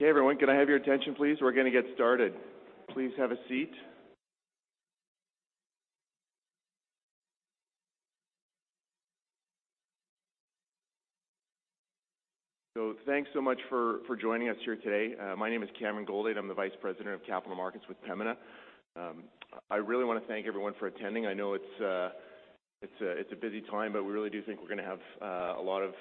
Hey, everyone. Can I have your attention, please? We're going to get started. Please have a seat. Thanks so much for joining us here today. My name is Cameron Goldade. I'm the Vice President of Capital Markets with Pembina. I really want to thank everyone for attending. I know it's a busy time, but we really do think we're going to have a lot of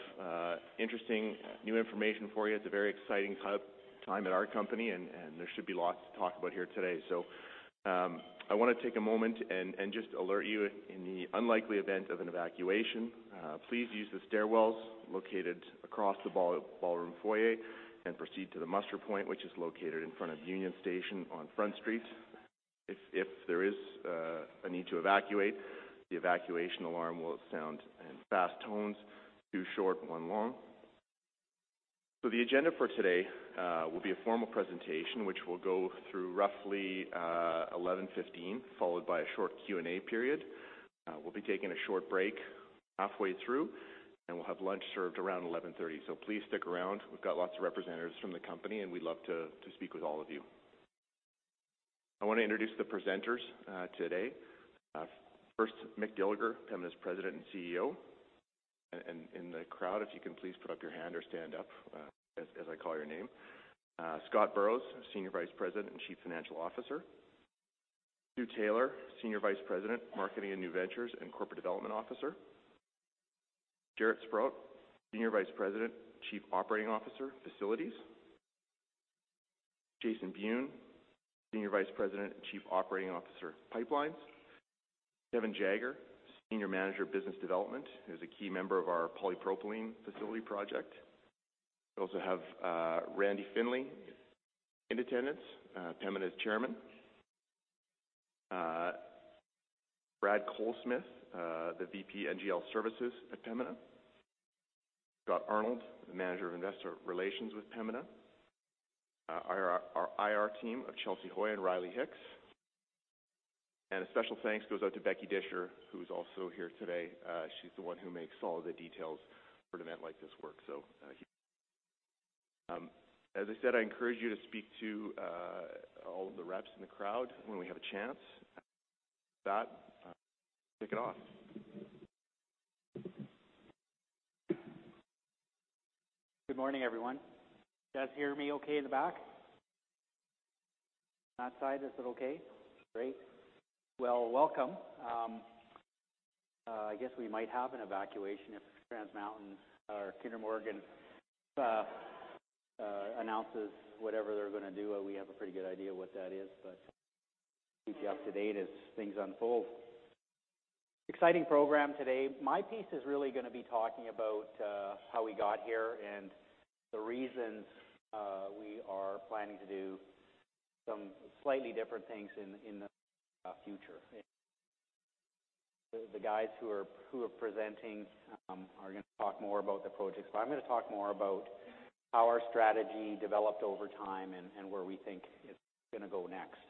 interesting new information for you. It's a very exciting time at our company, and there should be lots to talk about here today. I want to take a moment and just alert you. In the unlikely event of an evacuation, please use the stairwells located across the ballroom foyer and proceed to the muster point, which is located in front of Union Station on Front Street. If there is a need to evacuate, the evacuation alarm will sound in fast tones, two short, one long. The agenda for today will be a formal presentation, which will go through roughly 11:15 A.M., followed by a short Q&A period. We'll be taking a short break halfway through, and we'll have lunch served around 11:30 A.M. Please stick around. We've got lots of representatives from the company, and we'd love to speak with all of you. I want to introduce the presenters today. First, Mick Dilger, Pembina's President and CEO. In the crowd, if you can please put up your hand or stand up as I call your name. Scott Burrows, Senior Vice President and Chief Financial Officer. Stu Taylor, Senior Vice President, Marketing and New Ventures and Corporate Development Officer. Jaret Sprott, Senior Vice President and Chief Operating Officer, Facilities. Jason Wiun, Senior Vice President and Chief Operating Officer, Pipelines. Kevin Jagger, Senior Manager of Business Development, who's a key member of our polypropylene facility project. We also have Randall Findlay in attendance, Pembina's Chairman. Brad Colsmith, the VP NGL Services at Pembina. Scott Arnold, the Manager of Investor Relations with Pembina. Our IR team of Chelsy Hoy and Riley Hicks. A special thanks goes out to Becky Disher, who's also here today. She's the one who makes all the details for an event like this work. As I said, I encourage you to speak to all of the reps in the crowd when we have a chance. With that, kick it off. Good morning, everyone. You guys hear me okay in the back? That side, is it okay? Great. Welcome. I guess we might have an evacuation if Trans Mountain or Kinder Morgan announces whatever they're gonna do, and we have a pretty good idea what that is, but we'll keep you up to date as things unfold. Exciting program today. My piece is really gonna be talking about how we got here and the reasons we are planning to do some slightly different things in the future. The guys who are presenting are gonna talk more about the projects, but I'm gonna talk more about how our strategy developed over time and where we think it's gonna go next.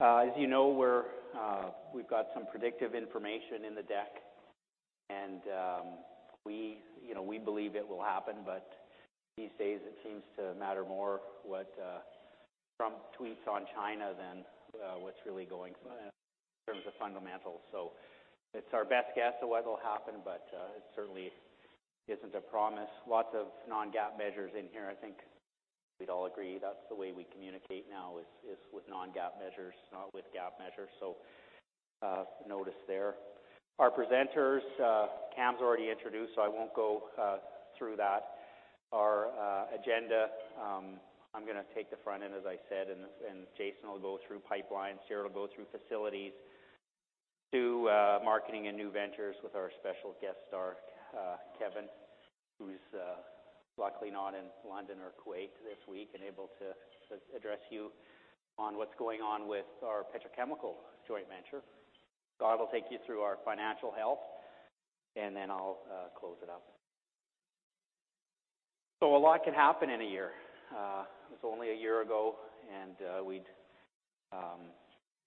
As you know, we've got some predictive information in the deck. We believe it will happen, but these days, it seems to matter more what Trump tweets on China than what's really going on in terms of fundamentals. It's our best guess of what'll happen, but it certainly isn't a promise. Lots of non-GAAP measures in here. I think we'd all agree that's the way we communicate now, is with non-GAAP measures, not with GAAP measures, notice there. Our presenters, Cam's already introduced, I won't go through that. Our agenda, I'm gonna take the front end, as I said. Jason will go through pipelines. Jaret will go through facilities. Stu, marketing and new ventures with our special guest star, Kevin, who's luckily not in London or Kuwait this week and able to address you on what's going on with our petrochemical joint venture. Scott will take you through our financial health. Then I'll close it up. A lot can happen in a year. It's only a year ago. We'd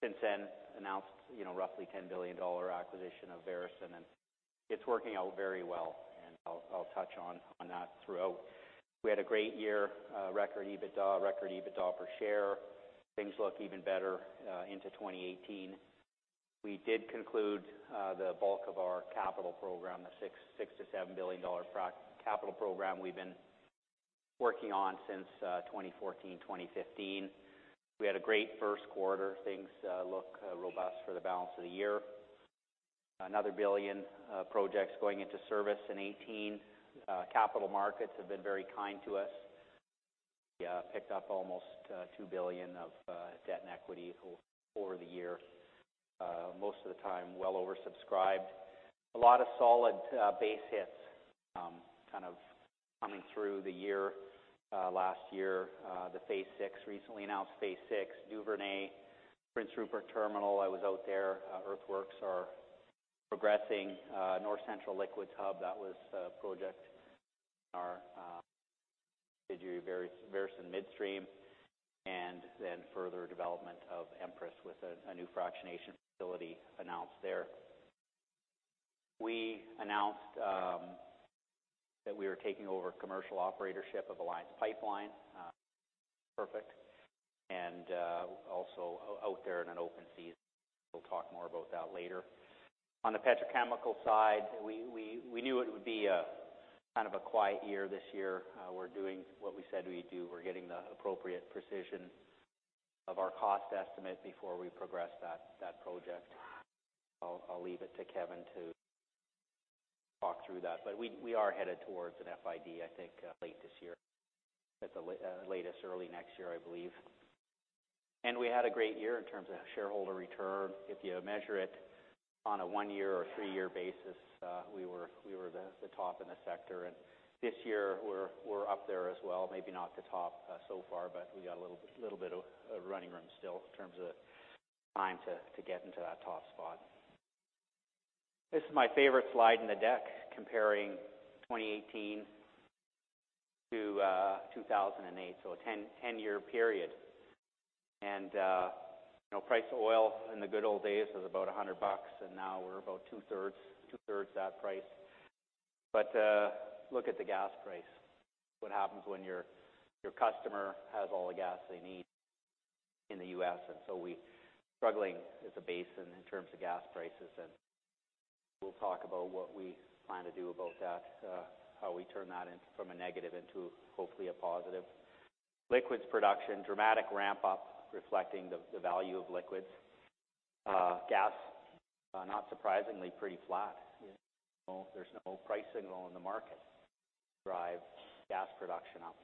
since then announced roughly 10 billion dollar acquisition of Veresen. It's working out very well. I'll touch on that throughout. We had a great year, record EBITDA, record EBITDA per share. Things look even better into 2018. We did conclude the bulk of our capital program, the 6 billion-7 billion dollar capital program we've been working on since 2014, 2015. We had a great first quarter. Things look robust for the balance of the year. Another 1 billion projects going into service in 2018. Capital markets have been very kind to us. We picked up almost 2 billion of debt and equity over the year, most of the time well over subscribed. A lot of solid base hits kind of coming through the year. Last year, the Phase VI, recently announced Phase VI, Duvernay, Prince Rupert Terminal. I was out there. Earthworks are progressing. North Central Liquids Hub, that was a project our Veresen Midstream. Then further development of Empress with a new fractionation facility announced there. We announced that we were taking over commercial operatorship of Alliance Pipeline, Perfect. Also out there in an open season. We'll talk more about that later. On the petrochemical side, we knew it would be a kind of a quiet year this year. We're doing what we said we'd do. We're getting the appropriate precision of our cost estimate before we progress that project. I'll leave it to Kevin to talk through that. We are headed towards an FID, I think late this year. At the latest, early next year, I believe. We had a great year in terms of shareholder return. If you measure it on a one-year or three-year basis, we were the top in the sector. This year we're up there as well, maybe not the top so far, but we got a little bit of running room still in terms of time to get into that top spot. This is my favorite slide in the deck, comparing 2018 to 2008, a 10-year period. Price of oil in the good old days was about 100 bucks. Now we're about two-thirds that price. Look at the gas price. What happens when your customer has all the gas they need in the U.S. We're struggling as a basin in terms of gas prices. We'll talk about what we plan to do about that, how we turn that from a negative into hopefully a positive. Liquids production, dramatic ramp up reflecting the value of liquids. Gas, not surprisingly, pretty flat. There's no price signal in the market to drive gas production up.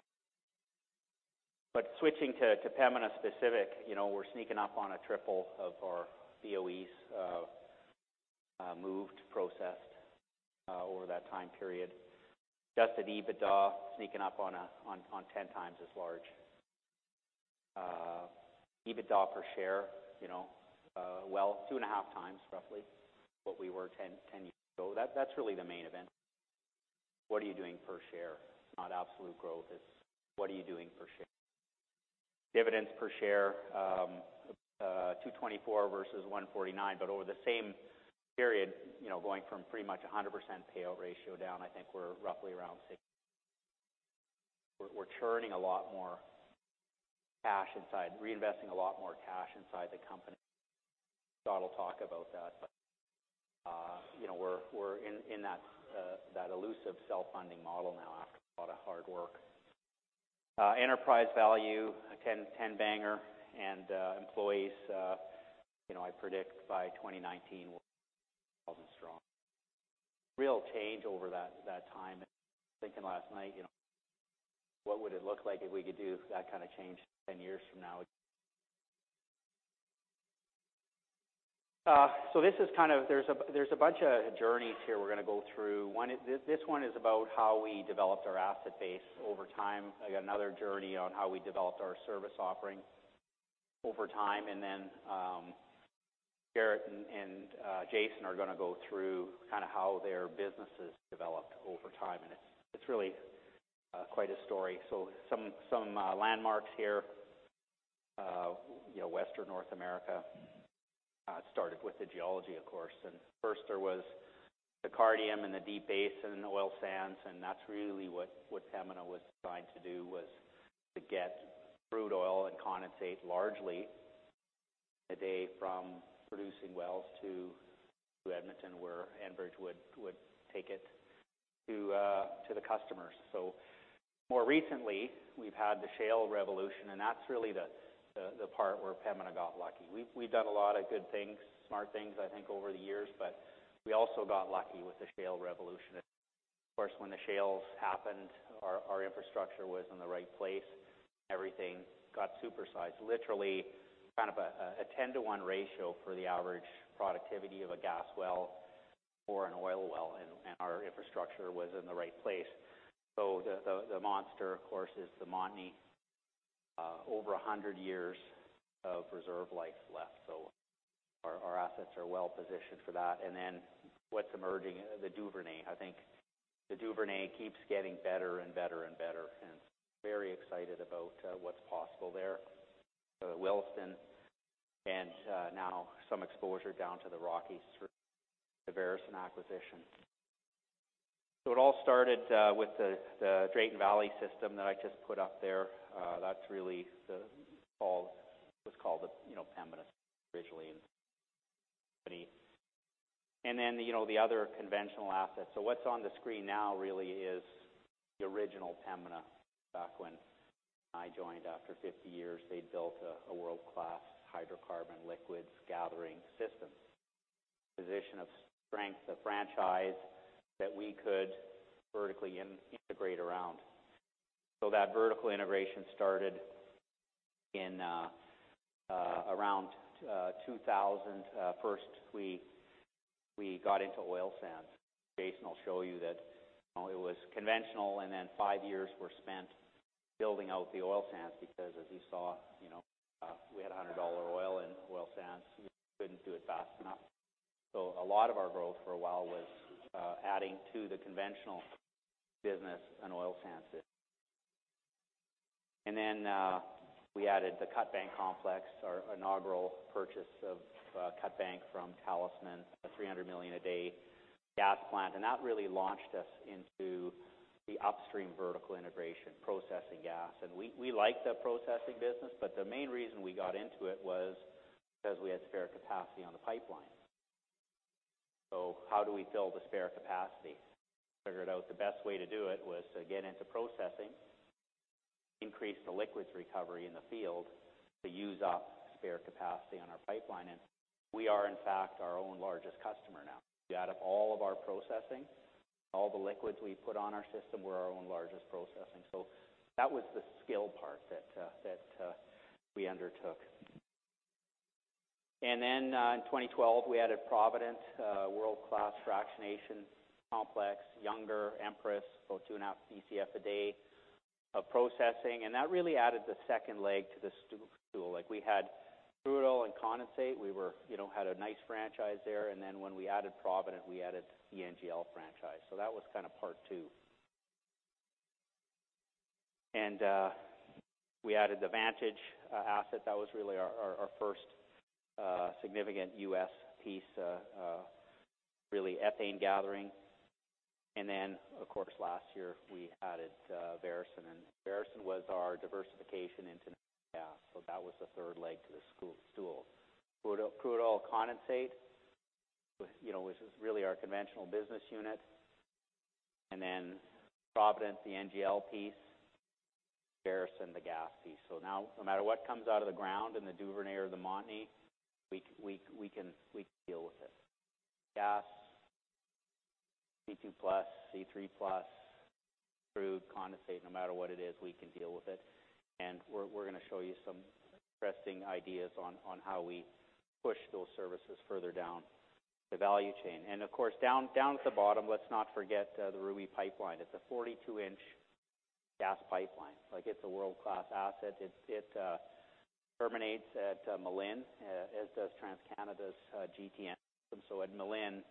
Switching to Pembina specific, we're sneaking up on a triple of our BOEs, moved, processed, over that time period. Adjusted EBITDA sneaking up on 10 times as large. EBITDA per share, well, 2.5 times roughly what we were 10 years ago. That's really the main event. What are you doing per share? It's not absolute growth, it's what are you doing per share. Dividends per share, 2.24 versus 1.49. Over the same period, going from pretty much 100% payout ratio down, I think we're roughly around 60%. We're churning a lot more cash inside, reinvesting a lot more cash inside the company. Scott will talk about that. We're in that elusive self-funding model now after a lot of hard work. Enterprise value, a 10-banger. Employees, I predict by 2019, we're 2,000 strong. Real change over that time. I was thinking last night, what would it look like if we could do that kind of change 10 years from now? There's a bunch of journeys here we're going to go through. This one is about how we developed our asset base over time. I got another journey on how we developed our service offering over time. Then, Jaret and Jason are going to go through how their businesses developed over time. It's really quite a story. Some landmarks here. Western North America, started with the geology, of course. First there was the Cardium and the Deep Basin oil sands. That's really what Pembina was designed to do was to get crude oil and condensate largely that day from producing wells to Edmonton, where Enbridge would take it to the customers. More recently, we've had the shale revolution. That's really the part where Pembina got lucky. We've done a lot of good things, smart things, I think, over the years, but we also got lucky with the shale revolution. Of course, when the shales happened, our infrastructure was in the right place. Everything got supersized, literally kind of a 10-to-1 ratio for the average productivity of a gas well or an oil well. Our infrastructure was in the right place. The monster, of course, is the Montney. Over 100 years of reserve life left. Our assets are well-positioned for that. Then what's emerging, the Duvernay. I think the Duvernay keeps getting better and better. Very excited about what's possible there. The Williston and now some exposure down to the Rockies through the Veresen acquisition. It all started with the Drayton Valley system that I just put up there. That's really what's called the Pembina originally. The other conventional assets. What's on the screen now really is the original Pembina back when I joined. After 50 years, they'd built a world-class hydrocarbon liquids gathering system. Position of strength, the franchise that we could vertically integrate around. That vertical integration started in around 2000. First, we got into oil sands. Jason will show you that it was conventional. Then five years were spent building out the oil sands because, as you saw, we had 100 dollar oil and oil sands. We couldn't do it fast enough. A lot of our growth for a while was adding to the conventional business and oil sands business. We added the Cutbank Complex, our inaugural purchase of Cutbank from Talisman, a 300 million a day gas plant, and that really launched us into the upstream vertical integration processing gas. We like the processing business, but the main reason we got into it was because we had spare capacity on the pipeline. How do we fill the spare capacity? Figured out the best way to do it was to get into processing, increase the liquids recovery in the field to use up spare capacity on our pipeline, and we are, in fact, our own largest customer now. If you add up all of our processing, all the liquids we put on our system, we're our own largest processing. That was the skill part that we undertook. In 2012, we added Provident, a world-class fractionation complex, Younger, empress, about 2.5 Bcf a day of processing, and that really added the second leg to the stool. We had crude oil and condensate. We had a nice franchise there. When we added Provident, we added the NGL franchise. That was part two. We added the Vantage asset. That was really our first significant U.S. piece, really ethane gathering. Of course, last year we added Veresen, and Veresen was our diversification into natural gas. That was the third leg to the stool. Crude oil, condensate, which is really our conventional business unit. Then Provident, the NGL piece. Veresen, the gas piece. Now, no matter what comes out of the ground in the Duvernay or the Montney, we can deal with it. Gas, C2 plus, C3 plus, crude, condensate, no matter what it is, we can deal with it, and we're going to show you some interesting ideas on how we push those services further down the value chain. Of course, down at the bottom, let's not forget the Ruby Pipeline. It's a 42-inch gas pipeline. It's a world-class asset. It terminates at Malin, as does TransCanada's GTN. At Malin,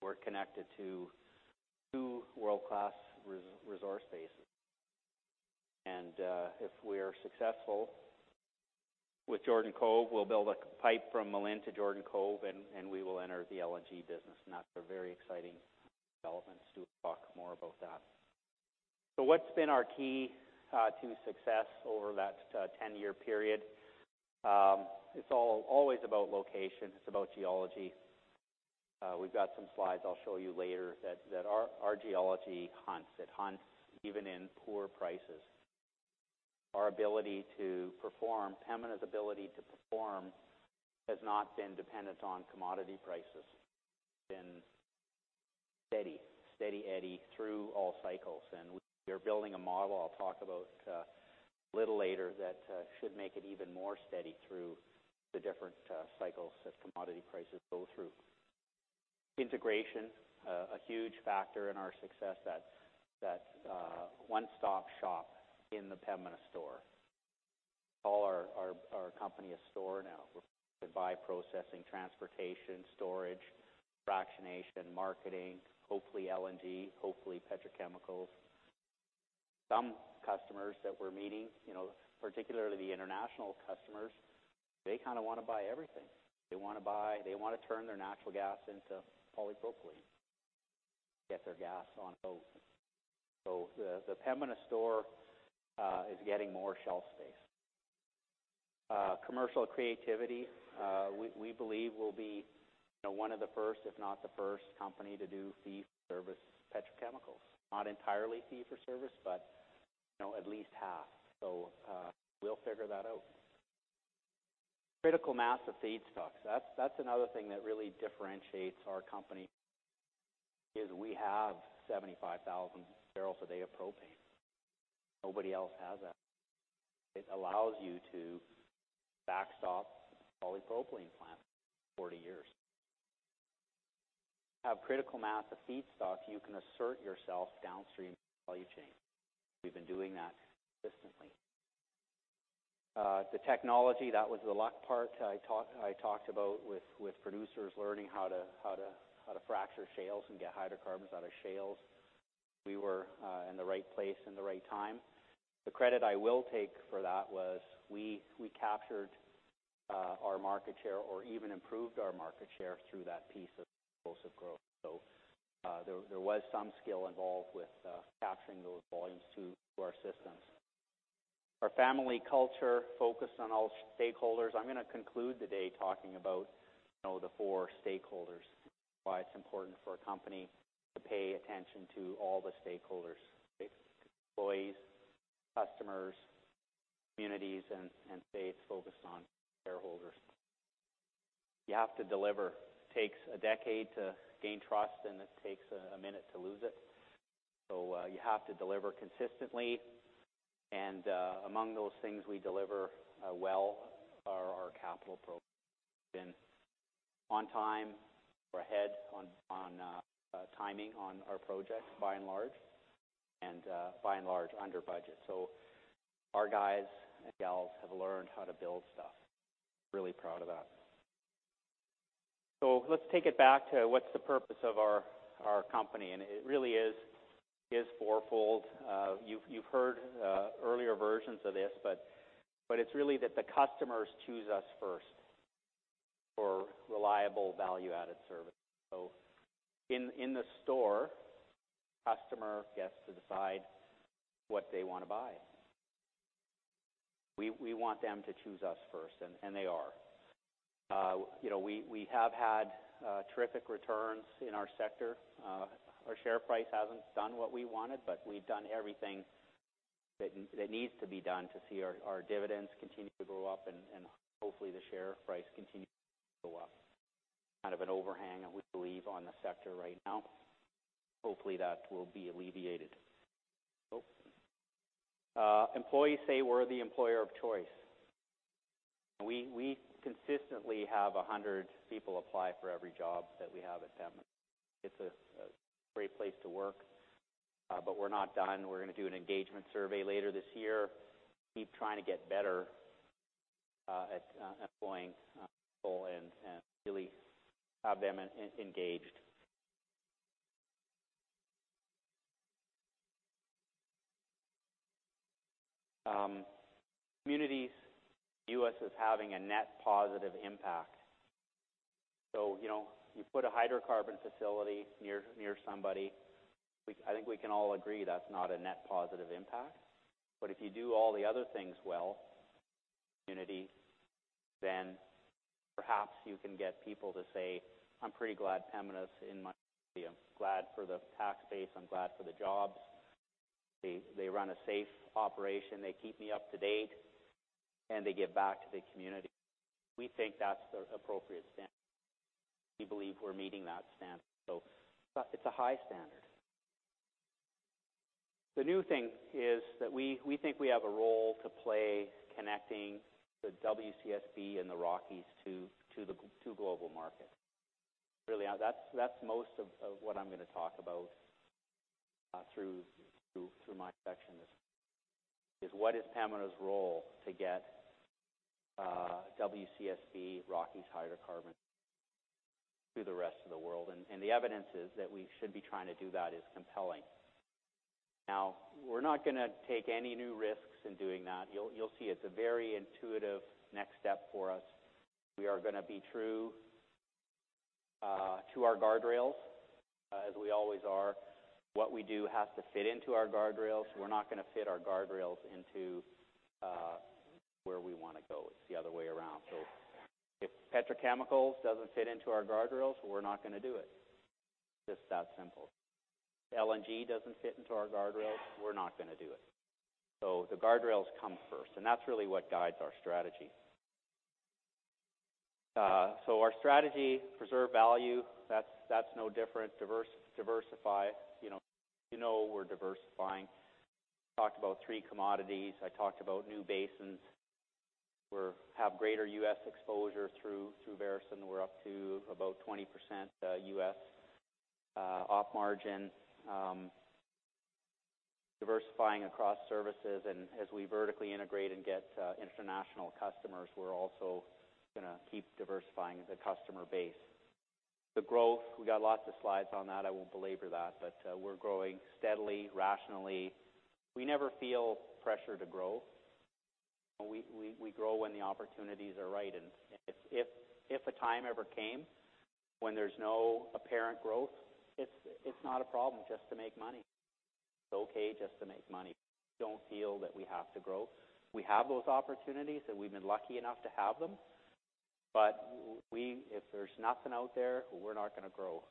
we're connected to two world-class resource bases. If we're successful with Jordan Cove, we'll build a pipe from Malin to Jordan Cove, and we will enter the LNG business, and that's a very exciting development. Stu will talk more about that. What's been our key to success over that 10-year period? It's always about location. It's about geology. We've got some slides I'll show you later that our geology hunts. It hunts even in poor prices. Our ability to perform, Pembina's ability to perform, has not been dependent on commodity prices. It's been steady, Steady Eddy, through all cycles. We're building a model I'll talk about a little later that should make it even more steady through the different cycles that commodity prices go through. Integration, a huge factor in our success, that one-stop shop in the Pembina store. We call our company a store now. We're buying, processing, transportation, storage, fractionation, marketing, hopefully LNG, hopefully petrochemicals. Some customers that we're meeting, particularly the international customers, they kind of want to buy everything. They want to turn their natural gas into polypropylene, get their gas on both. The Pembina store is getting more shelf space. Commercial creativity, we believe we'll be one of the first, if not the first, company to do fee-for-service petrochemicals. Not entirely fee for service, but at least half. We'll figure that out. Critical mass of feedstock. That's another thing that really differentiates our company is we have 75,000 barrels a day of propane. Nobody else has that. It allows you to backstop a polypropylene plant for 40 years. If you have critical mass of feedstock, you can assert yourself downstream in the value chain. We've been doing that consistently. The technology, that was the luck part I talked about with producers learning how to fracture shales and get hydrocarbons out of shales. We were in the right place and the right time. The credit I will take for that was we captured our market share or even improved our market share through that piece of explosive growth. There was some skill involved with capturing those volumes to our systems. Our family culture focused on all stakeholders. I'm going to conclude today talking about the four stakeholders, why it's important for a company to pay attention to all the stakeholders. Employees, customers, communities, and stay focused on shareholders. You have to deliver. It takes a decade to gain trust, and it takes a minute to lose it. You have to deliver consistently. Among those things we deliver well are our capital programs. We've been on time or ahead on timing on our projects by and large, and by and large, under budget. Our guys and gals have learned how to build stuff. Really proud of that. Let's take it back to what's the purpose of our company, and it really is fourfold. You've heard earlier versions of this, but it's really that the customers choose us first for reliable value-added service. In the store, customer gets to decide what they want to buy. We want them to choose us first, and they are. We have had terrific returns in our sector. Our share price hasn't done what we wanted, but we've done everything that needs to be done to see our dividends continue to go up and hopefully the share price continues to go up. Kind of an overhang, we believe, on the sector right now. Hopefully, that will be alleviated. Employees say we're the employer of choice. We consistently have 100 people apply for every job that we have at Pembina. It's a great place to work. We're not done. We're going to do an engagement survey later this year, keep trying to get better at employing people and really have them engaged. Communities view us as having a net positive impact. You put a hydrocarbon facility near somebody, I think we can all agree that's not a net positive impact. If you do all the other things well, community, then perhaps you can get people to say, "I'm pretty glad Pembina's in my community. I'm glad for the tax base. I'm glad for the jobs. They run a safe operation. They keep me up to date, and they give back to the community." We think that's the appropriate standard. We believe we're meeting that standard. It's a high standard. The new thing is that we think we have a role to play connecting the WCSB and the Rockies to global market. That's most of what I'm going to talk about through my section, is what is Pembina's role to get WCSB Rockies hydrocarbon to the rest of the world, and the evidence is that we should be trying to do that is compelling. We're not going to take any new risks in doing that. You'll see it's a very intuitive next step for us. We are going to be true to our guardrails as we always are. What we do has to fit into our guardrails. We're not going to fit our guardrails into where we want to go. It's the other way around. If petrochemicals doesn't fit into our guardrails, we're not going to do it. It's just that simple. LNG doesn't fit into our guardrails, we're not going to do it. The guardrails come first, and that's really what guides our strategy. Our strategy, preserve value, that's no different. Diversify. You know we're diversifying. Talked about three commodities. I talked about new basins. We have greater U.S. exposure through Veresen. We're up to about 20% U.S. off margin. Diversifying across services, and as we vertically integrate and get international customers, we're also going to keep diversifying the customer base. The growth, we got lots of slides on that. I won't belabor that, but we're growing steadily, rationally. We never feel pressure to grow. We grow when the opportunities are right, and if a time ever came when there's no apparent growth, it's not a problem just to make money. It's okay just to make money. We don't feel that we have to grow. We have those opportunities, and we've been lucky enough to have them. If there's nothing out there, we're not going to grow.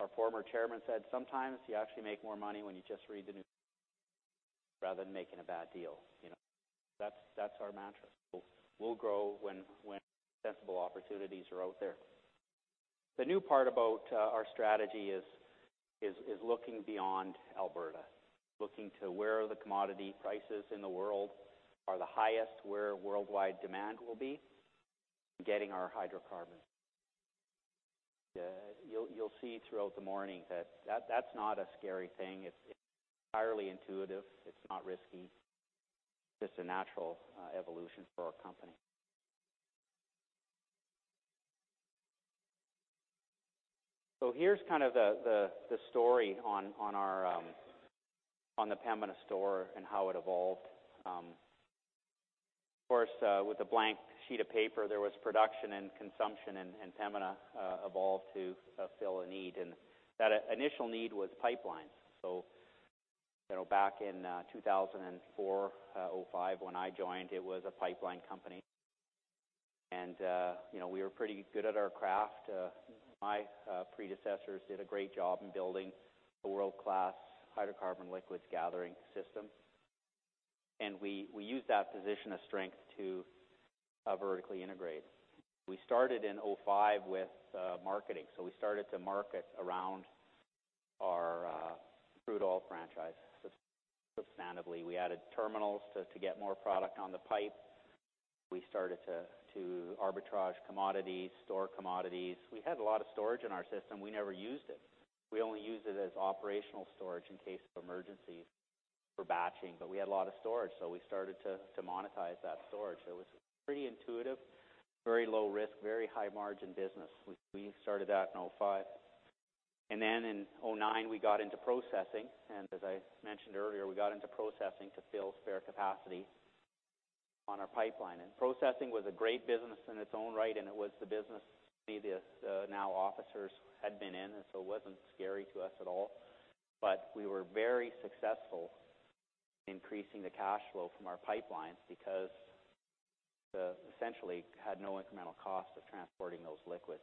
Our former chairman said, "Sometimes you actually make more money when you just read the news rather than making a bad deal." That's our mantra. We'll grow when sensible opportunities are out there. The new part about our strategy is looking beyond Alberta, looking to where the commodity prices in the world are the highest, where worldwide demand will be, getting our hydrocarbon. You'll see throughout the morning that that's not a scary thing. It's entirely intuitive. It's not risky, just a natural evolution for our company. Here's kind of the story on the Pembina store and how it evolved. With a blank sheet of paper, there was production and consumption, and Pembina evolved to fill a need, and that initial need was pipelines. Back in 2004, 2005, when I joined, it was a pipeline company. We were pretty good at our craft. My predecessors did a great job in building a world-class hydrocarbon liquids gathering system. We used that position of strength to vertically integrate. We started in 2005 with marketing, so we started to market around our crude oil franchise substantively. We added terminals to get more product on the pipe. We started to arbitrage commodities, store commodities. We had a lot of storage in our system. We never used it. We only used it as operational storage in case of emergencies for batching. We had a lot of storage, so we started to monetize that storage. It was pretty intuitive, very low risk, very high margin business. We started that in 2005. In 2009, we got into processing, and as I mentioned earlier, we got into processing to fill spare capacity on our pipeline. Processing was a great business in its own right, and it was the business many of the now officers had been in, and so it wasn't scary to us at all. We were very successful increasing the cash flow from our pipelines because we essentially had no incremental cost of transporting those liquids.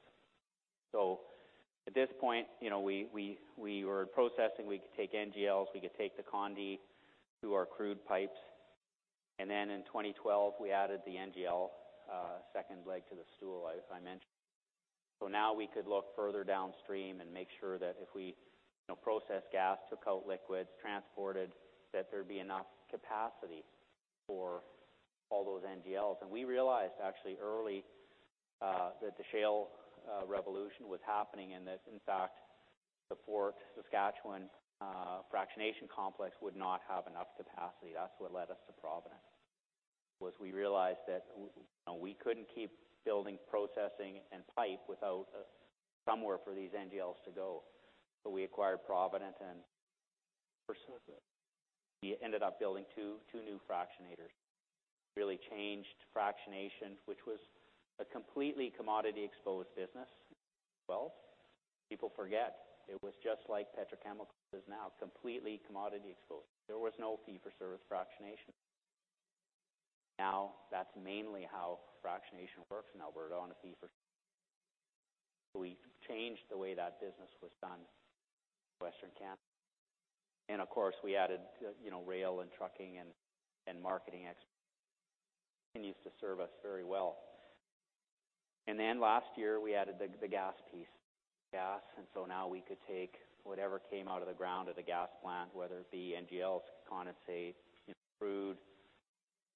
At this point, we were processing, we could take NGLs, we could take the condensate through our crude pipes. In 2012, we added the NGL, second leg to the stool, as I mentioned. Now we could look further downstream and make sure that if we processed gas, took out liquids, transported, that there'd be enough capacity for all those NGLs. We realized actually early, that the shale revolution was happening and that, in fact, the Fort Saskatchewan fractionation complex would not have enough capacity. That's what led us to Provident, was we realized that we couldn't keep building, processing, and pipe without somewhere for these NGLs to go. We acquired Provident and pursued it. We ended up building two new fractionators. Really changed fractionation, which was a completely commodity-exposed business. Well, people forget it was just like petrochemicals is now, completely commodity exposed. There was no fee-for-service fractionation. Now, that's mainly how fractionation works in Alberta. We changed the way that business was done in Western Canada. Of course, we added rail and trucking and marketing expertise that continues to serve us very well. Last year, we added the gas piece. Now we could take whatever came out of the ground at a gas plant, whether it be NGLs, condensate, crude,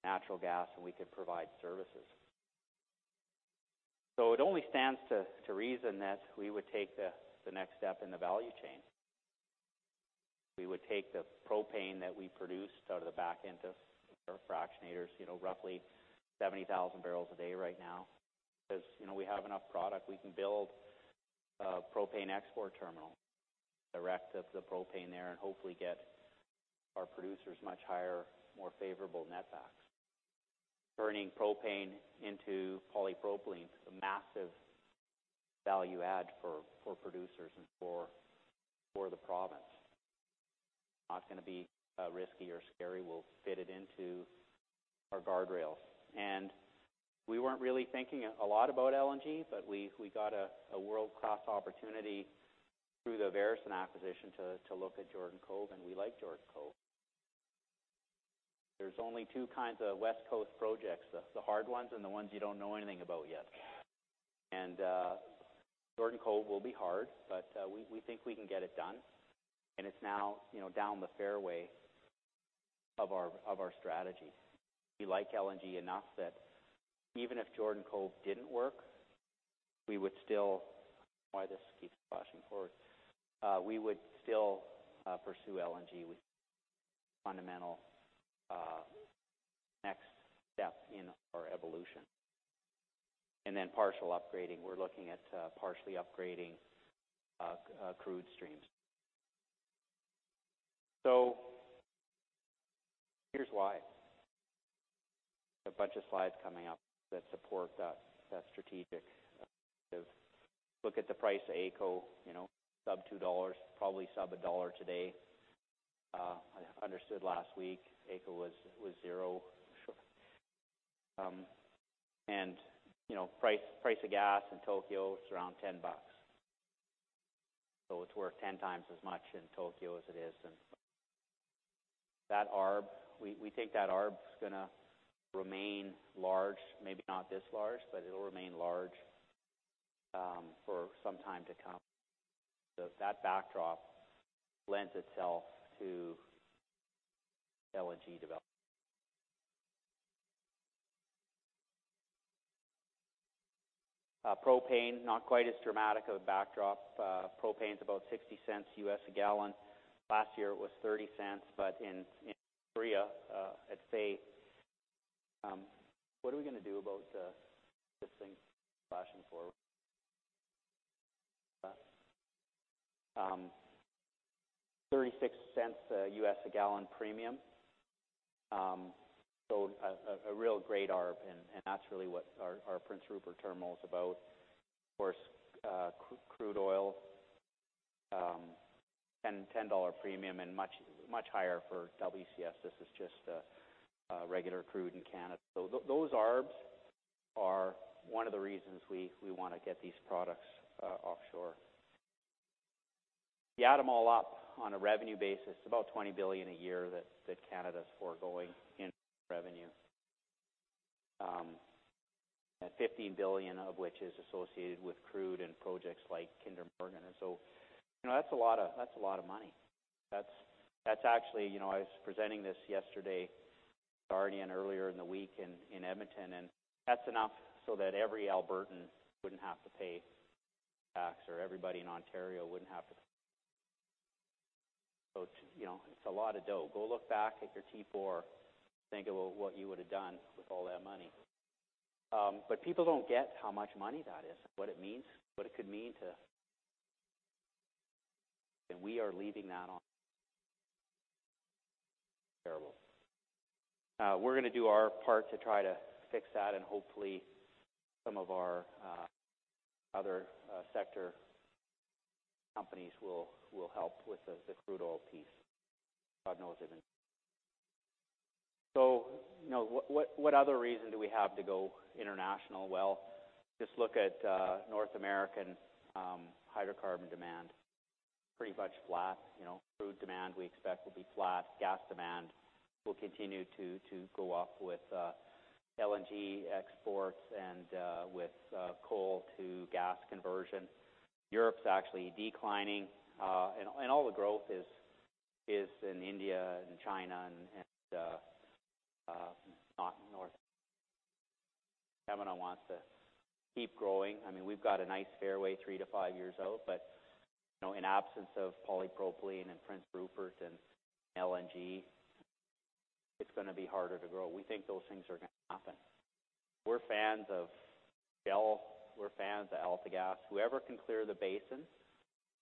natural gas, and we could provide services. It only stands to reason that we would take the next step in the value chain. We would take the propane that we produced out of the back end of our fractionators, roughly 70,000 barrels a day right now, because we have enough product. We can build a propane export terminal, direct the propane there, and hopefully get our producers much higher, more favorable netbacks. Turning propane into polypropylene is a massive value add for producers and for the province. Not going to be risky or scary. We'll fit it into our guardrails. We weren't really thinking a lot about LNG, but we got a world-class opportunity through the Veresen acquisition to look at Jordan Cove, and we like Jordan Cove. There's only two kinds of West Coast projects, the hard ones and the ones you don't know anything about yet. Jordan Cove will be hard, but we think we can get it done, and it's now down the fairway of our strategy. We like LNG enough that even if Jordan Cove didn't work, we would still I don't know why this keeps flashing forward. We would still pursue LNG. We think it's a fundamental next step in our evolution. Partial upgrading. We're looking at partially upgrading crude streams. Here's why. A bunch of slides coming up that support that strategic imperative. Look at the price of AECO, sub 2 dollars, probably sub CAD 1 today. I understood last week AECO was zero, for sure. Price of gas in Tokyo, it's around 10 bucks. It's worth 10 times as much in Tokyo as it is in That arb, we think that arb's going to remain large, maybe not this large, but it'll remain large for some time to come. That backdrop lends itself to LNG development. Propane, not quite as dramatic of a backdrop. Propane's about $0.60 a gallon. Last year, it was $0.30, in Korea, at [inaudible] What are we going to do about this thing flashing forward? $0.36 a gallon premium. A real great arb, and that's really what our Prince Rupert terminal is about. Of course, crude oil, 10 dollar premium and much higher for WCS. This is just a regular crude in Canada. Those arbs are one of the reasons we want to get these products offshore. If you add them all up on a revenue basis, about 20 billion a year that Canada's foregoing in revenue. 15 billion of which is associated with crude and projects like Kinder Morgan. That's a lot of money. I was presenting this yesterday, starting earlier in the week in Edmonton, that's enough that every Albertan wouldn't have to pay tax or everybody in Ontario wouldn't have to. It's a lot of dough. Go look back at your T4, think about what you would've done with all that money. People don't get how much money that is. We are leaving that on Terrible. We're going to do our part to try to fix that, and hopefully some of our other sector companies will help with the crude oil piece. God knows it. What other reason do we have to go international? Just look at North American hydrocarbon demand, pretty much flat. Crude demand we expect will be flat. Gas demand will continue to go up with LNG exports and with coal to gas conversion. Europe's actually declining. All the growth is in India and China and not North. Pembina wants to keep growing. We've got a nice fairway three to five years out, but in absence of polypropylene and Prince Rupert and LNG, it's going to be harder to grow. We think those things are going to happen. We're fans of Shell, we're fans of AltaGas. Whoever can clear the basin,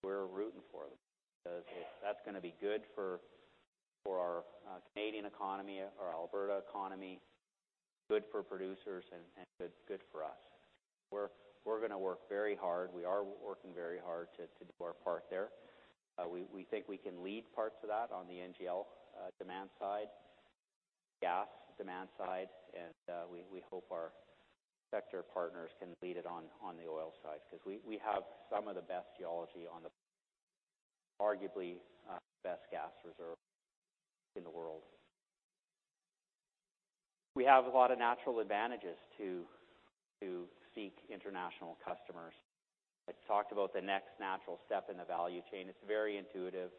we're rooting for them, because that's going to be good for our Canadian economy, our Alberta economy, good for producers and good for us. We're going to work very hard. We are working very hard to do our part there. We think we can lead parts of that on the NGL demand side, gas demand side, and we hope our sector partners can lead it on the oil side, because we have some of the best geology on the arguably the best gas reserve in the world. We have a lot of natural advantages to seek international customers. I talked about the next natural step in the value chain. It's very intuitive.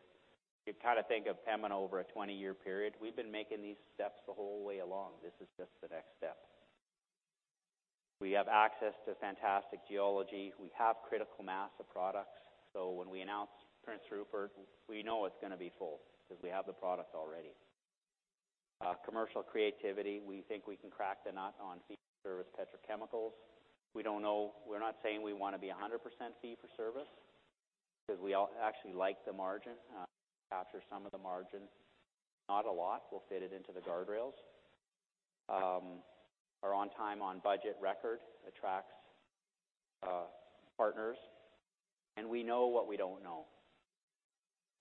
You think of Pembina over a 20-year period. We've been making these steps the whole way along. This is just the next step. We have access to fantastic geology. We have critical mass of products. When we announce Prince Rupert, we know it's going to be full because we have the product already. Commercial creativity, we think we can crack the nut on fee-for-service petrochemicals. We're not saying we want to be 100% fee-for-service, because we actually like the margin, capture some of the margin. Not a lot. We'll fit it into the guardrails. Our on time, on budget record attracts partners. We know what we don't know.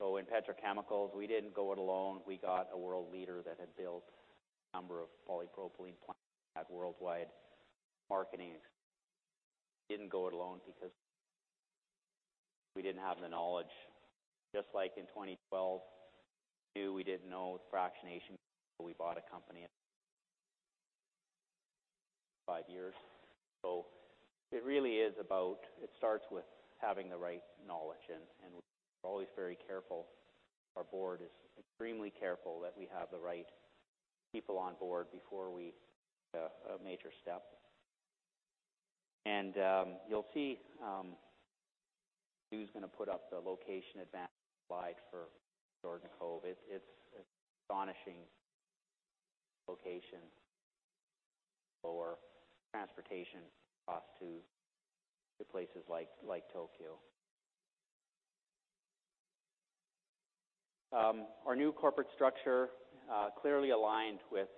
In petrochemicals, we didn't go it alone. We got a world leader that had built a number of polypropylene plants at worldwide marketing. We didn't go it alone because we didn't have the knowledge. Just like in 2012, we knew we didn't know fractionation, so we bought a company five years. It really starts with having the right knowledge, and we're always very careful. Our board is extremely careful that we have the right people on board before we take a major step. You'll see Stu's going to put up the location advantage slide for Jordan Cove. It's astonishing location for transportation cost to places like Tokyo. Our new corporate structure clearly aligned with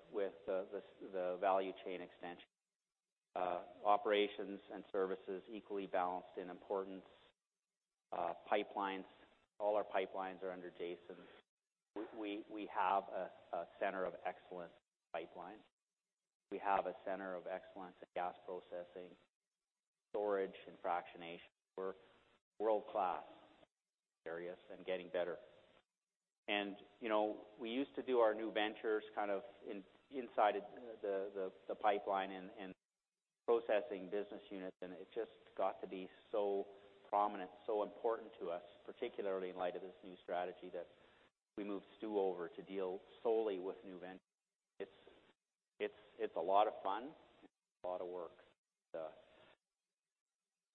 the value chain extension. Operations and services equally balanced in importance. Pipelines, all our pipelines are under Jason's We have a center of excellence pipeline. We have a center of excellence at gas processing, storage, and fractionation. We're world-class in those areas and getting better. We used to do our new ventures inside the pipeline and processing business units, it just got to be so prominent, so important to us, particularly in light of this new strategy, that we moved Stu over to deal solely with new ventures. It's a lot of fun, a lot of work.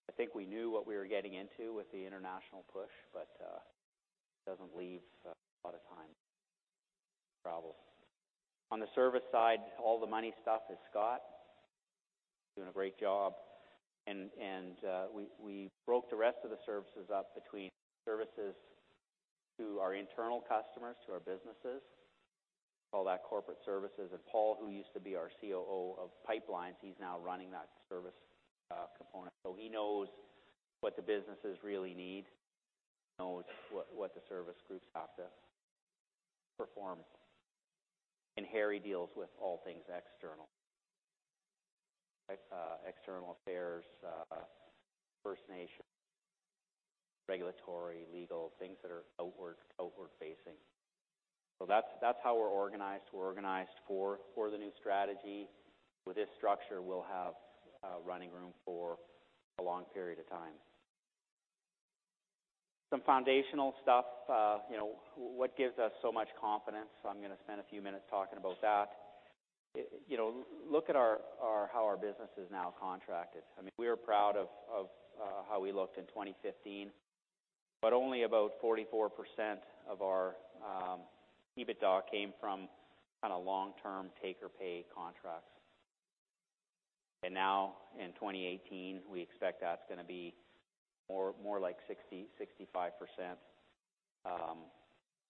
I think we knew what we were getting into with the international push, it doesn't leave a lot of time for travel. On the service side, all the money stuff is Scott. Doing a great job. We broke the rest of the services up between services to our internal customers, to our businesses. We call that corporate services. Paul, who used to be our COO of pipelines, he's now running that service component. He knows what the businesses really need, he knows what the service groups have to perform. Harry deals with all things external. External affairs, First Nation Regulatory, legal, things that are outward-facing. That's how we're organized. We're organized for the new strategy. With this structure, we'll have running room for a long period of time. Some foundational stuff, what gives us so much confidence, I'm going to spend a few minutes talking about that. Look at how our business is now contracted. We are proud of how we looked in 2015, only about 44% of our EBITDA came from long-term take-or-pay contracts. Now, in 2018, we expect that's going to be more like 60%-65%.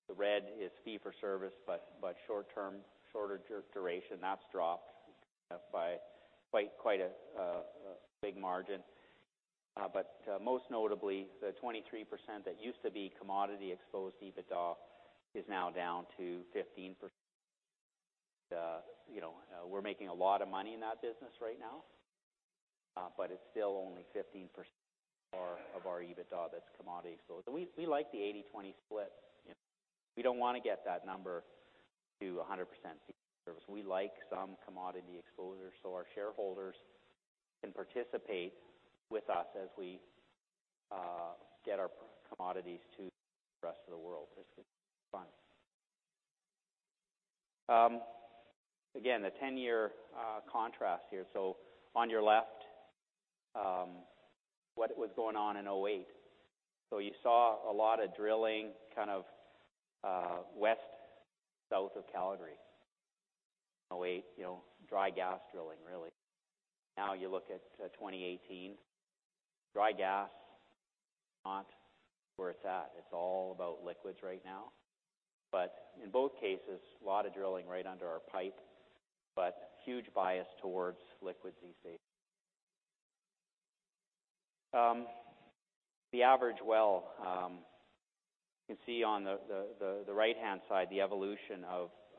The red is fee-for-service, but shorter duration. That's dropped by quite a big margin. Most notably, the 23% that used to be commodity-exposed EBITDA is now down to 15%. We're making a lot of money in that business right now, but it's still only 15% of our EBITDA that's commodity exposure. We like the 80/20 split. We don't want to get that number to 100% fee-for-service. We like some commodity exposure so our shareholders can participate with us as we get our commodities to the rest of the world. This is fun. Again, the 10-year contrast here. On your left, what was going on in 2008. You saw a lot of drilling west, south of Calgary in 2008, dry gas drilling, really. Now you look at 2018, dry gas, not where it's at. It's all about liquids right now. In both cases, a lot of drilling right under our pipe, but huge bias towards liquids these days. The average well, you can see on the right-hand side, the evolution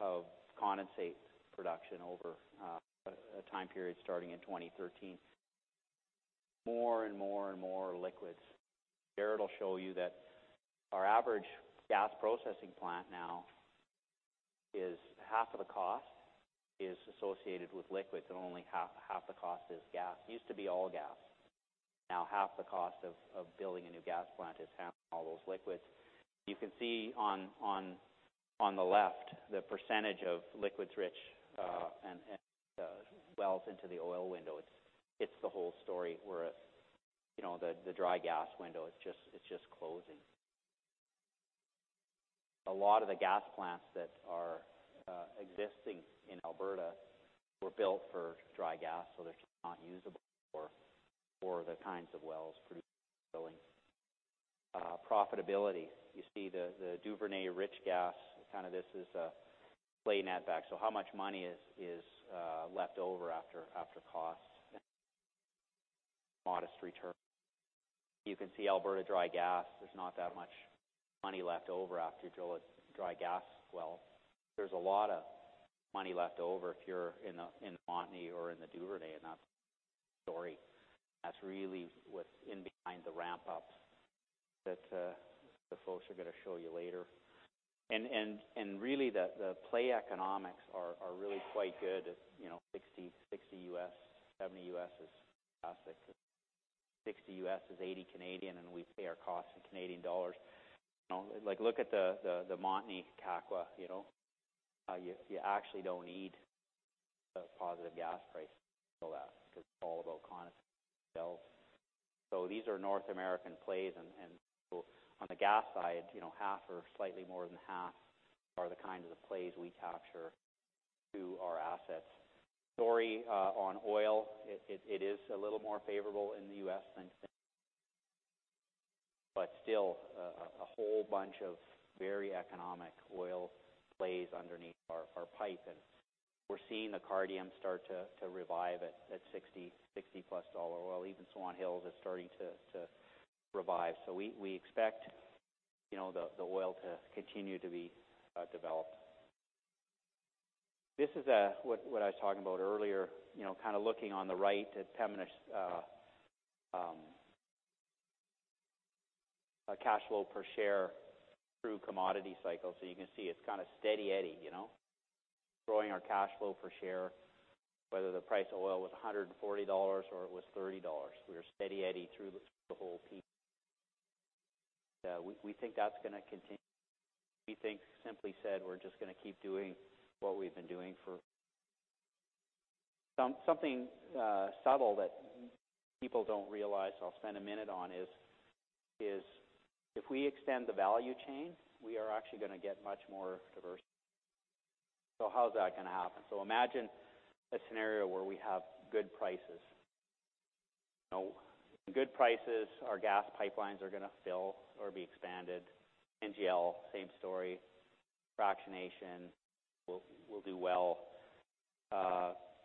of condensate production over a time period starting in 2013. More and more and more liquids. Jaret will show you that our average gas processing plant now is half of the cost is associated with liquids and only half the cost is gas. It used to be all gas. Now half the cost of building a new gas plant is handling all those liquids. You can see on the left the percentage of liquids rich and wells into the oil window. It's the whole story where the dry gas window is just closing. A lot of the gas plants that are existing in Alberta were built for dry gas, they're just not usable for the kinds of wells producing Profitability. You see the Duvernay rich gas, this is a play netback. How much money is left over after costs. Modest return. You can see Alberta dry gas, there's not that much money left over after you drill a dry gas well. There's a lot of money left over if you're in Montney or in the Duvernay, that's the story. That's really what's in behind the ramp-ups that the folks are going to show you later. Really, the play economics are really quite good at $60 U.S., $70 U.S. is classic. $60 U.S. is 80, and we pay our costs in Canadian dollars. Look at the Montney/Kakwa, how you actually don't need a positive gas price to drill that because it's all about condensate sales. These are North American plays, on the gas side, half or slightly more than half are the kinds of plays we capture to our assets. Story on oil, it is a little more favorable in the U.S. than Canada, still a whole bunch of very economic oil plays underneath our pipe. We're seeing the Cardium start to revive at $60-plus oil. Even Swan Hills is starting to revive. We expect the oil to continue to be developed. This is what I was talking about earlier, looking on the right at Pembina's cash flow per share through commodity cycles. You can see it's kind of steady eddy. Growing our cash flow per share, whether the price of oil was $140 or it was $30. We were steady eddy through the whole piece. We think that's going to continue. We think, simply said, we're just going to keep doing what we've been doing for. Something subtle that people don't realize, I'll spend a minute on, is if we extend the value chain, we are actually going to get much more diverse. How's that going to happen? Imagine a scenario where we have good prices. Good prices, our gas pipelines are going to fill or be expanded. NGL, same story. Fractionation will do well.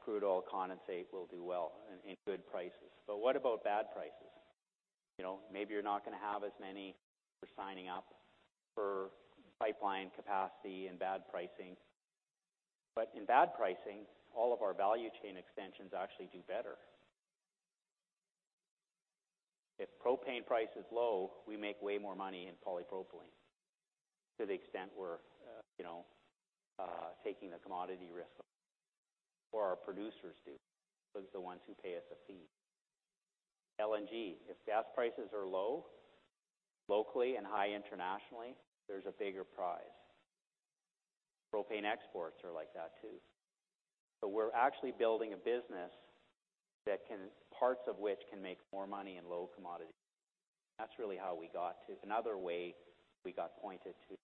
Crude oil, condensate will do well in good prices. What about bad prices? Maybe you're not going to have as many who are signing up for pipeline capacity and bad pricing. In bad pricing, all of our value chain extensions actually do better. If propane price is low, we make way more money in polypropylene to the extent we're taking the commodity risk or our producers do, because the ones who pay us a fee. LNG, if gas prices are low locally and high internationally, there's a bigger prize. Propane exports are like that, too. We're actually building a business, parts of which can make more money in low commodity. That's really how we got to Another way we got pointed to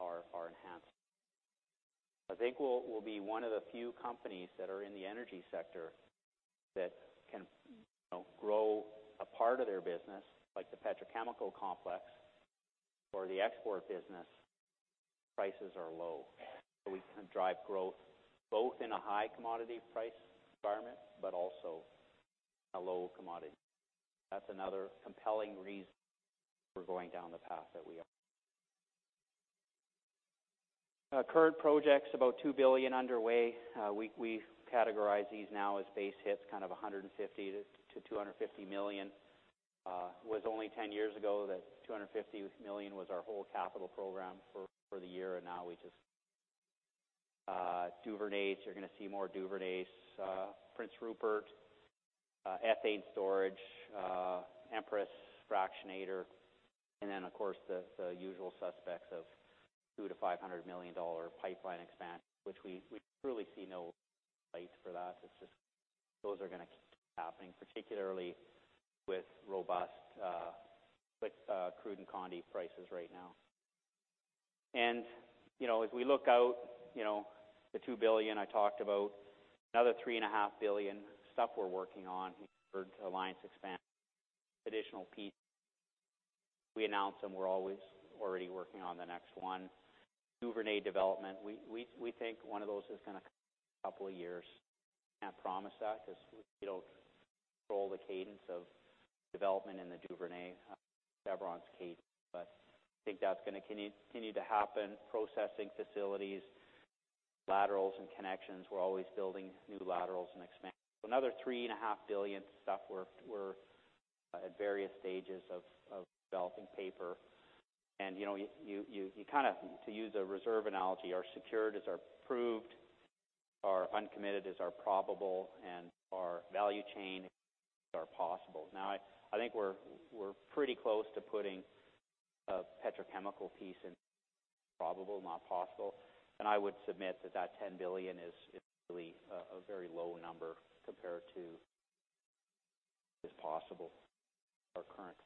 our enhancements. I think we'll be one of the few companies that are in the energy sector that can grow a part of their business, like the petrochemical complex or the export business, prices are low. We can drive growth both in a high commodity price environment, but also a low commodity. That's another compelling reason for going down the path that we are. Current projects, about 2 billion underway. We categorize these now as base hits, kind of 150 million-250 million. Was only 10 years ago that 250 million was our whole capital program for the year, and now we just Duvernay, you're going to see more Duvernay. Prince Rupert, ethane storage, Empress fractionator, and then, of course, the usual suspects of 200 million-500 million dollar pipeline expansion, which we truly see no light for that. It's just those are going to keep happening, particularly with robust crude and condie prices right now. As we look out, the 2 billion I talked about, another 3.5 billion stuff we're working on for Alliance Pipeline expansion, additional piece. We announce them, we're always already working on the next one. Duvernay development, we think one of those is going to couple of years. Can't promise that because we don't control the cadence of development in the Duvernay, Chevron Canada Limited's case. I think that's going to continue to happen. Processing facilities, laterals and connections. We're always building new laterals and expansions. Another 3.5 billion stuff we're at various stages of developing paper. To use a reserve analogy, our secured is our proved, our uncommitted is our probable, and our value chain are possible. I think we're pretty close to putting a petrochemical piece in probable, not possible. I would submit that that 10 billion is really a very low number compared to is possible our current.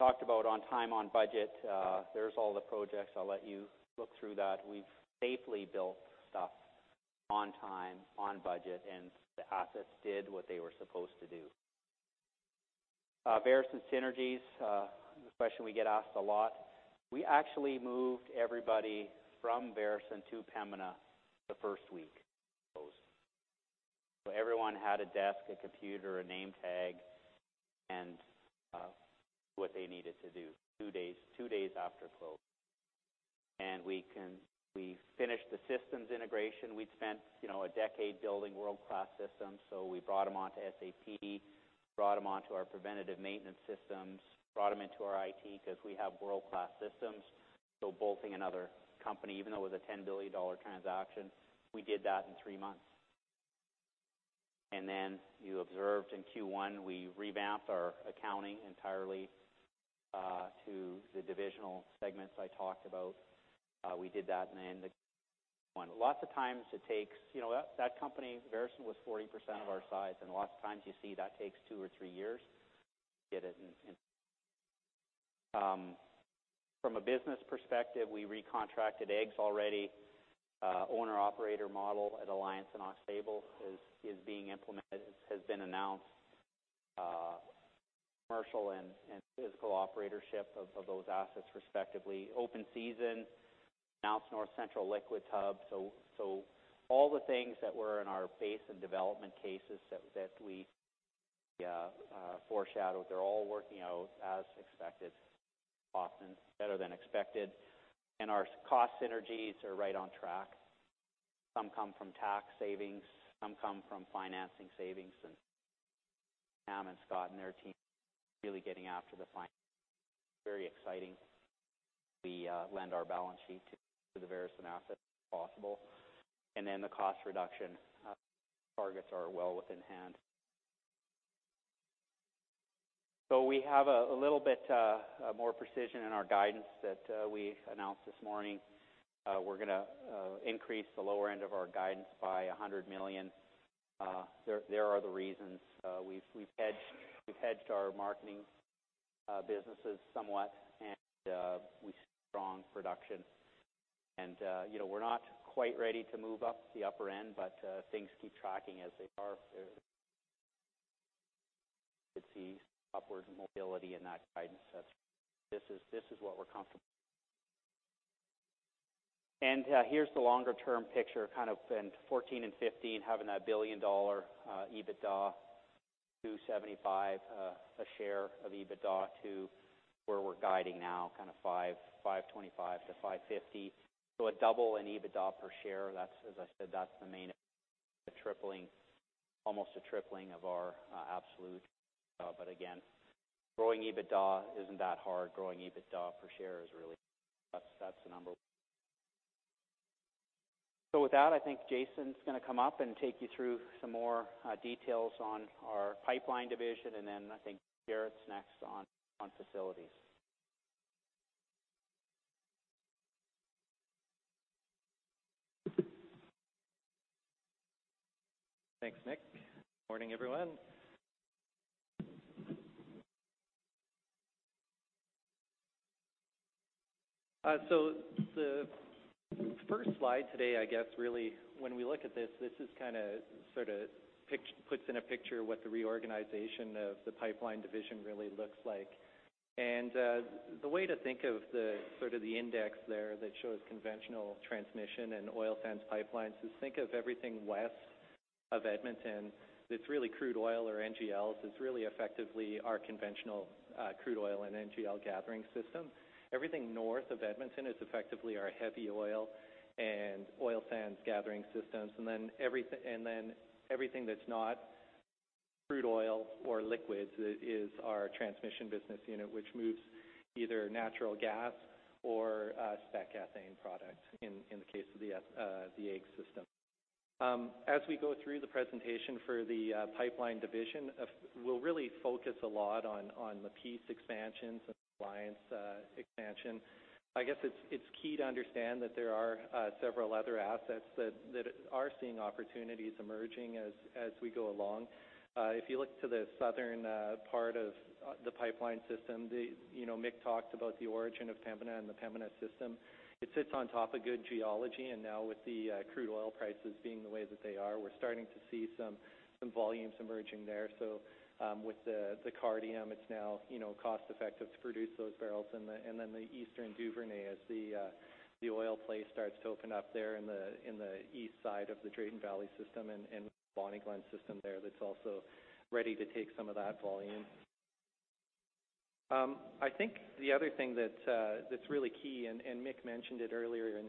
Talked about on time, on budget. There's all the projects. I'll let you look through that. We've safely built stuff on time, on budget, and the assets did what they were supposed to do. Veresen synergies, the question we get asked a lot. We actually moved everybody from Veresen to Pembina the first week. Everyone had a desk, a computer, a name tag, and what they needed to do two days after close. We finished the systems integration. We'd spent a decade building world-class systems, we brought them onto SAP, brought them onto our preventative maintenance systems, brought them into our IT because we have world-class systems. Bolting another company, even though it was a 10 billion dollar transaction, we did that in three months. You observed in Q1, we revamped our accounting entirely to the divisional segments I talked about. We did that. Lots of times it takes. That company, Veresen, was 40% of our size, and lots of times you see that takes two or three years to get it. From a business perspective, we recontracted AEGS already. Owner-operator model at Alliance and Aux Sable is being implemented. It has been announced. Commercial and physical operatorship of those assets, respectively. Open season announced North Central Liquids Hub. All the things that were in our base and development cases that we foreshadowed, they are all working out as expected, often better than expected. Our cost synergies are right on track. Some come from tax savings. Some come from financing savings. Sam and Scott and their team really getting after the finance. Very exciting. We lend our balance sheet to the Veresen assets if possible. The cost reduction targets are well within hand. We have a little bit more precision in our guidance that we announced this morning. We are going to increase the lower end of our guidance by 100 million. There are the reasons. We have hedged our marketing businesses somewhat, and we see strong production. We are not quite ready to move up the upper end, but things keep tracking as they are. You could see upward mobility in that guidance. This is what we are comfortable. Here's the longer-term picture, kind of in 2014 and 2015, having that billion-dollar EBITDA 2.75 a share of EBITDA to where we are guiding now, 5.25 to 5.50. A double in EBITDA per share, as I said, that is the main tripling, almost a tripling of our absolute. Again, growing EBITDA is not that hard. Growing EBITDA per share is really. That is the number. With that, I think Jason is going to come up and take you through some more details on our pipeline division, and then I think Jaret is next on facilities. Thanks, Mick. Morning, everyone. The first slide today, I guess really when we look at this just sort of puts in a picture what the reorganization of the pipeline division really looks like. The way to think of the index there that shows conventional transmission and oil sands pipelines is think of everything west of Edmonton that is really crude oil or NGLs. It is really effectively our conventional crude oil and NGL gathering system. Everything north of Edmonton is effectively our heavy oil and oil sands gathering systems. Everything that is not crude oil or liquids is our transmission business unit, which moves either natural gas or spec ethane product in the case of the AEGS system. As we go through the presentation for the pipeline division, we will really focus a lot on the Peace expansions and Alliance expansion. I guess it's key to understand that there are several other assets that are seeing opportunities emerging as we go along. If you look to the southern part of the pipeline system, Mick talked about the origin of Pembina and the Pembina system. It sits on top of good geology, and now with the crude oil prices being the way that they are, we're starting to see some volumes emerging there. With the Cardium, it's now cost-effective to produce those barrels. The Eastern Duvernay, as the oil play starts to open up there in the east side of the Drayton Valley system and Bonnie Glen system there, that's also ready to take some of that volume. I think the other thing that's really key, and Mick mentioned it earlier in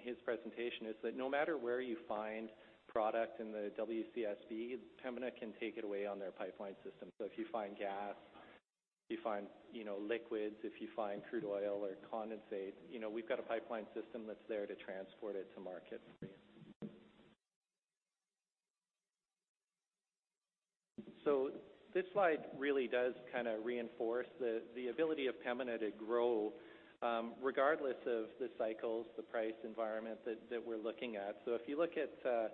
his presentation, is that no matter where you find product in the WCSB, Pembina can take it away on their pipeline system. If you find gas, if you find liquids, if you find crude oil or condensate, we've got a pipeline system that's there to transport it to market for you. This slide really does reinforce the ability of Pembina to grow regardless of the cycles, the price environment that we're looking at. If you look at the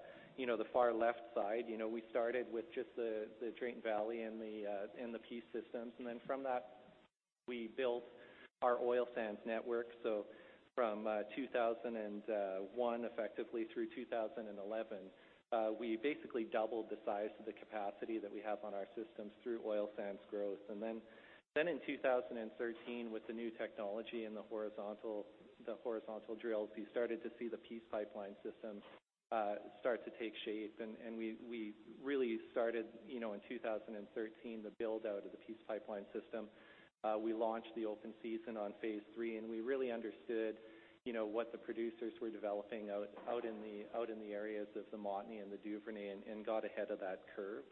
far left side, we started with just the Drayton Valley and the Peace systems. From that, we built our oil sands network. From 2001 effectively through 2011, we basically doubled the size of the capacity that we have on our systems through oil sands growth. In 2013, with the new technology and the horizontal drills, we started to see the Peace Pipeline system start to take shape. We really started in 2013, the build-out of the Peace Pipeline system. We launched the open season on phase 3, and we really understood what the producers were developing out in the areas of the Montney and the Duvernay and got ahead of that curve.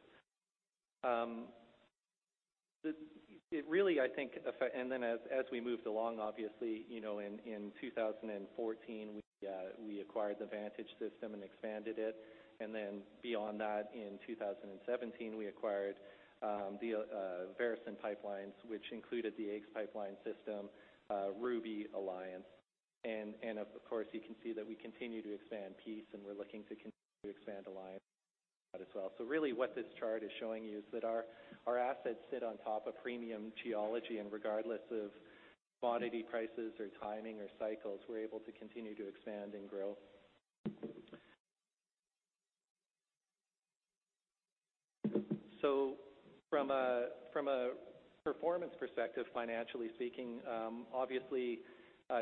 As we moved along, obviously, in 2014, we acquired the Vantage Pipeline system and expanded it, and beyond that, in 2017, we acquired the Veresen pipelines, which included the AEGS pipeline system, Ruby Pipeline, Alliance Pipeline. Of course, you can see that we continue to expand Peace, and we're looking to continue to expand Alliance as well. Really what this chart is showing you is that our assets sit on top of premium geology, and regardless of commodity prices or timing or cycles, we're able to continue to expand and grow. From a performance perspective, financially speaking, obviously,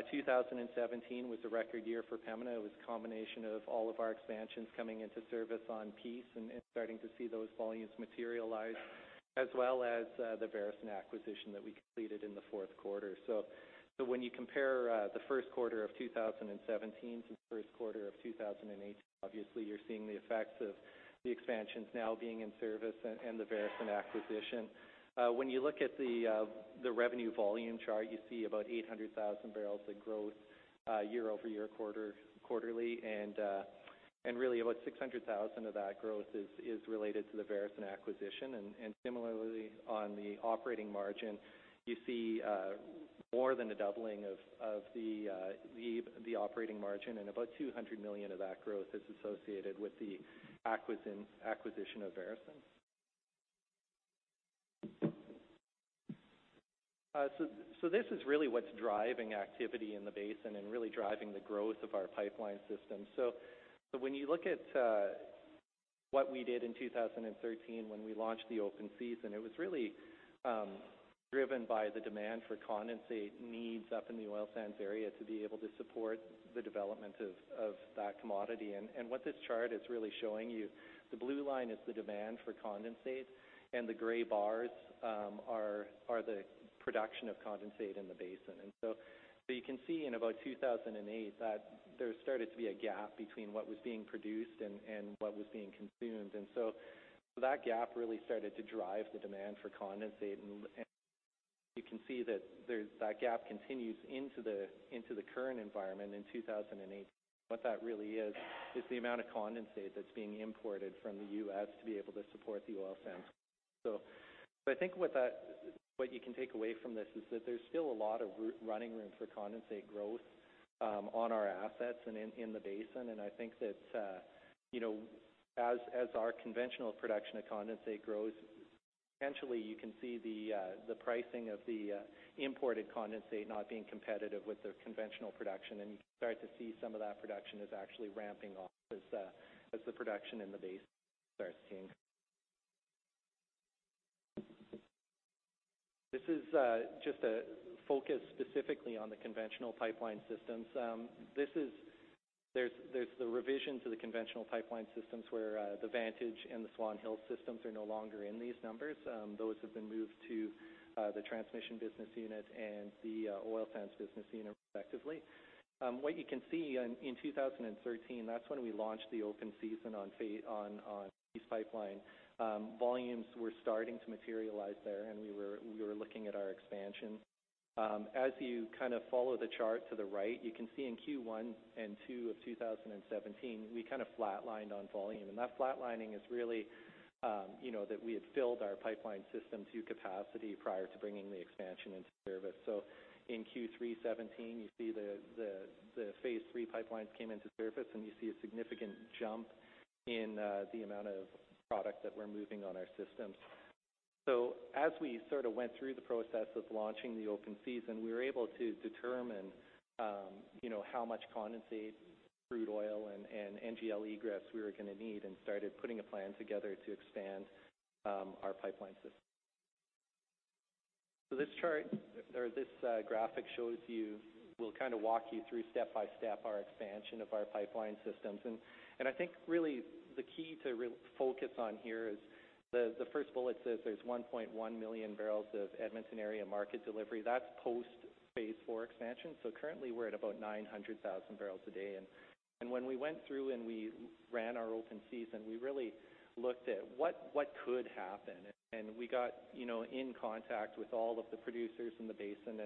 2017 was a record year for Pembina. It was a combination of all of our expansions coming into service on Peace and starting to see those volumes materialize, as well as the Veresen acquisition that we completed in the fourth quarter. When you compare the first quarter of 2017 to the first quarter of 2018, obviously you're seeing the effects of the expansions now being in service and the Veresen acquisition. When you look at the revenue volume chart, you see about 800,000 barrels of growth year-over-year, quarterly, and really about 600,000 of that growth is related to the Veresen acquisition. Similarly, on the operating margin, you see more than a doubling of the operating margin and about 200 million of that growth is associated with the acquisition of Veresen. This is really what's driving activity in the basin and really driving the growth of our pipeline system. When you look at what we did in 2013 when we launched the open season, it was really driven by the demand for condensate needs up in the oil sands area to be able to support the development of that commodity. What this chart is really showing you, the blue line is the demand for condensate, and the gray bars are the production of condensate in the basin. You can see in about 2008 that there started to be a gap between what was being produced and what was being consumed. That gap really started to drive the demand for condensate, and you can see that gap continues into the current environment in 2018. What that really is the amount of condensate that's being imported from the U.S. to be able to support the oil sands. I think what you can take away from this is that there's still a lot of running room for condensate growth on our assets and in the basin. I think that as our conventional production of condensate grows, eventually you can see the pricing of the imported condensate not being competitive with the conventional production, and you can start to see some of that production is actually ramping off as the production in the basin starts to increase. This is just a focus specifically on the conventional pipeline systems. There's the revision to the conventional pipeline systems where the Vantage and the Swan Hills systems are no longer in these numbers. Those have been moved to the transmission business unit and the oil sands business unit respectively. What you can see in 2013, that's when we launched the open season on Peace Pipeline. Volumes were starting to materialize there, and we were looking at our expansion. As you follow the chart to the right, you can see in Q1 and Q2 of 2017, we flat-lined on volume. That flat-lining is really that we had filled our pipeline system to capacity prior to bringing the expansion into service. In Q3 2017, you see the Phase III pipelines came into service, and you see a significant jump in the amount of product that we're moving on our systems. As we went through the process of launching the open season, we were able to determine how much condensate, crude oil, and NGL egress we were going to need and started putting a plan together to expand our pipeline system. This graphic will walk you through step by step our expansion of our pipeline systems. I think really the key to focus on here is the first bullet says there's 1.1 million barrels of Edmonton area market delivery. That's post Phase IV expansion. Currently we're at about 900,000 barrels a day. When we went through and we ran our open season, we really looked at what could happen, and we got in contact with all of the producers in the basin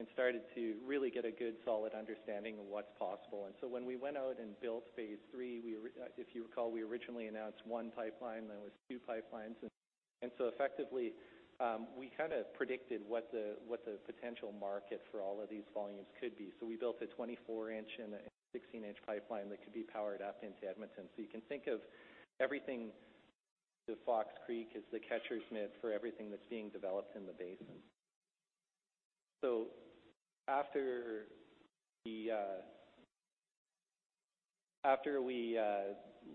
and started to really get a good, solid understanding of what's possible. When we went out and built Phase III, if you recall, we originally announced one pipeline, then it was two pipelines. Effectively, we predicted what the potential market for all of these volumes could be. We built a 24-inch and a 16-inch pipeline that could be powered up into Edmonton. You can think of everything to Fox Creek as the catcher's mitt for everything that's being developed in the basin. After we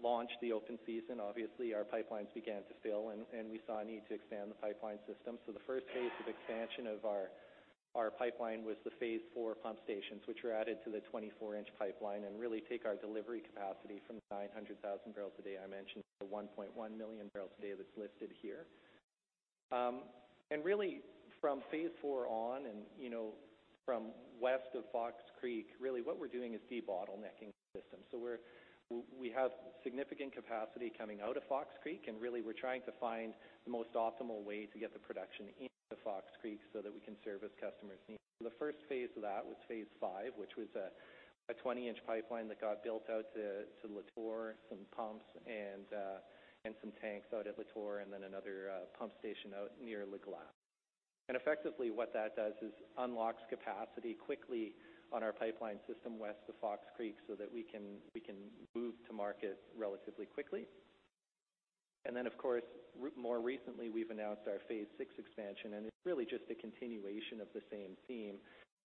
launched the open season, obviously our pipelines began to fill, and we saw a need to expand the pipeline system. The first phase of expansion of our pipeline was the Phase IV pump stations, which were added to the 24-inch pipeline and really take our delivery capacity from 900,000 barrels a day I mentioned to 1.1 million barrels a day that's listed here. Really from Phase IV on and from west of Fox Creek, really what we're doing is de-bottlenecking the system. We have significant capacity coming out of Fox Creek, and really we're trying to find the most optimal way to get the production into Fox Creek so that we can service customers' needs. The first phase of that was Phase V, which was a 20-inch pipeline that got built out to Latour, some pumps and some tanks out at Latour, and then another pump station out near La Glace. Effectively what that does is unlocks capacity quickly on our pipeline system west of Fox Creek so that we can move to market relatively quickly. More recently, we've announced our Phase VI expansion, and it's really just a continuation of the same theme,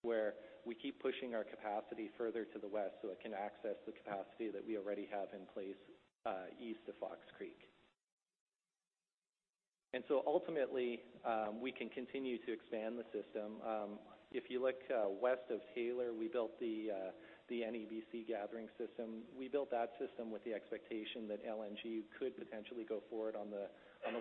where we keep pushing our capacity further to the west so it can access the capacity that we already have in place east of Fox Creek. Ultimately, we can continue to expand the system. If you look west of Taylor, we built the NEBC gathering system. We built that system with the expectation that LNG could potentially go forward on the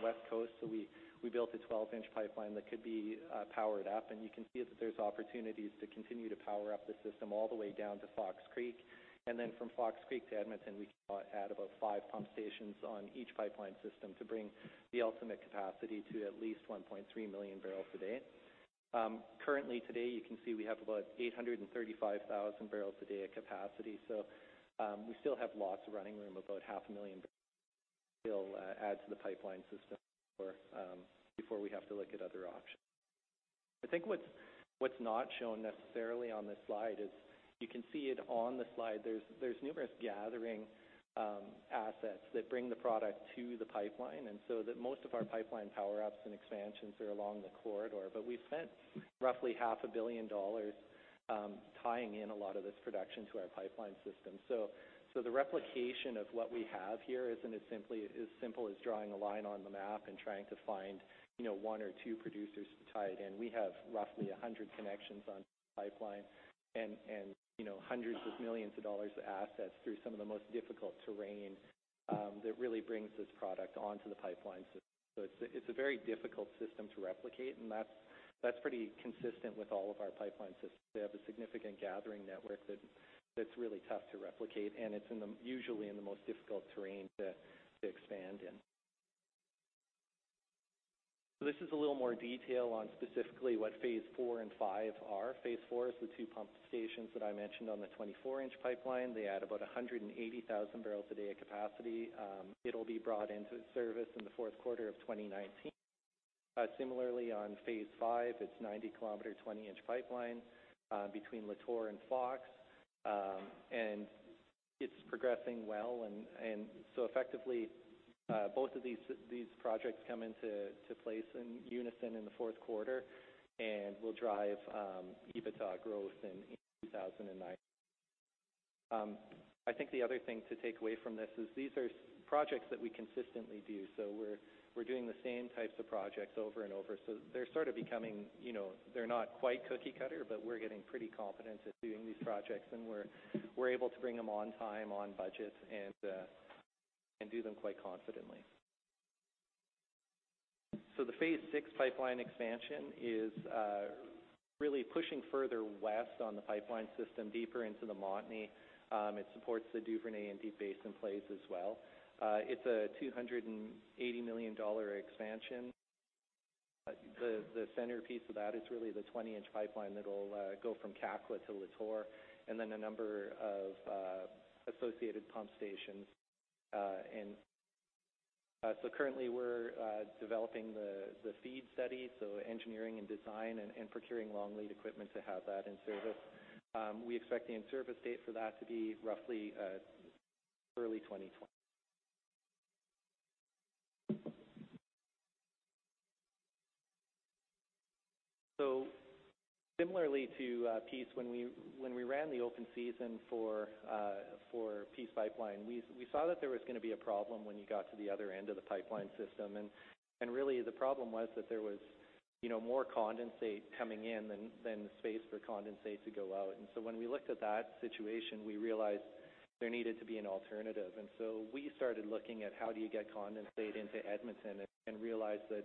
west coast. We built a 12-inch pipeline that could be powered up, and you can see that there's opportunities to continue to power up the system all the way down to Fox Creek. From Fox Creek to Edmonton, we can add about five pump stations on each pipeline system to bring the ultimate capacity to at least 1.3 million barrels a day. Currently today, you can see we have about 835,000 barrels a day at capacity. We still have lots of running room, about half a million barrels we'll add to the pipeline system before we have to look at other options. I think what's not shown necessarily on this slide is you can see it on the slide, there's numerous gathering assets that bring the product to the pipeline, and that most of our pipeline power-ups and expansions are along the corridor. We've spent roughly half a billion CAD tying in a lot of this production to our pipeline system. The replication of what we have here isn't as simple as drawing a line on the map and trying to find one or two producers to tie it in. We have roughly 100 connections on pipeline and hundreds of millions of CAD of assets through some of the most difficult terrain that really brings this product onto the pipeline system. It's a very difficult system to replicate, and that's pretty consistent with all of our pipeline systems. They have a significant gathering network that's really tough to replicate, and it's usually in the most difficult terrain to expand in. This is a little more detail on specifically what Phase 4 and 5 are. Phase 4 is the two pump stations that I mentioned on the 24-inch pipeline. They add about 180,000 barrels a day of capacity. It will be brought into service in the fourth quarter of 2019. Similarly, on Phase 5, it's 90-kilometer, 20-inch pipeline between Latour and Fox, and it's progressing well. Effectively, both of these projects come into place in unison in the fourth quarter and will drive EBITDA growth in 2019. I think the other thing to take away from this is these are projects that we consistently do. We're doing the same types of projects over and over. They're not quite cookie cutter, but we're getting pretty competent at doing these projects, and we're able to bring them on time, on budget, and do them quite confidently. The Phase VI pipeline expansion is really pushing further west on the pipeline system deeper into the Montney. It supports the Duvernay and Deep Basin plays as well. It's a 280 million dollar expansion. The centerpiece of that is really the 20-inch pipeline that will go from Kakwa to Latour and then a number of associated pump stations. Currently we're developing the FEED study, engineering and design and procuring long lead equipment to have that in service. We expect the in-service date for that to be roughly early 2020. Similarly to Peace, when we ran the open season for Peace Pipeline, we saw that there was going to be a problem when you got to the other end of the pipeline system, and really the problem was that there was more condensate coming in than the space for condensate to go out. When we looked at that situation, we realized there needed to be an alternative. We started looking at how do you get condensate into Edmonton and realized that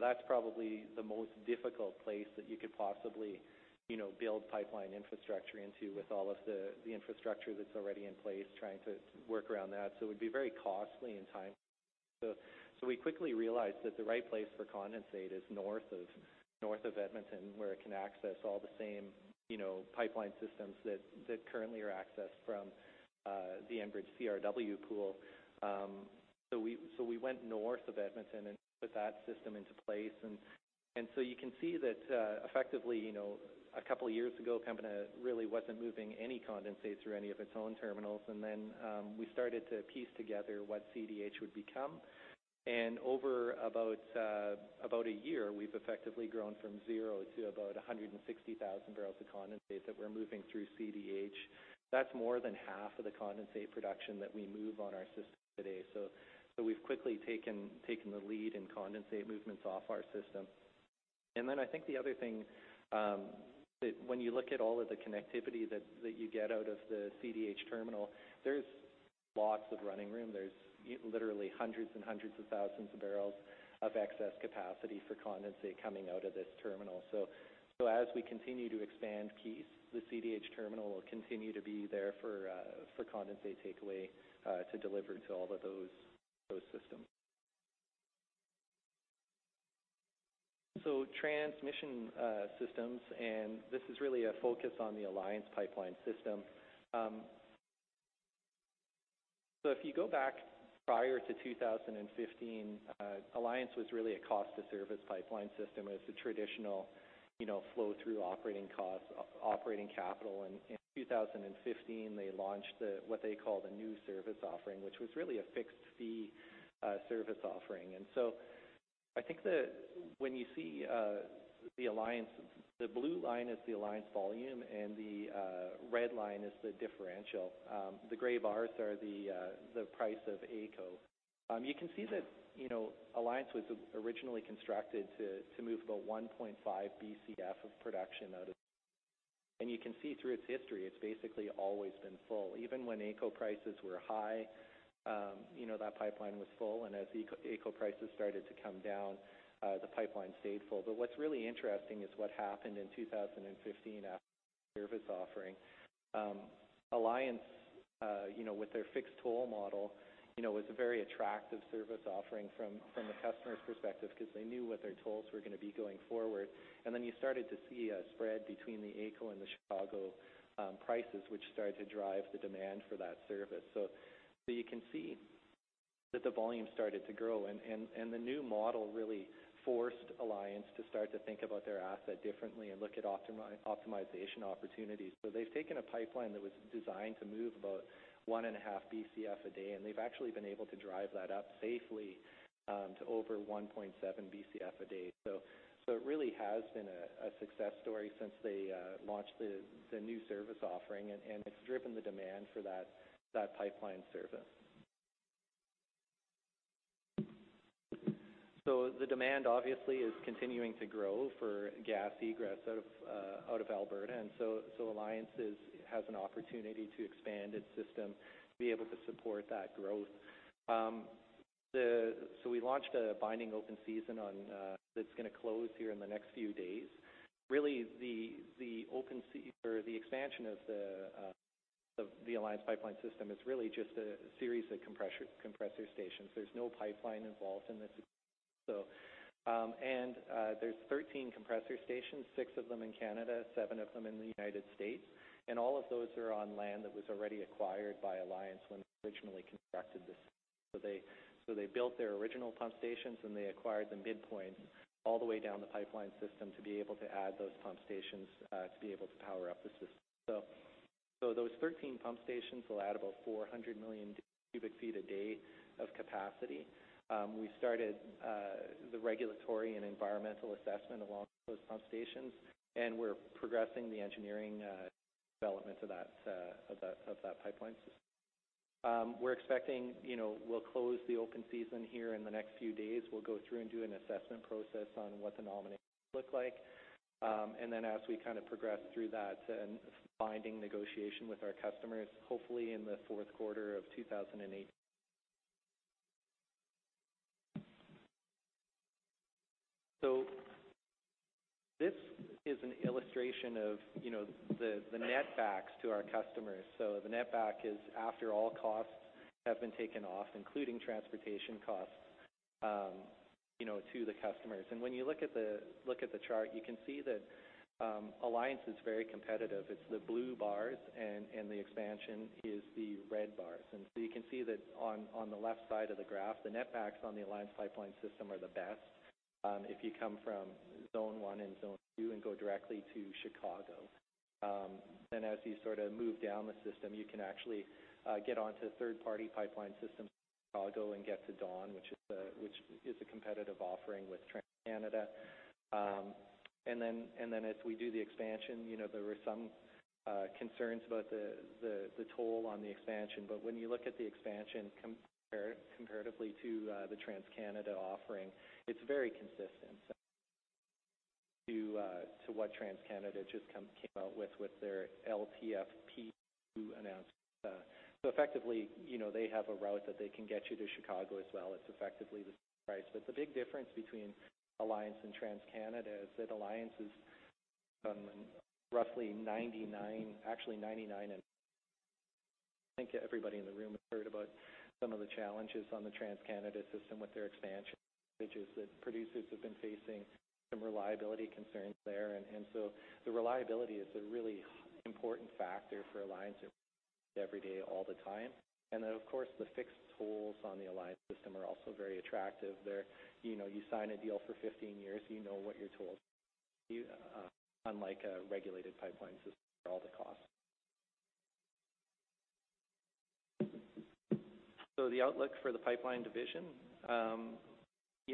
that's probably the most difficult place that you could possibly build pipeline infrastructure into with all of the infrastructure that's already in place trying to work around that. We quickly realized that the right place for condensate is north of Edmonton, where it can access all the same pipeline systems that currently are accessed from the Enbridge CRW pool. We went north of Edmonton and put that system into place. You can see that effectively, a couple of years ago, Pembina really wasn't moving any condensate through any of its own terminals, and then we started to piece together what CDH would become. Over about a year, we've effectively grown from zero to about 160,000 barrels of condensate that we're moving through CDH. That's more than half of the condensate production that we move on our system today. We've quickly taken the lead in condensate movements off our system. I think the other thing, when you look at all of the connectivity that you get out of the CDH terminal, there is lots of running room. There is literally hundreds and hundreds of thousands of barrels of excess capacity for condensate coming out of this terminal. As we continue to expand Peace Pipeline, the CDH terminal will continue to be there for condensate takeaway to deliver to all of those systems. Transmission systems, and this is really a focus on the Alliance Pipeline system. If you go back prior to 2015, Alliance Pipeline was really a cost-to-service pipeline system. It is a traditional flow-through operating capital. In 2015, they launched what they call the new service offering, which was really a fixed-fee service offering. I think when you see the Alliance Pipeline, the blue line is the Alliance Pipeline volume and the red line is the differential. The gray bars are the price of AECO. You can see that Alliance Pipeline was originally constructed to move about 1.5 Bcf of production out of. You can see through its history, it has basically always been full. Even when AECO prices were high, that pipeline was full, and as AECO prices started to come down, the pipeline stayed full. What is really interesting is what happened in 2015 after service offering. Alliance Pipeline, with their fixed toll model, was a very attractive service offering from a customer's perspective because they knew what their tolls were going to be going forward. You started to see a spread between the AECO and the Chicago prices, which started to drive the demand for that service. You can see that the volume started to grow, and the new model really forced Alliance Pipeline to start to think about their asset differently and look at optimization opportunities. They have taken a pipeline that was designed to move about 1.5 Bcf a day, and they have actually been able to drive that up safely to over 1.7 Bcf a day. It really has been a success story since they launched the new service offering, and it has driven the demand for that pipeline service. The demand obviously is continuing to grow for gas egress out of Alberta, and Alliance Pipeline has an opportunity to expand its system to be able to support that growth. We launched a binding open season that is going to close here in the next few days. The expansion of the Alliance Pipeline system is really just a series of compressor stations. There is no pipeline involved in this. There are 13 compressor stations, six of them in Canada, seven of them in the U.S., and all of those are on land that was already acquired by Alliance Pipeline when it originally constructed this. They built their original pump stations, and they acquired the midpoint all the way down the pipeline system to be able to add those pump stations to be able to power up the system. Those 13 pump stations will add about 400 million cubic feet a day of capacity. We started the regulatory and environmental assessment of all those pump stations, and we are progressing the engineering development of that pipeline system. We are expecting we will close the open season here in the next few days. We'll go through and do an assessment process on what the nominations look like. As we progress through that and binding negotiation with our customers, hopefully in the fourth quarter of 2018. This is an illustration of the netbacks to our customers. The netback is after all costs have been taken off, including transportation costs to the customers. When you look at the chart, you can see that Alliance is very competitive. It's the blue bars, and the expansion is the red bars. You can see that on the left side of the graph, the netbacks on the Alliance Pipeline system are the best if you come from Zone 1 and Zone 2 and go directly to Chicago. As you move down the system, you can actually get onto third-party pipeline systems in Chicago and get to Dawn, which is a competitive offering with TransCanada. As we do the expansion, there were some concerns about the toll on the expansion. When you look at the expansion comparatively to the TransCanada offering, it's very consistent to what TransCanada just came out with their LTFP 2 announcement. Effectively, they have a route that they can get you to Chicago as well. It's effectively the same price. The big difference between Alliance and TransCanada is that Alliance is roughly 99, actually 99 and I think everybody in the room has heard about some of the challenges on the TransCanada system with their expansion, which is that producers have been facing some reliability concerns there. The reliability is a really important factor for Alliance every day, all the time. Of course, the fixed tolls on the Alliance system are also very attractive. You sign a deal for 15 years, you know what your tolls are, unlike a regulated pipeline system where they set all the costs. The outlook for the pipeline division.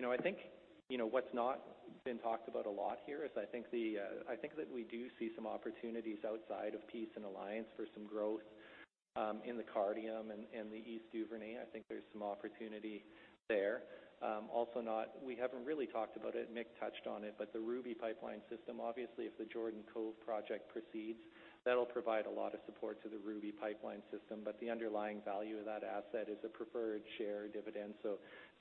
I think what's not been talked a lot here is I think that we do see some opportunities outside of Peace and Alliance for some growth in the Cardium and the East Duvernay. I think there's some opportunity there. Also, we haven't really talked about it. Mick touched on it, but the Ruby Pipeline system, obviously, if the Jordan Cove project proceeds, that'll provide a lot of support to the Ruby Pipeline system. The underlying value of that asset is a preferred share dividend.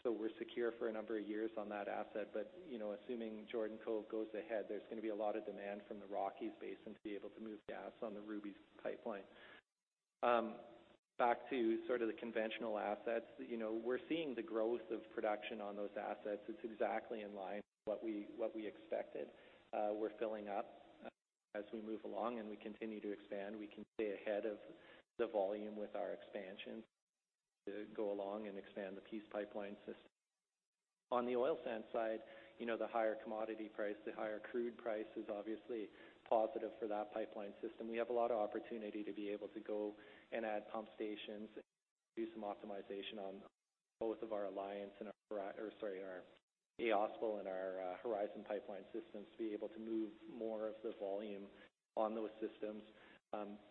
We're secure for a number of years on that asset. Assuming Jordan Cove goes ahead, there's going to be a lot of demand from the Rockies basin to be able to move gas on the Ruby Pipeline. Back to the conventional assets, we're seeing the growth of production on those assets. It's exactly in line with what we expected. We're filling up as we move along, and we continue to expand. We can stay ahead of the volume with our expansion to go along and expand the Peace Pipeline system. On the oil sands side, the higher commodity price, the higher crude price is obviously positive for that pipeline system. We have a lot of opportunity to be able to go and add pump stations and do some optimization on both of our Alliance and our Sorry, our AOSPL and our Horizon pipeline systems to be able to move more of the volume on those systems.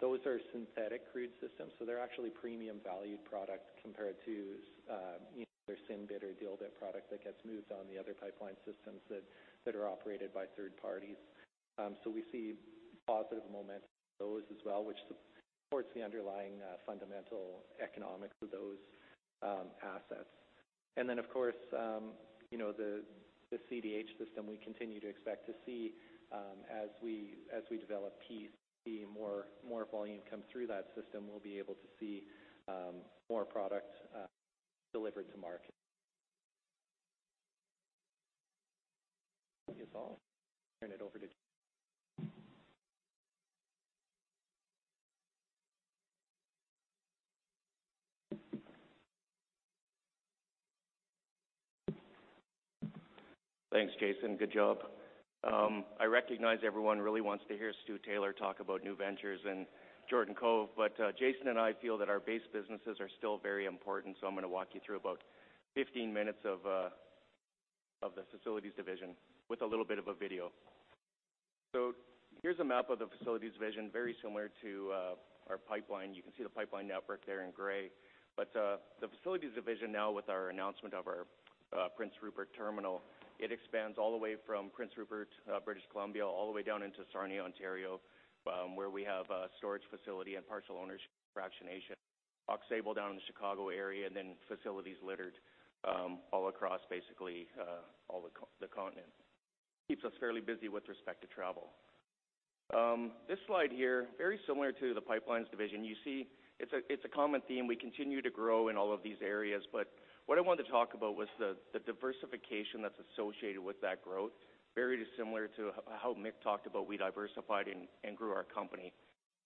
Those are synthetic crude systems, so they are actually premium valued product compared to either synbit or dilbit product that gets moved on the other pipeline systems that are operated by third parties. We see positive momentum on those as well, which supports the underlying fundamental economics of those assets. Then, of course, the CDH system, we continue to expect to see as we develop Peace, see more volume come through that system. We will be able to see more product delivered to market. With this all, turn it over to Thanks, Jason. Good job. I recognize everyone really wants to hear Stu Taylor talk about new ventures and Jordan Cove, but Jason and I feel that our base businesses are still very important, so I am going to walk you through about 15 minutes of the Facilities Division with a little bit of a video. Here is a map of the Facilities Division, very similar to our pipeline. You can see the pipeline network there in gray. But the Facilities Division now with our announcement of our Prince Rupert terminal, it expands all the way from Prince Rupert, British Columbia, all the way down into Sarnia, Ontario, where we have a storage facility and partial ownership fractionation. Aux Sable down in the Chicago area, and then facilities littered all across basically all the continent. Keeps us fairly busy with respect to travel. This slide here, very similar to the Pipelines Division. You see it is a common theme. We continue to grow in all of these areas, but what I wanted to talk about was the diversification that is associated with that growth. Very similar to how Mick talked about we diversified and grew our company.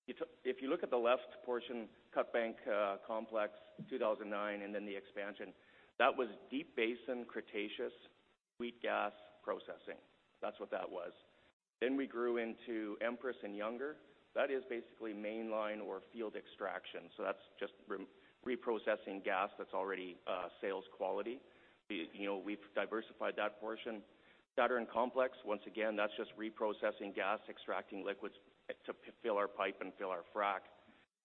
If you look at the left portion, Cutbank Complex 2009, and then the expansion. That was Deep Basin Cretaceous sweet gas processing. That is what that was. Then we grew into Empress and Younger. That is basically mainline or field extraction, so that is just reprocessing gas that is already sales quality. We have diversified that portion. Saturn Complex, once again, that is just reprocessing gas, extracting liquids to fill our pipe and fill our frac.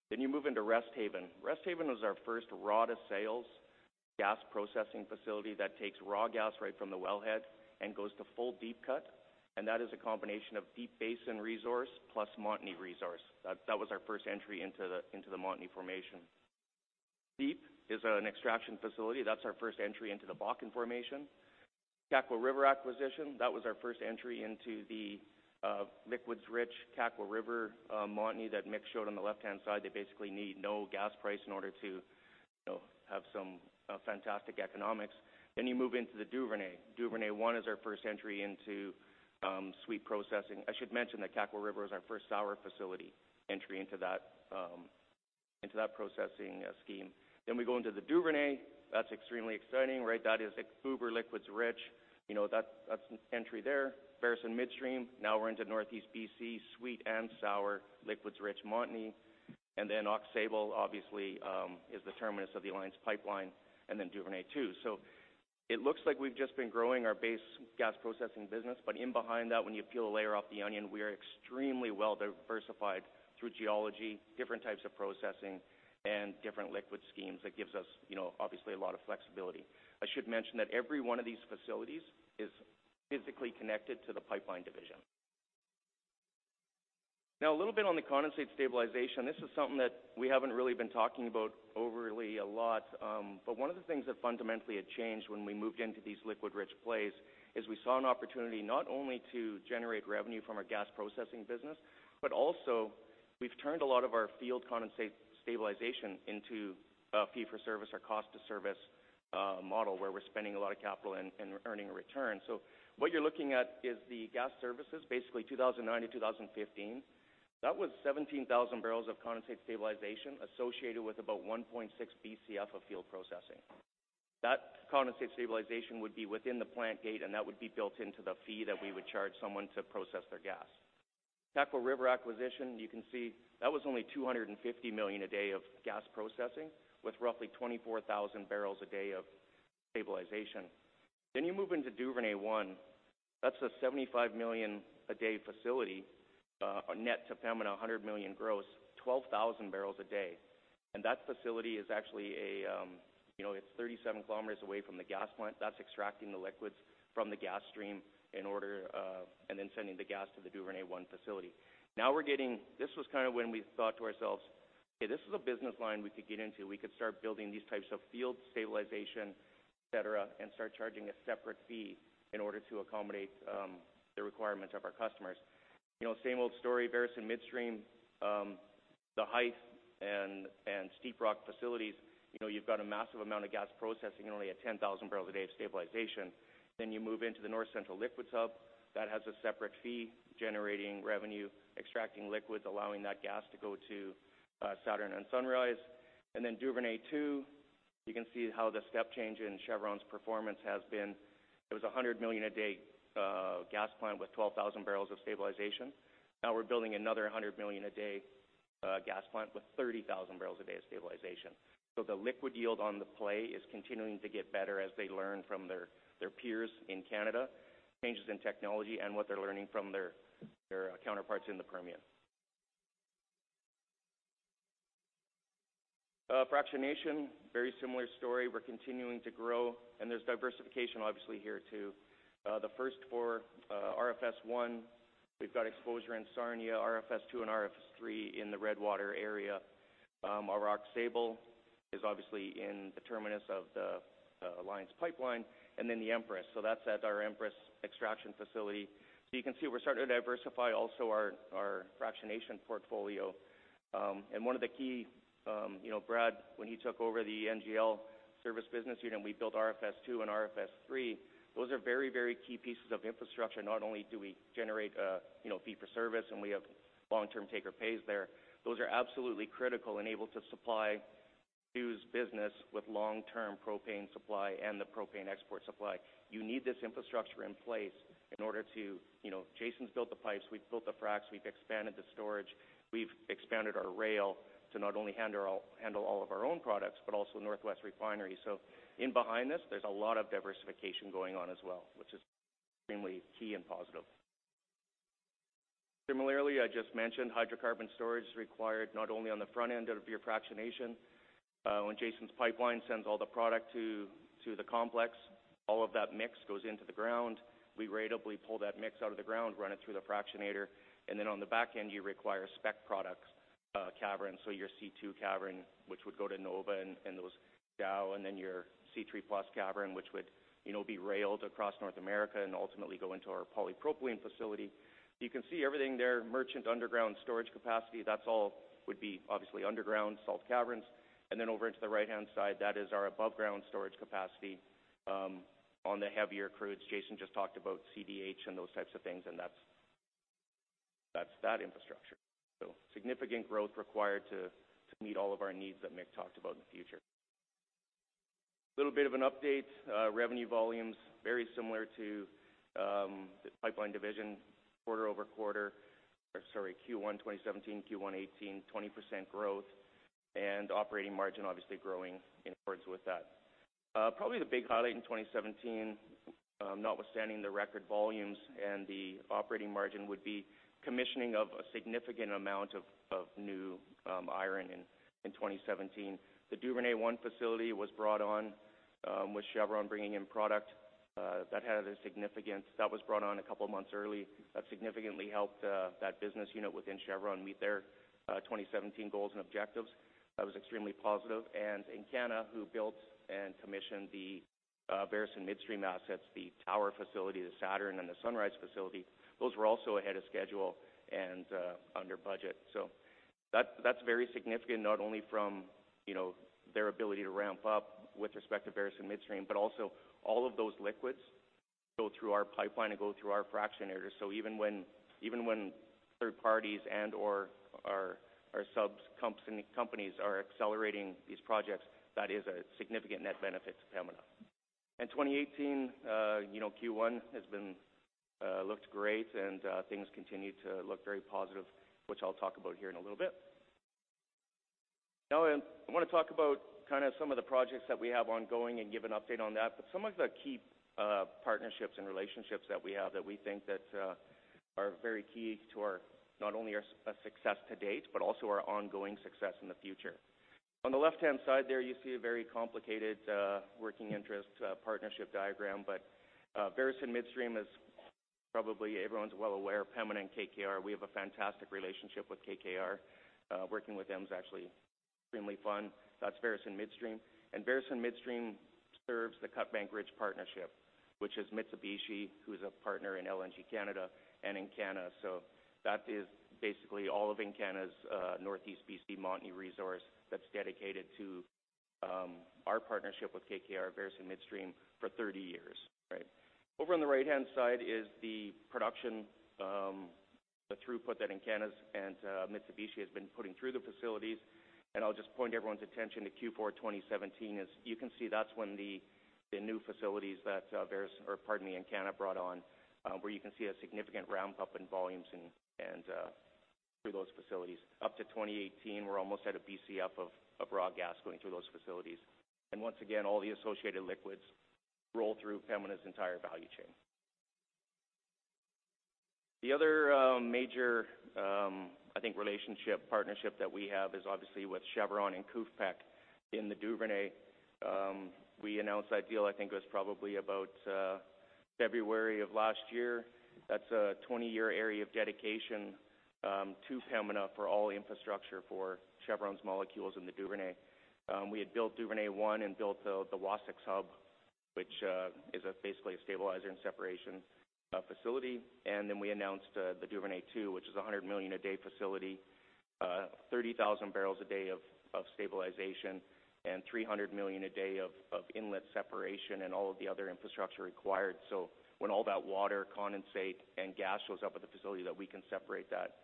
Then you move into Resthaven. Resthaven was our first raw to sales gas processing facility that takes raw gas right from the wellhead and goes to full deep cut, and that is a combination of Deep Basin resource plus Montney resource. That was our first entry into the Montney Formation. Deep is an extraction facility. That is our first entry into the Bakken Formation. Kakwa River acquisition, that was our first entry into the liquids rich Kakwa River Montney that Mick showed on the left-hand side. They basically need no gas price in order to have some fantastic economics. Then you move into the Duvernay. Duvernay I is our first entry into sweet processing. I should mention that Kakwa River was our first sour facility entry into that processing scheme. Then we go into the Duvernay. That is extremely exciting. That is uber liquids rich. That is an entry there. Veresen Midstream. We're into Northeast B.C., sweet and sour liquids rich Montney. Aux Sable, obviously, is the terminus of the Alliance Pipeline, and Duvernay II. It looks like we've just been growing our base gas processing business. In behind that, when you peel a layer off the onion, we are extremely well diversified through geology, different types of processing, and different liquid schemes. That gives us obviously a lot of flexibility. I should mention that every one of these facilities is physically connected to the pipeline division. A little bit on the condensate stabilization. This is something that we haven't really been talking about overly a lot. One of the things that fundamentally had changed when we moved into these liquid rich plays is we saw an opportunity not only to generate revenue from our gas processing business, but also we've turned a lot of our field condensate stabilization into a fee-for-service or cost to service model where we're spending a lot of capital and earning a return. What you're looking at is the gas services, basically 2009 to 2015. That was 17,000 barrels of condensate stabilization associated with about 1.6 Bcf of gas processing. That condensate stabilization would be within the plant gate, and that would be built into the fee that we would charge someone to process their gas. Kakwa River acquisition, you can see that was only 250 million a day of gas processing with roughly 24,000 barrels a day of stabilization. You move into Duvernay I. That's a 75 million a day facility, net to Pembina 100 million gross, 12,000 barrels a day. That facility is actually 37 km away from the gas plant that's extracting the liquids from the gas stream and sending the gas to the Duvernay I facility. This was kind of when we thought to ourselves, "Okay, this is a business line we could get into. We could start building these types of field stabilization, et cetera, and start charging a separate fee in order to accommodate the requirements of our customers." Same old story, Veresen Midstream, the Hythe and Steeprock facilities, you've got a massive amount of gas processing, only at 10,000 barrels a day of stabilization. You move into the North Central Liquids Hub. That has a separate fee generating revenue, extracting liquids, allowing that gas to go to Saturn and Sunrise. Duvernay II, you can see how the step change in Chevron's performance has been. It was 100 million a day gas plant with 12,000 barrels of stabilization. We're building another 100 million a day gas plant with 30,000 barrels a day of stabilization. The liquid yield on the play is continuing to get better as they learn from their peers in Canada, changes in technology, and what they're learning from their counterparts in the Permian. Fractionation, very similar story. We're continuing to grow, and there's diversification obviously here too. The first four, Redwater Fractionation Site 1, we've got exposure in Sarnia, Redwater Fractionation Site 2 and Redwater Fractionation Site 3 in the Redwater area. Our Aux Sable is obviously in the terminus of the Alliance Pipeline, and the Empress. That's at our Empress extraction facility You can see we're starting to diversify also our fractionation portfolio. One of the key, Brad, when he took over the NGL service business unit, we built RFS 2 and RFS 3. Those are very key pieces of infrastructure. Not only do we generate a fee-for-service and we have long-term take-or-pays there, those are absolutely critical and able to supply Hugh's business with long-term propane supply and the propane export supply. You need this infrastructure in place in order to Jason's built the pipes, we've built the fracs, we've expanded the storage, we've expanded our rail to not only handle all of our own products, but also North West Refining. In behind this, there's a lot of diversification going on as well, which is extremely key and positive. Similarly, I just mentioned hydrocarbon storage is required not only on the front end of your fractionation. When Jason's pipeline sends all the product to the complex, all of that mix goes into the ground. We readily pull that mix out of the ground, run it through the fractionator, then on the back end, you require spec products cavern. Your C2 cavern, which would go to NOVA Chemicals and those Dow, then your C3 plus cavern, which would be railed across North America and ultimately go into our polypropylene facility. You can see everything there, merchant underground storage capacity, that's all would be obviously underground salt caverns. Then over into the right-hand side, that is our above ground storage capacity on the heavier crudes. Jason just talked about CDH and those types of things, and that's that infrastructure. Significant growth required to meet all of our needs that Mick talked about in the future. A little bit of an update, revenue volumes, very similar to the pipeline division quarter-over-quarter, or sorry, Q1 2017, Q1 2018, 20% growth and operating margin obviously growing in efforts with that. Probably the big highlight in 2017, notwithstanding the record volumes and the operating margin would be commissioning of a significant amount of new iron in 2017. The Duvernay I facility was brought on, with Chevron bringing in product, that had a significance. That was brought on a couple of months early. That significantly helped that business unit within Chevron meet their 2017 goals and objectives. That was extremely positive. Encana, who built and commissioned the Veresen Midstream assets, the Tower facility, the Saturn, and the Sunrise facility, those were also ahead of schedule and under budget. That's very significant, not only from their ability to ramp up with respect to Veresen Midstream, but also all of those liquids go through our pipeline and go through our fractionators. Even when third parties and/or our sub companies are accelerating these projects, that is a significant net benefit to Pembina. In 2018, Q1 has looked great and things continue to look very positive, which I'll talk about here in a little bit. I want to talk about some of the projects that we have ongoing and give an update on that, but some of the key partnerships and relationships that we have that we think that are very key to not only our success to date, but also our ongoing success in the future. On the left-hand side there, you see a very complicated working interest partnership diagram, Veresen Midstream is probably everyone is well aware of Pembina and KKR. We have a fantastic relationship with KKR. Working with them is actually extremely fun. That's Veresen Midstream. Veresen Midstream serves the Cutbank Ridge partnership, which is Mitsubishi, who's a partner in LNG Canada and Encana. That is basically all of Encana's Northeast BC Montney resource that's dedicated to our partnership with KKR, Veresen Midstream for 30 years. Over on the right-hand side is the production, the throughput that Encana's and Mitsubishi has been putting through the facilities. I'll just point everyone's attention to Q4 2017, as you can see, that's when the new facilities that Encana brought on, where you can see a significant ramp up in volumes and through those facilities. Up to 2018, we're almost at a Bcf of raw gas going through those facilities. All the associated liquids roll through Pembina's entire value chain. The other major, I think relationship, partnership that we have is obviously with Chevron and KUFPEC in the Duvernay. We announced that deal, I think it was probably about February of last year. That's a 20-year area of dedication to Pembina for all infrastructure for Chevron's molecules in the Duvernay. We had built Duvernay I and built the Wasegg hub, which is basically a stabilizer and separation facility. We announced the Duvernay II, which is 100 million a day facility, 30,000 barrels a day of stabilization and 300 million a day of inlet separation and all of the other infrastructure required. When all that water, condensate, and gas shows up at the facility that we can separate that.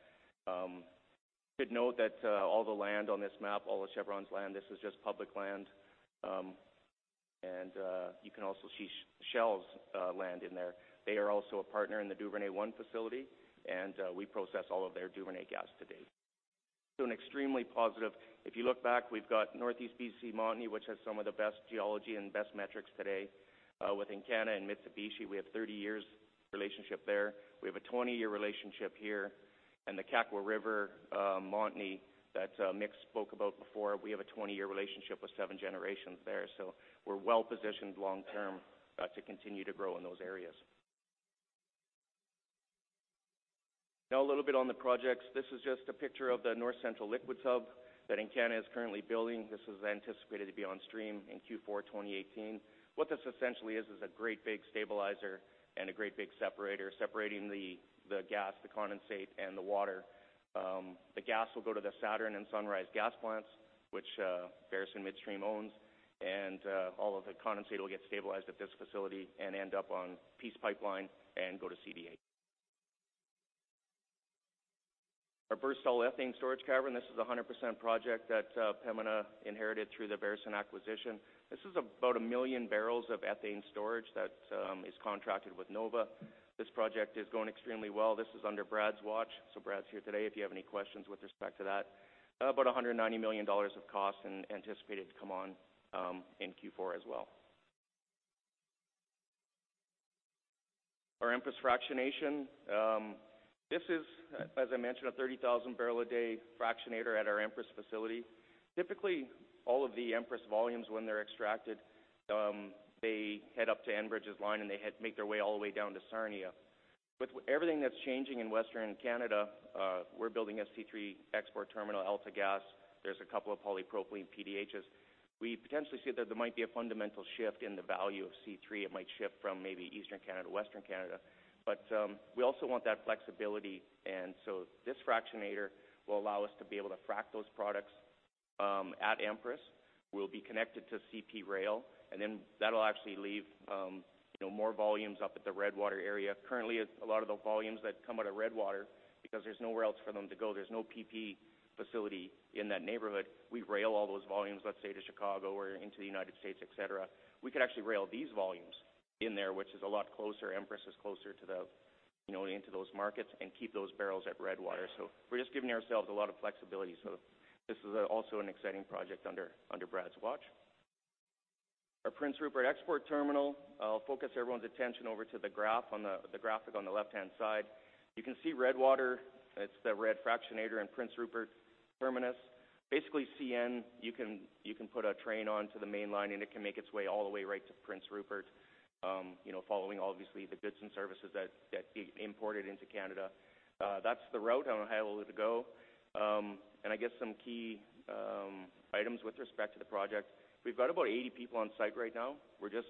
Good note that all the land on this map, all of Chevron's land, this is just public land. You can also see Shell's land in there. They are also a partner in the Duvernay I facility, and we process all of their Duvernay gas to date. An extremely positive If you look back, we've got Northeast BC Montney, which has some of the best geology and best metrics today. With Encana and Mitsubishi, we have 30 years relationship there. We have a 20-year relationship here. The Kakwa River Montney that Mick spoke about before, we have a 20-year relationship with Seven Generations there. We're well-positioned long-term to continue to grow in those areas. Now a little bit on the projects. This is just a picture of the North Central Liquids Hub that Encana is currently building. This is anticipated to be on stream in Q4 2018. What this essentially is a great big stabilizer and a great big separator, separating the gas, the condensate, and the water. The gas will go to the Saturn and Sunrise gas plants, which Veresen Midstream owns, all of the condensate will get stabilized at this facility and end up on Peace Pipeline and go to CDH. Our Burstall Ethane Storage Cavern, this is a 100% project that Pembina inherited through the Veresen acquisition. This is about 1 million barrels of ethane storage that is contracted with Nova. This project is going extremely well. This is under Brad's watch, Brad's here today if you have any questions with respect to that. About 190 million dollars of cost and anticipated to come on in Q4 as well. Our Empress Fractionation, this is, as I mentioned, a 30,000 barrel a day fractionator at our Empress facility. Typically, all of the Empress volumes, when they're extracted, they head up to Enbridge's line, they make their way all the way down to Sarnia. With everything that's changing in Western Canada, we're building a C3 export terminal, AltaGas. There's a couple of polypropylene PDHs. We potentially see that there might be a fundamental shift in the value of C3. It might shift from maybe Eastern Canada to Western Canada. We also want that flexibility, this fractionator will allow us to be able to frack those products at Empress, we'll be connected to CP Rail, that'll actually leave more volumes up at the Redwater area. Currently, a lot of the volumes that come out of Redwater, because there's nowhere else for them to go, there's no PP facility in that neighborhood, we rail all those volumes, let's say, to Chicago or into the United States, et cetera. We could actually rail these volumes in there, which is a lot closer. Empress is closer into those markets and keep those barrels at Redwater. We're just giving ourselves a lot of flexibility. This is also an exciting project under Brad's watch. Our Prince Rupert Export Terminal, I'll focus everyone's attention over to the graphic on the left-hand side. You can see Redwater, it's that red fractionator and Prince Rupert terminus. Basically, CN, you can put a train onto the main line, it can make its way all the way right to Prince Rupert, following, obviously, the goods and services that get imported into Canada. That's the route, I'll highlight a little to go. I guess some key items with respect to the project. We've got about 80 people on site right now. We're just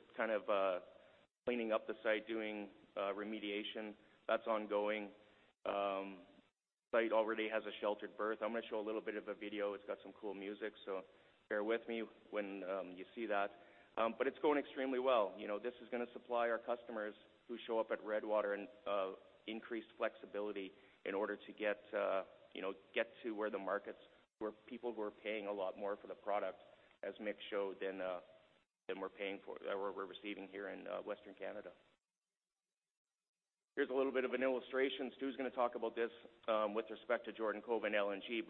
cleaning up the site, doing remediation. That's ongoing. Site already has a sheltered berth. I'm going to show a little bit of a video. It's got some cool music, so bear with me when you see that. It's going extremely well. This is going to supply our customers who show up at Redwater an increased flexibility in order to get to where the markets, where people who are paying a lot more for the product, as Mick showed, than we're receiving here in Western Canada. Here's a little bit of an illustration. Stu's going to talk about this with respect to Jordan Cove and LNG,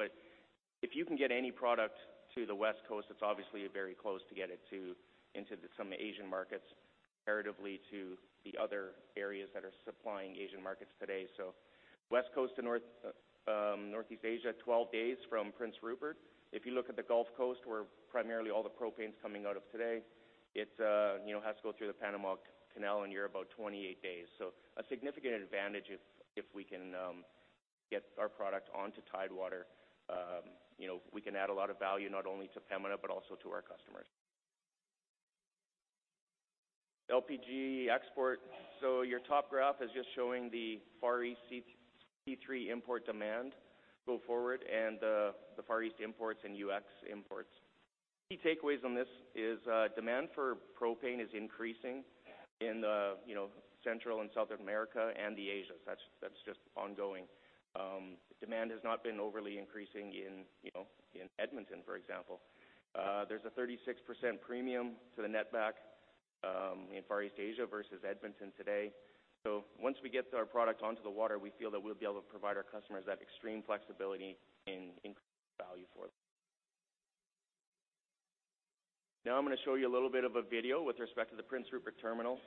if you can get any product to the West Coast, it's obviously very close to get it into some Asian markets comparatively to the other areas that are supplying Asian markets today. West Coast to Northeast Asia, 12 days from Prince Rupert. If you look at the Gulf Coast, where primarily all the propane's coming out of today, it has to go through the Panama Canal, you're about 28 days. A significant advantage if we can get our product onto Tidewater. We can add a lot of value, not only to Pembina, but also to our customers. LPG export. Your top graph is just showing the Far East C3 import demand go forward and the Far East imports and U.S. imports. Key takeaways on this is demand for propane is increasing in Central and South America and Asia. That's just ongoing. Demand has not been overly increasing in Edmonton, for example. There's a 36% premium to the netback in Far East Asia versus Edmonton today. Once we get our product onto the water, we feel that we'll be able to provide our customers that extreme flexibility in increased value for it. Now I'm going to show you a little bit of a video with respect to the Prince Rupert Terminal.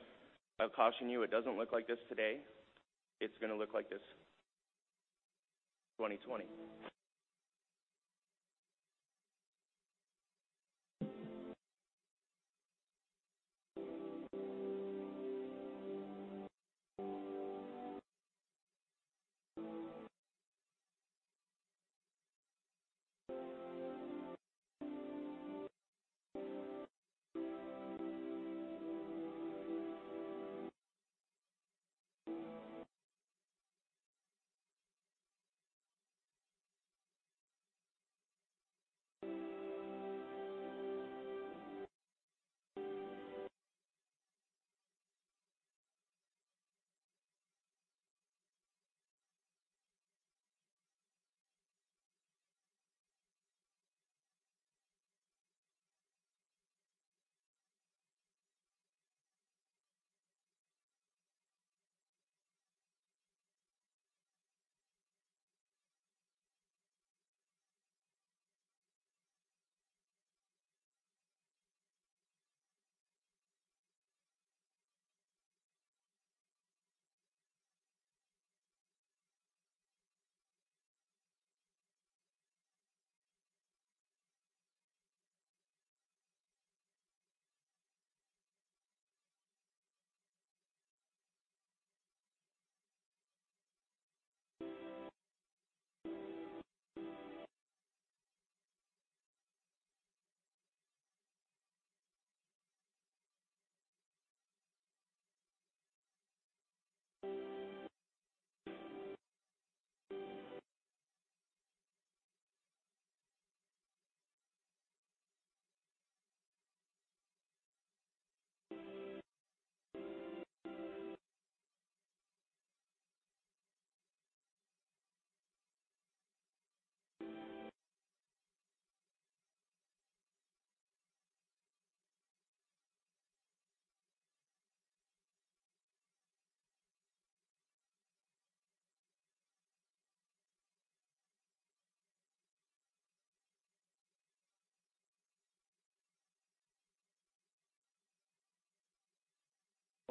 I'll caution you, it doesn't look like this today. It's going to look like this 2020.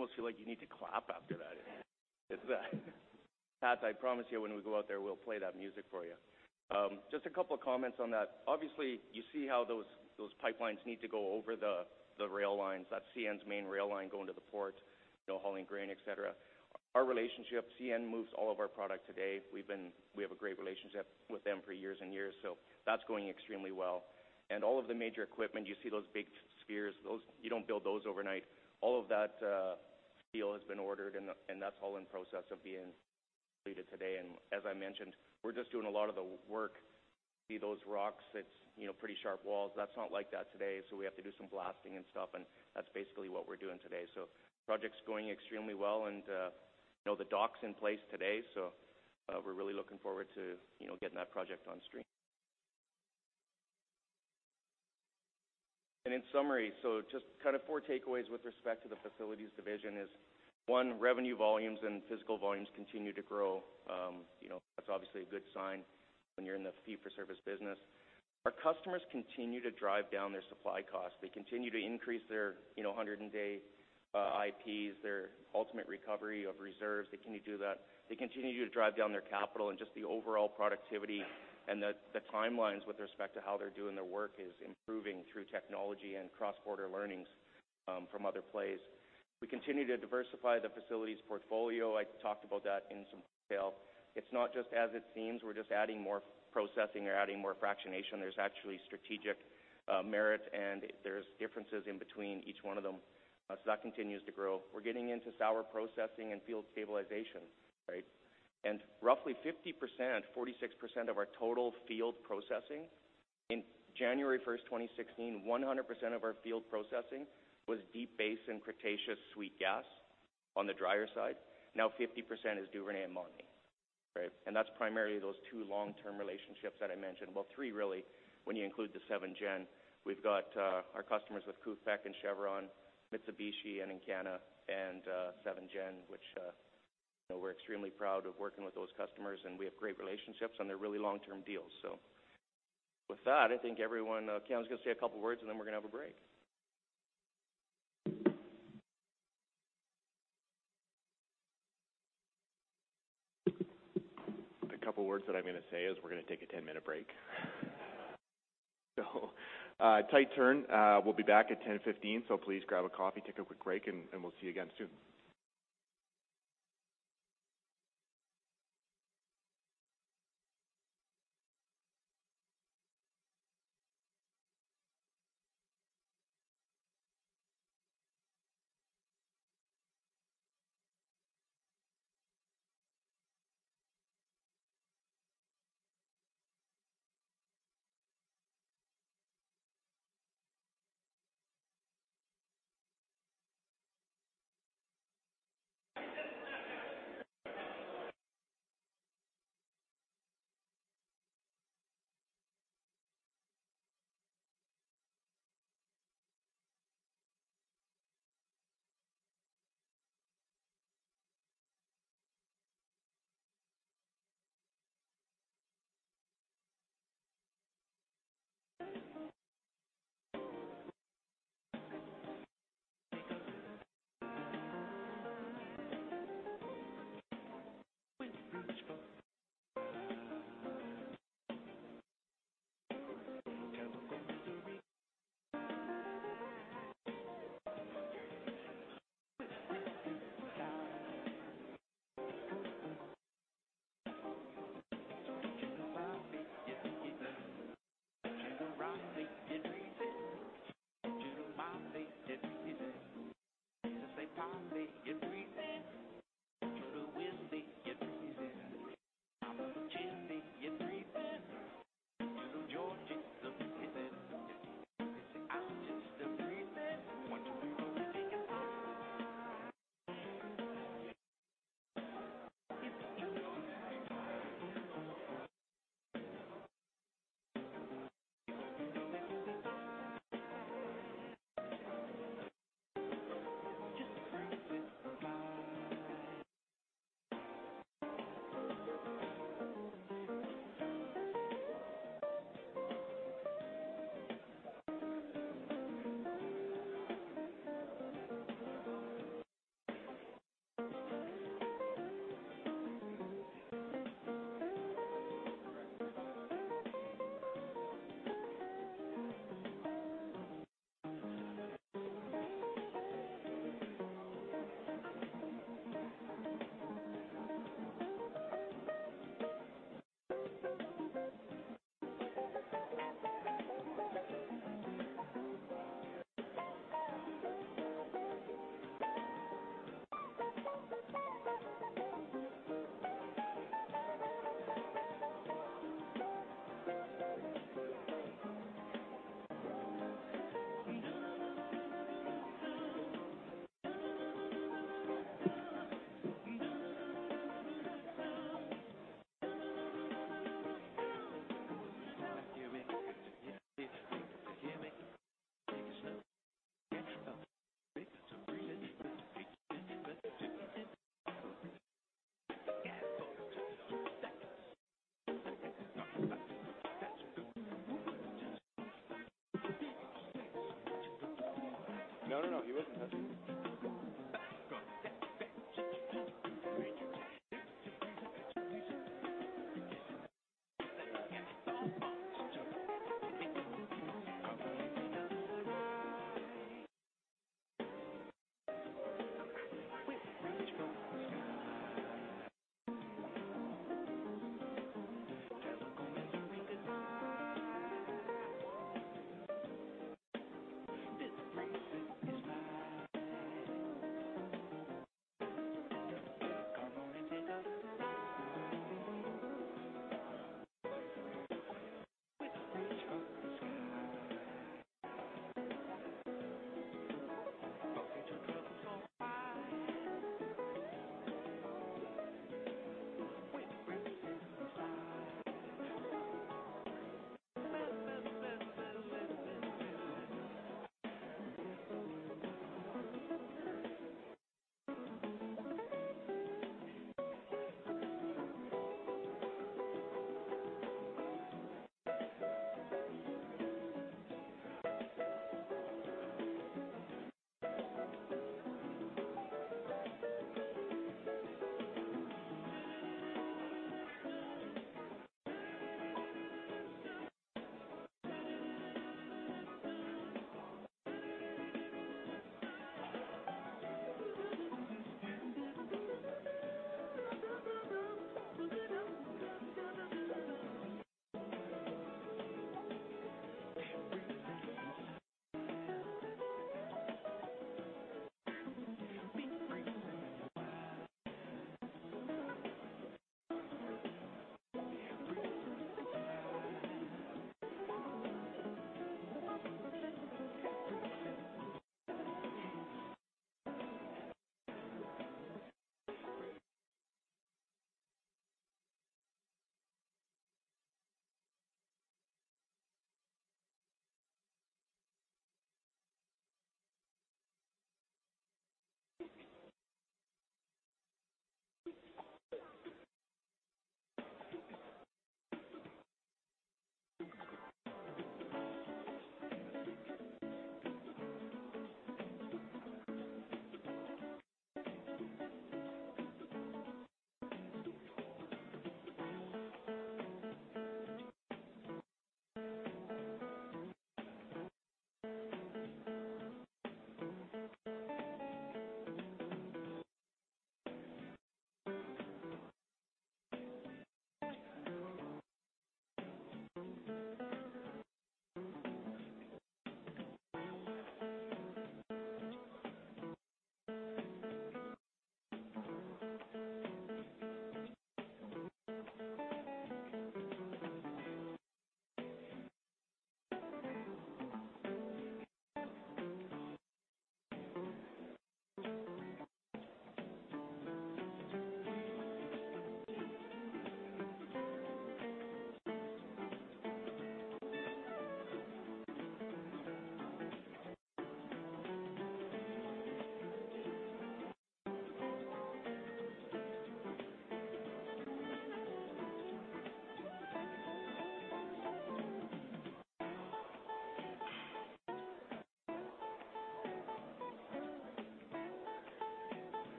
Almost feel like you need to clap after that. Pat, I promise you when we go out there, we'll play that music for you. Just a couple of comments on that. Obviously, you see how those pipelines need to go over the rail lines. That's CN's main rail line going to the port, hauling grain, et cetera. Our relationship, CN moves all of our product today. We have a great relationship with them for years and years, that's going extremely well. All of the major equipment, you see those big spheres, you don't build those overnight. All of that steel has been ordered, and that's all in process of being completed today, and as I mentioned, we're just doing a lot of the work. See those rocks? It's pretty sharp walls. That's not like that today, we have to do some blasting and stuff, and that's basically what we're doing today. Project's going extremely well and the dock's in place today. We're really looking forward to getting that project on stream. In summary, just kind of four takeaways with respect to the facilities division is, one, revenue volumes and physical volumes continue to grow. That's obviously a good sign when you're in the fee-for-service business. Our customers continue to drive down their supply costs. They continue to increase their 100-day IPs, their ultimate recovery of reserves. They continue to drive down their capital and just the overall productivity and the timelines with respect to how they're doing their work is improving through technology and cross-border learnings from other plays. We continue to diversify the facilities portfolio. I talked about that in some detail. It's not just as it seems, we're just adding more processing or adding more fractionation. There's actually strategic merit, and there's differences in between each one of them. That continues to grow. We're getting into sour processing and field stabilization, right? Roughly 50%, 46% of our total field processing-- in January 1st, 2016, 100% of our field processing was Deep Basin Cretaceous sweet gas on the drier side. Now 50% is Duvernay and Montney. Right? That's primarily those two long-term relationships that I mentioned. Well, three really, when you include the SevenGen. We've got our customers with Cutbank and Chevron, Mitsubishi and Encana and SevenGen, which we're extremely proud of working with those customers, and we have great relationships, and they're really long-term deals. With that, I think everyone Cameron's going to say a couple words, and then we're going to have a break. The couple words that I'm going to say is we're going to take a 10-minute break. Tight turn. We'll be back at 10:15, please grab a coffee, take a quick break, we'll see you again soon.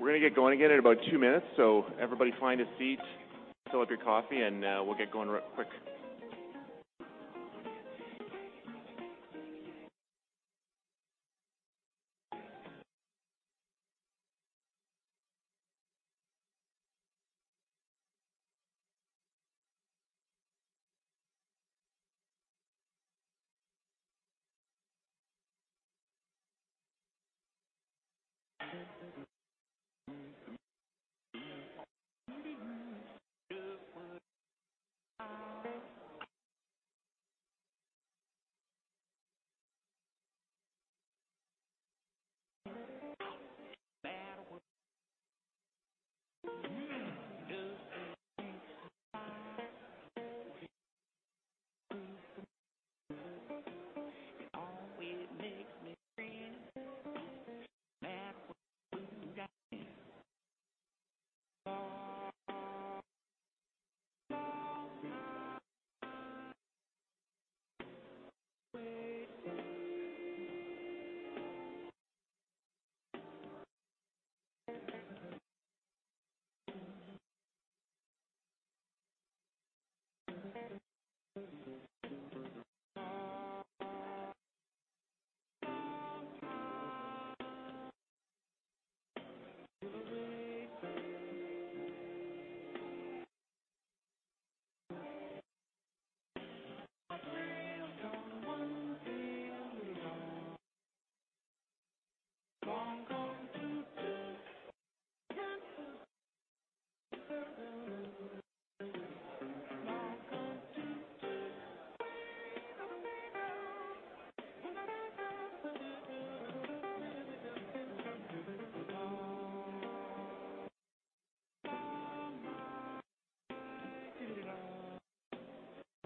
We're going to get going again in about two minutes, everybody find a seat, fill up your coffee, we'll get going real quick.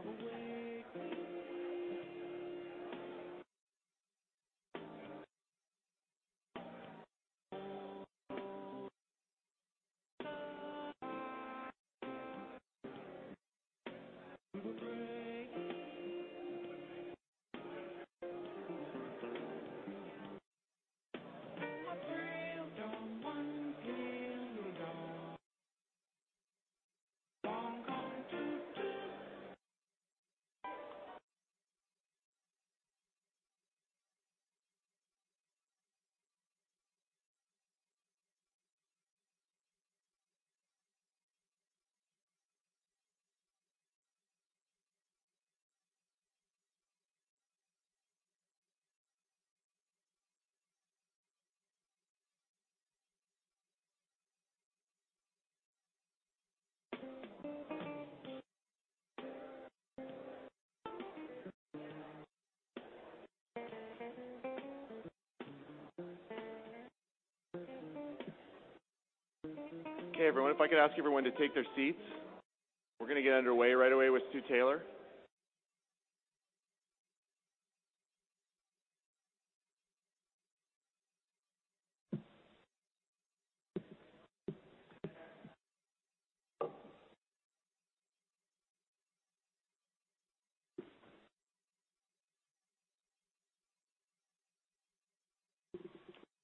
Okay, everyone. If I could ask everyone to take their seats. We're going to get underway right away with Stu Taylor.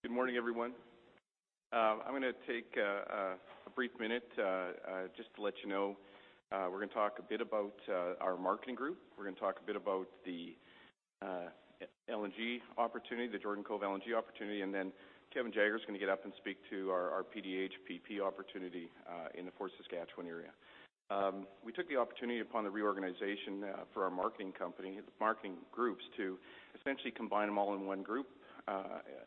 Good morning, everyone. I'm going to take a brief minute just to let you know we're going to talk a bit about our Marketing group. We're going to talk a bit about the Jordan Cove LNG opportunity, Kevin Jagger's going to get up and speak to our PDHPP opportunity in the Fort Saskatchewan area. We took the opportunity upon the reorganization for our marketing groups to essentially combine them all in one group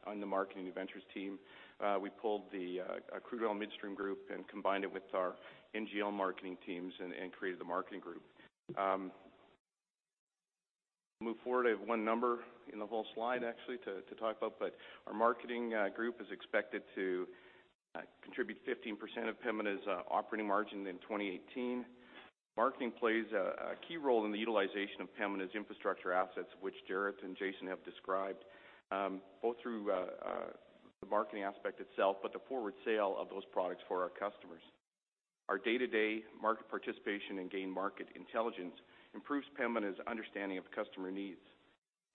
on the Marketing and Ventures team. We pulled the crude oil midstream group and combined it with our NGL marketing teams and created the Marketing group. Move forward, I have one number in the whole slide actually to talk about. Our Marketing group is expected to contribute 15% of Pembina's operating margin in 2018. Marketing plays a key role in the utilization of Pembina's infrastructure assets, which Jaret and Jason have described, both through the marketing aspect itself, the forward sale of those products for our customers. Our day-to-day market participation and gain market intelligence improves Pembina's understanding of customer needs.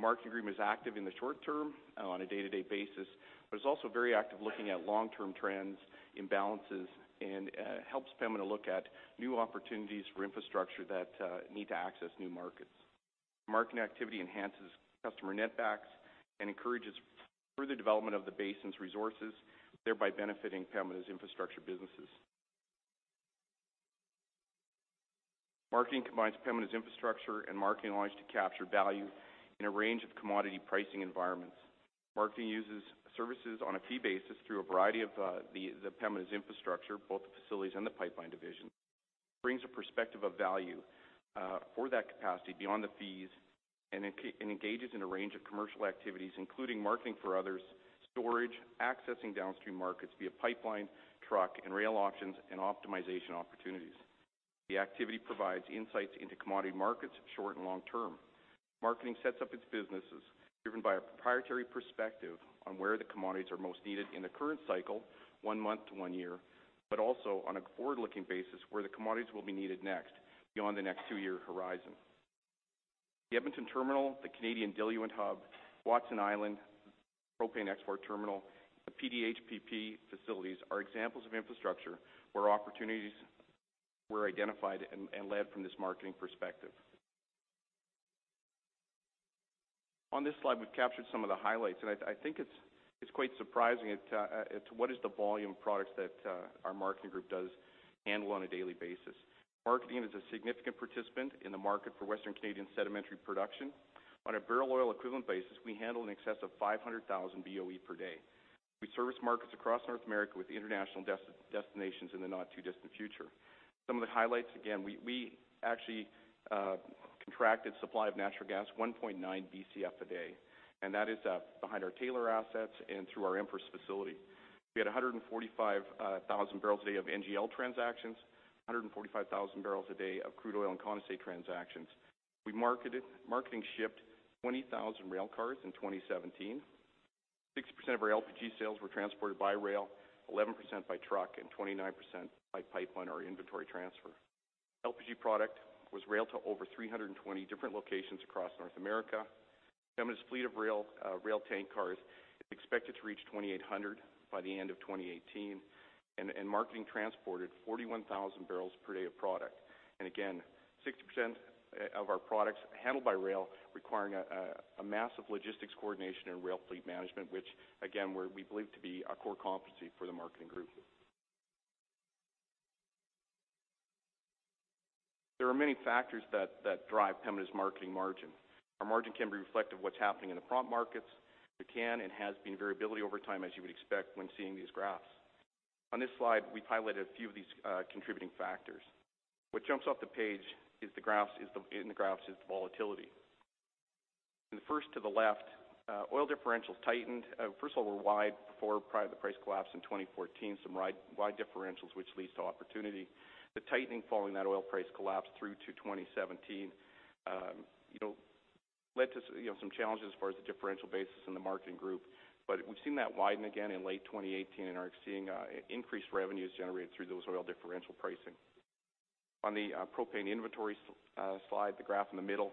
Marketing group is active in the short term on a day-to-day basis, it's also very active looking at long-term trends, imbalances, helps Pembina look at new opportunities for infrastructure that need to access new markets. Marketing activity enhances customer netbacks and encourages further development of the basin's resources, thereby benefiting Pembina's infrastructure businesses. Marketing combines Pembina's infrastructure and marketing knowledge to capture value in a range of commodity pricing environments. Marketing uses services on a fee basis through a variety of Pembina's infrastructure, both the facilities and the pipeline division, brings a perspective of value for that capacity beyond the fees, engages in a range of commercial activities, including marketing for others, storage, accessing downstream markets via pipeline, truck, and rail options, optimization opportunities. The activity provides insights into commodity markets, short and long term. Marketing sets up its businesses driven by a proprietary perspective on where the commodities are most needed in the current cycle, one month to one year, also on a forward-looking basis where the commodities will be needed next beyond the next two-year horizon. The Edmonton terminal, the Canadian Diluent Hub, Watson Island Propane Export Terminal, the PDHPP facilities are examples of infrastructure where opportunities were identified and led from this marketing perspective. On this slide, we've captured some of the highlights. I think it's quite surprising what is the volume of products that our marketing group does handle on a daily basis. Marketing is a significant participant in the market for Western Canadian Sedimentary production. On a barrel oil equivalent basis, we handle in excess of 500,000 BOE per day. We service markets across North America with international destinations in the not-too-distant future. Some of the highlights, again, we actually contracted supply of natural gas 1.9 Bcf a day. That is behind our Taylor assets and through our Empress facility. We had 145,000 barrels a day of NGL transactions, 145,000 barrels a day of crude oil and condensate transactions. Marketing shipped 20,000 rail cars in 2017. 60% of our LPG sales were transported by rail, 11% by truck, 29% by pipeline or inventory transfer. LPG product was railed to over 320 different locations across North America. Pembina's fleet of rail tank cars is expected to reach 2,800 by the end of 2018. Marketing transported 41,000 barrels per day of product. Again, 60% of our products handled by rail requiring a massive logistics coordination and rail fleet management, which again, we believe to be a core competency for the marketing group. There are many factors that drive Pembina's marketing margin. Our margin can be reflective of what's happening in the prompt markets. There can and has been variability over time, as you would expect when seeing these graphs. On this slide, we've highlighted a few of these contributing factors. What jumps off the page in the graphs is the volatility. In the first to the left, oil differentials tightened. First of all, were wide before prior to the price collapse in 2014, some wide differentials, which leads to opportunity. The tightening following that oil price collapse through to 2017 led to some challenges as far as the differential basis in the marketing group. We've seen that widen again in late 2018 and are seeing increased revenues generated through those oil differential pricing. On the propane inventories slide, the graph in the middle,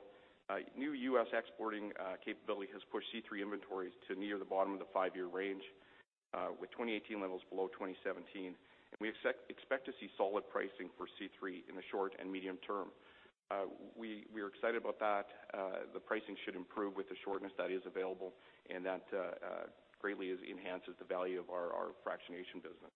new U.S. exporting capability has pushed C3 inventories to near the bottom of the five-year range, with 2018 levels below 2017. We expect to see solid pricing for C3 in the short and medium term. We are excited about that. The pricing should improve with the shortness that is available. That greatly enhances the value of our fractionation business.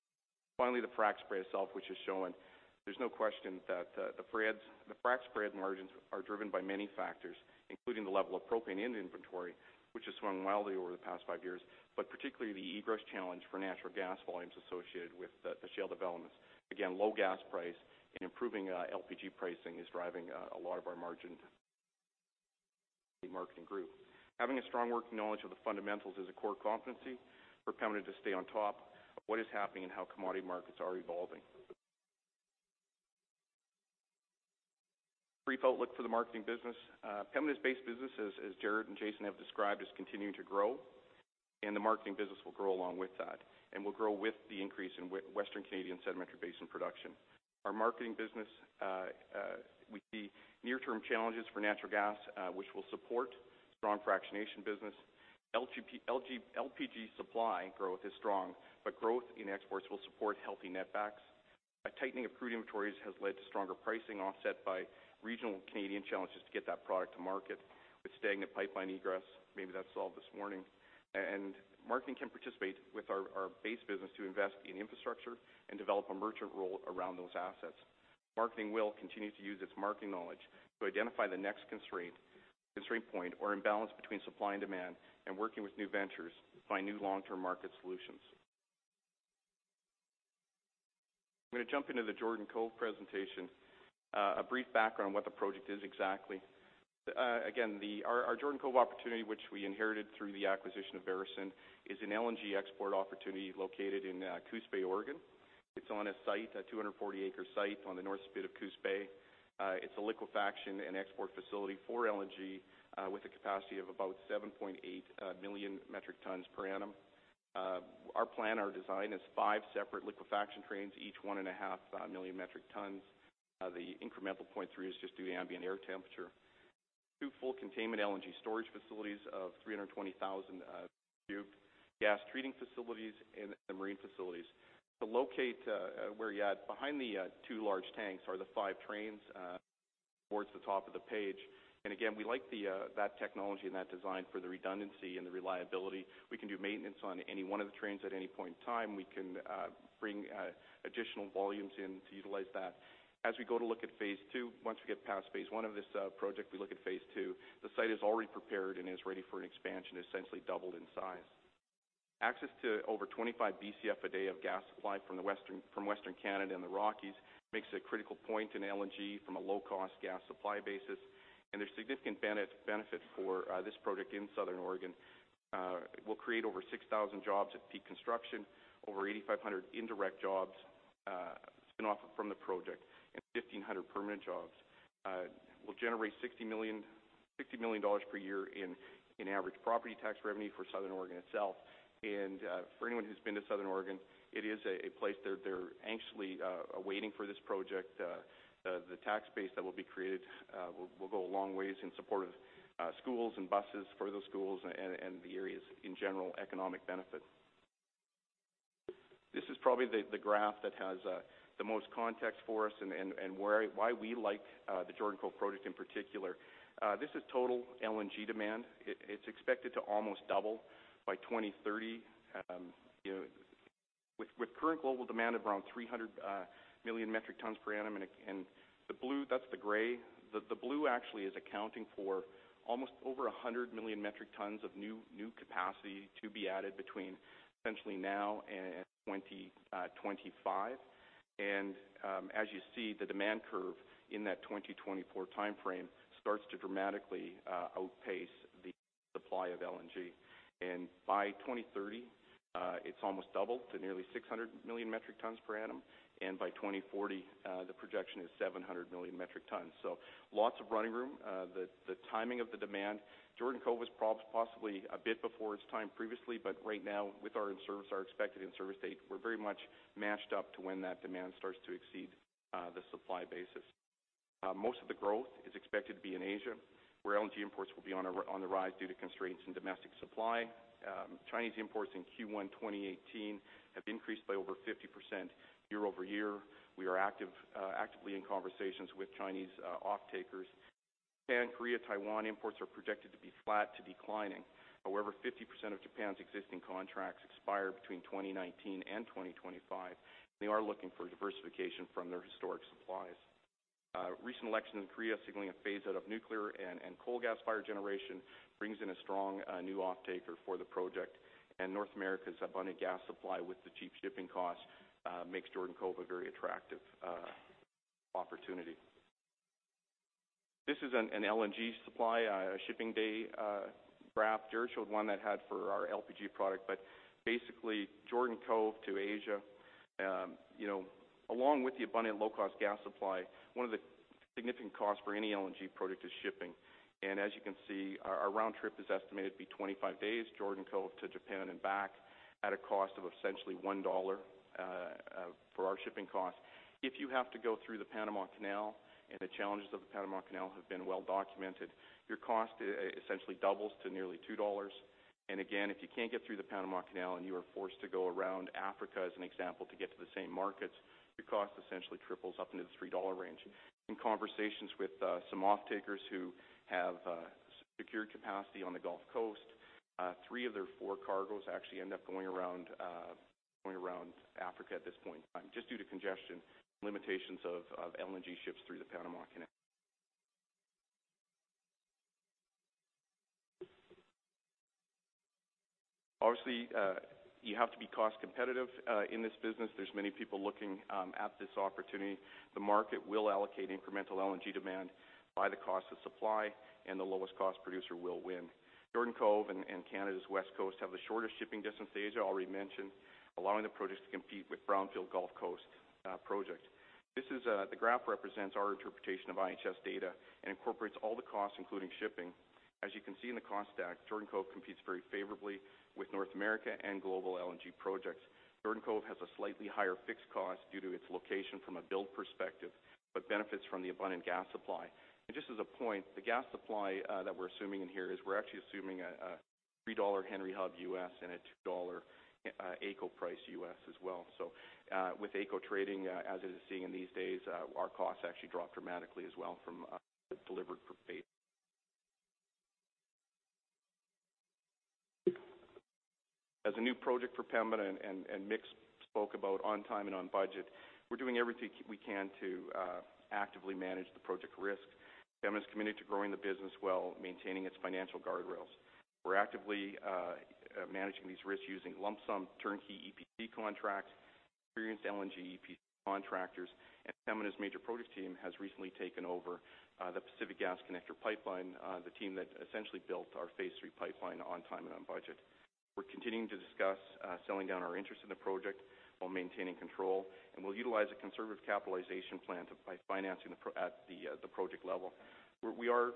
Finally, the frac spread itself, which is showing there's no question that the frac spread margins are driven by many factors, including the level of propane in inventory, which has swung wildly over the past five years, particularly the egress challenge for natural gas volumes associated with the shale developments. Again, low gas price and improving LPG pricing is driving a lot of our margin in the marketing group. Having a strong working knowledge of the fundamentals is a core competency for Pembina to stay on top of what is happening and how commodity markets are evolving. Brief outlook for the marketing business. Pembina's base business, as Jaret and Jason have described, is continuing to grow. The marketing business will grow along with that, will grow with the increase in Western Canadian Sedimentary Basin production. Our marketing business, we see near-term challenges for natural gas, which will support strong fractionation business. LPG supply growth is strong, but growth in exports will support healthy netbacks. A tightening of crude inventories has led to stronger pricing offset by regional Canadian challenges to get that product to market with stagnant pipeline egress. Maybe that's solved this morning. Marketing can participate with our base business to invest in infrastructure and develop a merchant role around those assets. Marketing will continue to use its marketing knowledge to identify the next constraint point or imbalance between supply and demand, and working with new ventures to find new long-term market solutions. I'm going to jump into the Jordan Cove presentation. A brief background what the project is exactly. Again, our Jordan Cove opportunity, which we inherited through the acquisition of Veresen, is an LNG export opportunity located in Coos Bay, Oregon. It's on a 240-acre site on the north spit of Coos Bay. It's a liquefaction and export facility for LNG with a capacity of about 7.8 million metric tons per annum. Our plan, our design, is five separate liquefaction trains, each one and a half million metric tons. The incremental point three is just due to ambient air temperature. Two full containment LNG storage facilities of 320,000 cubed, gas treating facilities, and the marine facilities. To locate where you're at, behind the two large tanks are the five trains towards the top of the page. Again, we like that technology and that design for the redundancy and the reliability. We can do maintenance on any one of the trains at any point in time. We can bring additional volumes in to utilize that. As we go to look at phase two, once we get past phase one of this project, we look at phase two. The site is already prepared and is ready for an expansion, essentially doubled in size. Access to over 25 Bcf a day of gas supply from Western Canada and the Rockies makes it a critical point in LNG from a low-cost gas supply basis, and there's significant benefit for this project in Southern Oregon. It will create over 6,000 jobs at peak construction, over 8,500 indirect jobs spin off from the project, and 1,500 permanent jobs. We'll generate 60 million dollars per year in average property tax revenue for Southern Oregon itself. For anyone who's been to Southern Oregon, it is a place, they're anxiously waiting for this project. The tax base that will be created will go a long ways in support of schools and buses for those schools and the area's general economic benefit. This is probably the graph that has the most context for us and why we like the Jordan Cove project in particular. This is total LNG demand. It's expected to almost double by 2030. With current global demand of around 300 million metric tons per annum, the blue, that's the gray. The blue actually is accounting for almost over 100 million metric tons of new capacity to be added between essentially now and 2025. As you see, the demand curve in that 2024 timeframe starts to dramatically outpace the supply of LNG. By 2030, it's almost doubled to nearly 600 million metric tons per annum. By 2040, the projection is 700 million metric tons. Lots of running room. The timing of the demand, Jordan Cove was possibly a bit before its time previously, but right now with our in-service, our expected in-service date, we are very much matched up to when that demand starts to exceed the supply basis. Most of the growth is expected to be in Asia, where LNG imports will be on the rise due to constraints in domestic supply. Chinese imports in Q1 2018 have increased by over 50% year-over-year. We are actively in conversations with Chinese off-takers. Japan, Korea, Taiwan imports are projected to be flat to declining. However, 50% of Japan's existing contracts expire between 2019 and 2025. They are looking for diversification from their historic supplies. Recent election in Korea signaling a phase-out of nuclear and coal gas fire generation brings in a strong new off-taker for the project, and North America's abundant gas supply with the cheap shipping cost makes Jordan Cove a very attractive opportunity. This is an LNG supply, a shipping day graph. Mick showed one that had for our LPG product, but basically Jordan Cove to Asia. Along with the abundant low-cost gas supply, one of the significant costs for any LNG project is shipping. As you can see, our round trip is estimated to be 25 days, Jordan Cove to Japan and back, at a cost of essentially $1 for our shipping cost. If you have to go through the Panama Canal, and the challenges of the Panama Canal have been well documented, your cost essentially doubles to nearly $2. Again, if you cannot get through the Panama Canal and you are forced to go around Africa, as an example, to get to the same markets, your cost essentially triples up into the $3 range. In conversations with some off-takers who have secured capacity on the Gulf Coast, three of their four cargoes actually end up going around Africa at this point in time, just due to congestion, limitations of LNG ships through the Panama Canal. Obviously, you have to be cost competitive in this business. There are many people looking at this opportunity. The market will allocate incremental LNG demand by the cost of supply, and the lowest cost producer will win. Jordan Cove and Canada's West Coast have the shortest shipping distance to Asia, already mentioned, allowing the project to compete with Brownfield Gulf Coast project. The graph represents our interpretation of IHS data and incorporates all the costs, including shipping. As you can see in the cost stack, Jordan Cove competes very favorably with North America and global LNG projects. Jordan Cove has a slightly higher fixed cost due to its location from a build perspective, but benefits from the abundant gas supply. Just as a point, the gas supply that we are assuming in here is we are actually assuming a $3 Henry Hub and a $2 AECO price. So with AECO trading as it is seeing in these days, our costs actually drop dramatically as well from delivered for base. As a new project for Pembina, Mick spoke about on time and on budget, we are doing everything we can to actively manage the project risk. Pembina is committed to growing the business while maintaining its financial guardrails. We're actively managing these risks using lump sum turnkey EPC contracts, experienced LNG EPC contractors. Pembina's major project team has recently taken over the Pacific Connector Gas Pipeline, the team that essentially built our Phase III pipeline on time and on budget. We're continuing to discuss selling down our interest in the project while maintaining control. We'll utilize a conservative capitalization plan by financing at the project level. We're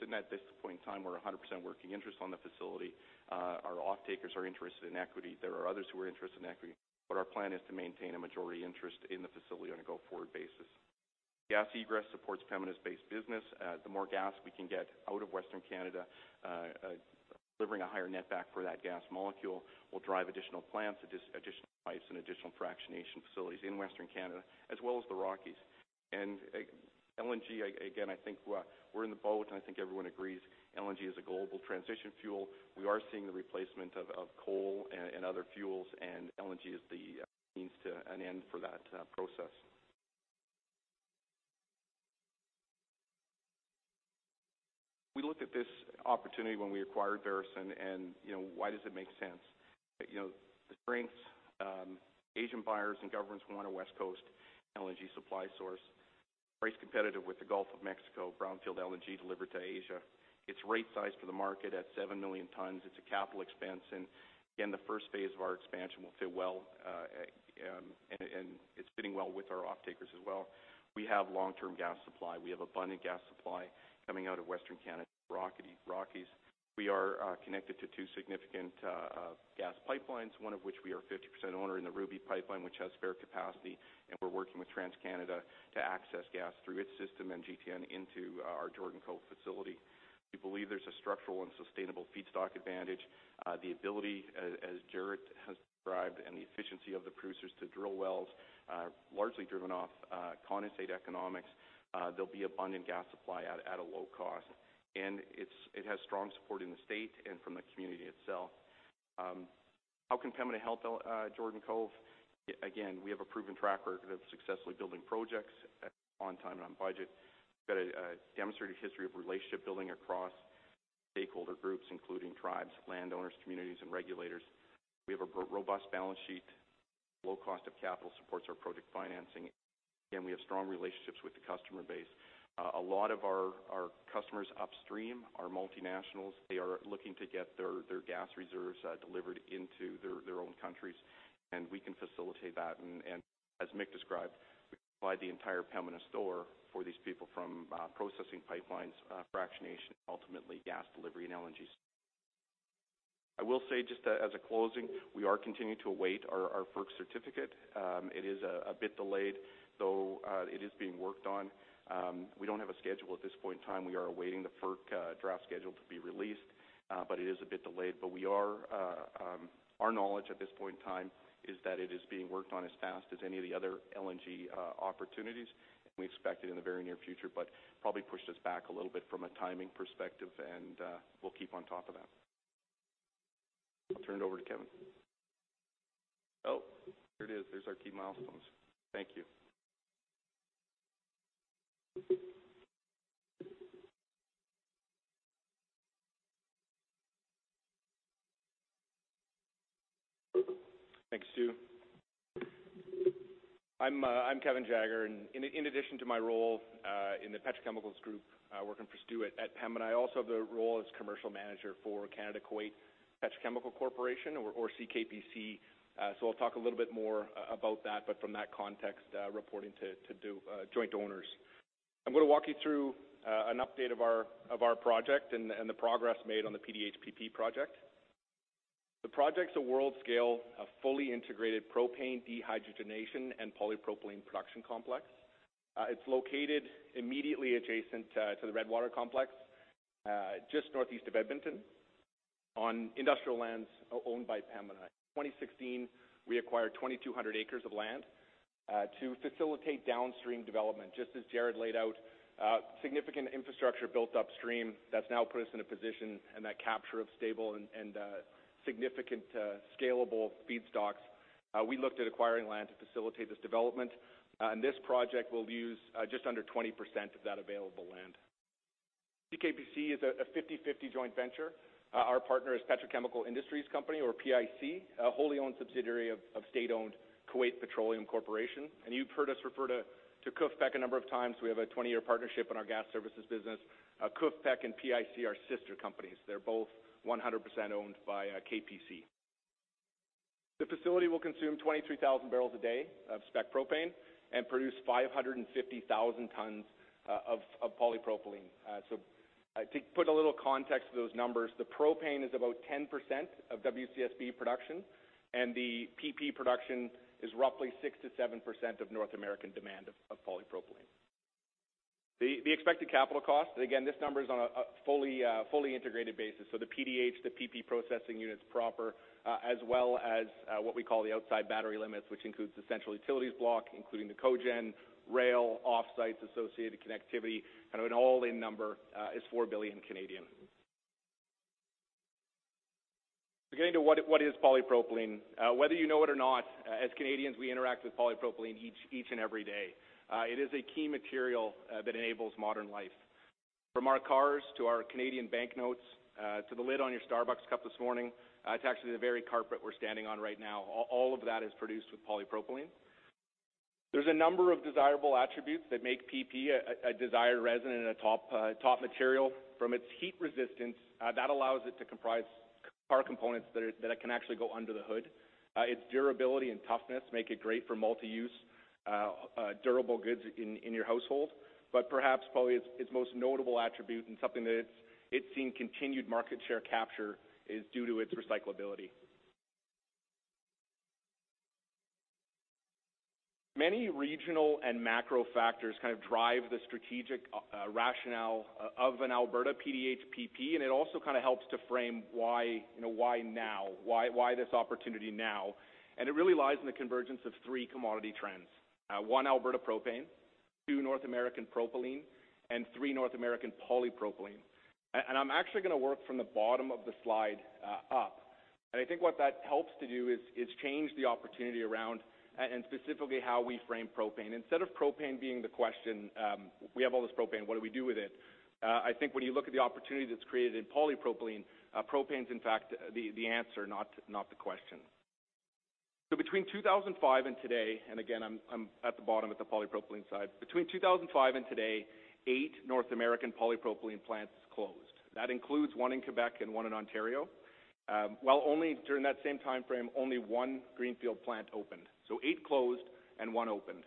sitting at this point in time, we're 100% working interest on the facility. Our offtakers are interested in equity. There are others who are interested in equity, our plan is to maintain a majority interest in the facility on a go-forward basis. Gas egress supports Pembina's base business. The more gas we can get out of Western Canada, delivering a higher netback for that gas molecule, will drive additional plants, additional pipes, and additional fractionation facilities in Western Canada, as well as the Rockies. LNG, again, I think we're in the boat, I think everyone agrees LNG is a global transition fuel. We are seeing the replacement of coal and other fuels, LNG is the means to an end for that process. We looked at this opportunity when we acquired Veresen. Why does it make sense? The strengths, Asian buyers and governments want a West Coast LNG supply source. Price competitive with the Gulf of Mexico, brownfield LNG delivered to Asia. It's right sized for the market at 7 million tons. It's a capital expense, again, the first phase of our expansion will fit well, it's fitting well with our offtakers as well. We have long-term gas supply. We have abundant gas supply coming out of Western Canada and the Rockies. We are connected to two significant gas pipelines, one of which we are 50% owner in the Ruby Pipeline, which has spare capacity. We're working with TransCanada to access gas through its system and GTN into our Jordan Cove facility. We believe there's a structural and sustainable feedstock advantage. The ability, as Jaret has described, the efficiency of the producers to drill wells, largely driven off condensate economics. There'll be abundant gas supply at a low cost. It has strong support in the state and from the community itself. How can Pembina help Jordan Cove? We have a proven track record of successfully building projects on time and on budget. We've got a demonstrated history of relationship building across stakeholder groups, including tribes, landowners, communities, and regulators. We have a robust balance sheet. Low cost of capital supports our project financing. We have strong relationships with the customer base. A lot of our customers upstream are multinationals. They are looking to get their gas reserves delivered into their own countries, we can facilitate that. As Mick described, we can provide the entire Pembina store for these people from processing pipelines, fractionation, ultimately gas delivery and LNGs. I will say just as a closing, we are continuing to await our FERC certificate. It is a bit delayed, though it is being worked on. We don't have a schedule at this point in time. We are awaiting the FERC draft schedule to be released, but it is a bit delayed. Our knowledge at this point in time is that it is being worked on as fast as any of the other LNG opportunities, we expect it in the very near future, but probably pushed us back a little bit from a timing perspective and we'll keep on top of that. I'll turn it over to Kevin. Oh, here it is. There's our key milestones. Thank you. Thanks, Stu. I'm Kevin Jagger, and in addition to my role in the petrochemicals group working for Stuart at Pembina, I also have the role as commercial manager for Canada Kuwait Petrochemical Corporation or CKPC. I'll talk a little bit more about that, but from that context, reporting to joint owners. I'm going to walk you through an update of our project and the progress made on the PDHPP project. The project's a world-scale, fully integrated propane dehydrogenation and polypropylene production complex. It's located immediately adjacent to the Redwater complex, just northeast of Edmonton on industrial lands owned by Pembina. In 2016, we acquired 2,200 acres of land to facilitate downstream development. Just as Jaret laid out, significant infrastructure built upstream that's now put us in a position and that capture of stable and significant scalable feedstocks. We looked at acquiring land to facilitate this development, and this project will use just under 20% of that available land. CKPC is a 50/50 joint venture. Our partner is Petrochemical Industries Company or PIC, a wholly owned subsidiary of state-owned Kuwait Petroleum Corporation. You've heard us refer to KUFPEC a number of times. We have a 20-year partnership in our gas services business. KUFPEC and PIC are sister companies. They're both 100% owned by KPC. The facility will consume 23,000 barrels a day of spec propane and produce 550,000 tons of polypropylene. To put a little context to those numbers, the propane is about 10% of WCSB production, and the PP production is roughly 6%-7% of North American demand of polypropylene. The expected capital cost, and again, this number is on a fully integrated basis, so the PDH, the PP processing units proper, as well as what we call the outside battery limits, which includes the central utilities block, including the cogen, rail, offsites, associated connectivity, and an all-in number is 4 billion. Getting to what is polypropylene. Whether you know it or not, as Canadians, we interact with polypropylene each and every day. It is a key material that enables modern life. From our cars, to our Canadian banknotes, to the lid on your Starbucks cup this morning. It's actually the very carpet we're standing on right now. All of that is produced with polypropylene. There's a number of desirable attributes that make PP a desired resin and a top material. From its heat resistance, that allows it to comprise car components that can actually go under the hood. Its durability and toughness make it great for multi-use durable goods in your household. Perhaps, probably its most notable attribute and something that it's seen continued market share capture is due to its recyclability. Many regional and macro factors kind of drive the strategic rationale of an Alberta PDH PP. It also kind of helps to frame why now? Why this opportunity now? It really lies in the convergence of three commodity trends. One, Alberta propane. Two, North American propylene. Three, North American polypropylene. I'm actually going to work from the bottom of the slide up. I think what that helps to do is change the opportunity around, and specifically how we frame propane. Instead of propane being the question, "We have all this propane, what do we do with it?" I think when you look at the opportunity that's created in polypropylene, propane's, in fact, the answer, not the question. Between 2005 and today, and again, I'm at the bottom with the polypropylene side. Between 2005 and today, eight North American polypropylene plants closed. That includes one in Quebec and one in Ontario. While during that same timeframe, only one greenfield plant opened. Eight closed and one opened.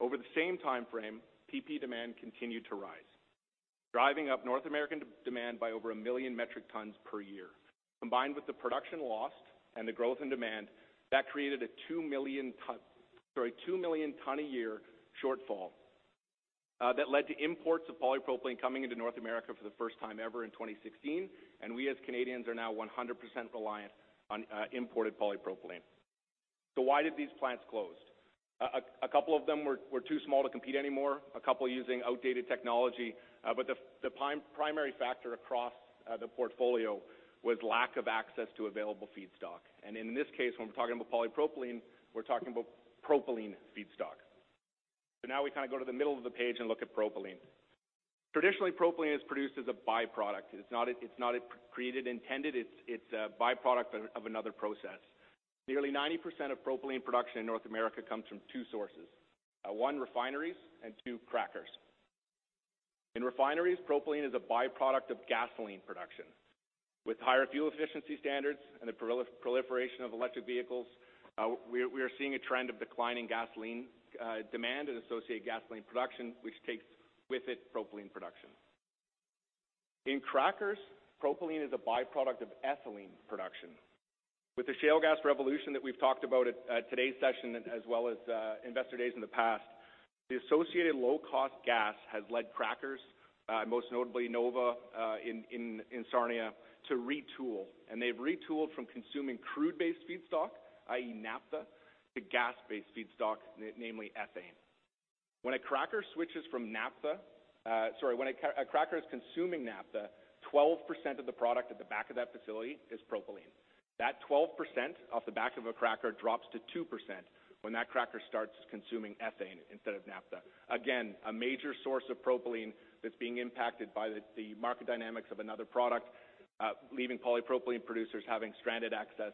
Over the same timeframe, PP demand continued to rise, driving up North American demand by over 1 million metric tons per year. Combined with the production lost and the growth in demand, that created a 2 million ton a year shortfall that led to imports of polypropylene coming into North America for the first time ever in 2016. We, as Canadians, are now 100% reliant on imported polypropylene. Why did these plants close? A couple of them were too small to compete anymore, a couple using outdated technology. The primary factor across the portfolio was lack of access to available feedstock. In this case, when we're talking about polypropylene, we're talking about propylene feedstock. Now we kind of go to the middle of the page and look at propylene. Traditionally, propylene is produced as a byproduct. It's not created intended. It's a byproduct of another process. Nearly 90% of propylene production in North America comes from two sources. One, refineries. Two, crackers. In refineries, propylene is a byproduct of gasoline production. With higher fuel efficiency standards and the proliferation of electric vehicles, we are seeing a trend of declining gasoline demand and associated gasoline production, which takes with it propylene production. In crackers, propylene is a byproduct of ethylene production. With the shale gas revolution that we've talked about at today's session, as well as Investor Days in the past, the associated low-cost gas has led crackers, most notably Nova in Sarnia, to retool. They've retooled from consuming crude-based feedstock, i.e., naphtha, to gas-based feedstock, namely ethane. When a cracker is consuming naphtha, 12% of the product at the back of that facility is propylene. That 12% off the back of a cracker drops to 2% when that cracker starts consuming ethane instead of naphtha. Again, a major source of propylene that's being impacted by the market dynamics of another product, leaving polypropylene producers having stranded access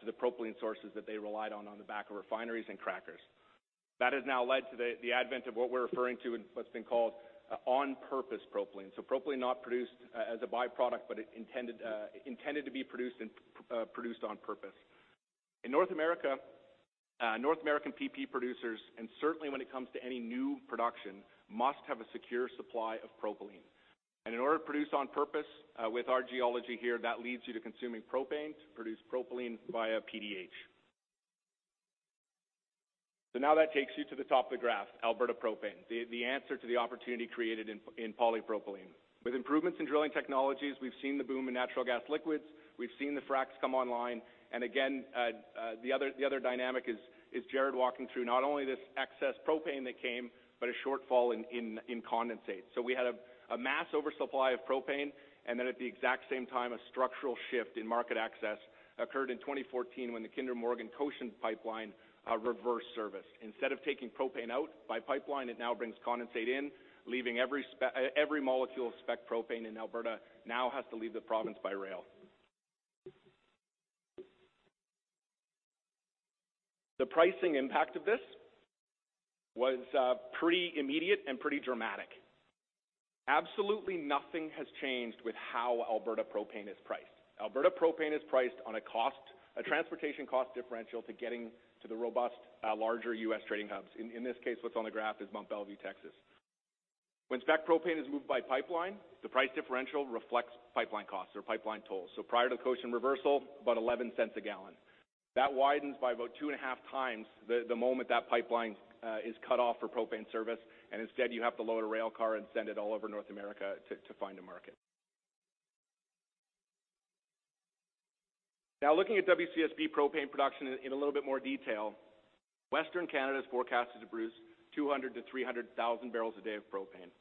to the propylene sources that they relied on the back of refineries and crackers. That has now led to the advent of what we're referring to and what's been called on-purpose propylene. Propylene not produced as a byproduct but intended to be produced and produced on purpose. In North America, North American PP producers, and certainly when it comes to any new production, must have a secure supply of propylene. In order to produce on purpose with our geology here, that leads you to consuming propane to produce propylene via PDH. That takes you to the top of the graph, Alberta propane, the answer to the opportunity created in polypropylene. With improvements in drilling technologies, we've seen the boom in natural gas liquids. We've seen the fracs come online. Again, the other dynamic is Jaret walking through not only this excess propane that came, but a shortfall in condensate. We had a mass oversupply of propane, and then at the exact same time, a structural shift in market access occurred in 2014 when the Kinder Morgan Cochin pipeline reversed service. Instead of taking propane out by pipeline, it now brings condensate in, leaving every molecule of spec propane in Alberta now has to leave the province by rail. The pricing impact of this was pretty immediate and pretty dramatic. Absolutely nothing has changed with how Alberta propane is priced. Alberta propane is priced on a transportation cost differential to getting to the robust, larger U.S. trading hubs. In this case, what's on the graph is Mont Belvieu, Texas. When spec propane is moved by pipeline, the price differential reflects pipeline costs or pipeline tolls. Prior to the Cochin reversal, about 0.11 a gallon. That widens by about 2.5 times the moment that pipeline is cut off for propane service, and instead you have to load a rail car and send it all over North America to find a market. Looking at WCSB propane production in a little bit more detail, Western Canada is forecasted to produce 200,000 to 300,000 barrels a day of propane.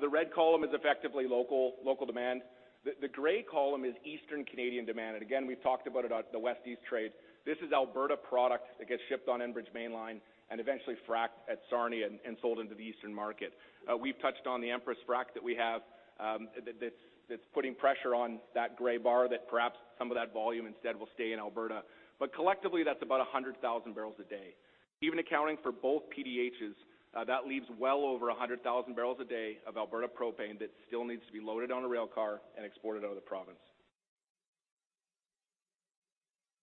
The red column is effectively local demand. The gray column is Eastern Canadian demand. Again, we've talked about it, the West East trade. This is Alberta product that gets shipped on Enbridge Mainline and eventually fracked at Sarnia and sold into the eastern market. We've touched on the Empress frack that we have, that's putting pressure on that gray bar, that perhaps some of that volume instead will stay in Alberta. Collectively, that's about 100,000 barrels a day. Even accounting for both PDHs, that leaves well over 100,000 barrels a day of Alberta propane that still needs to be loaded on a rail car and exported out of the province.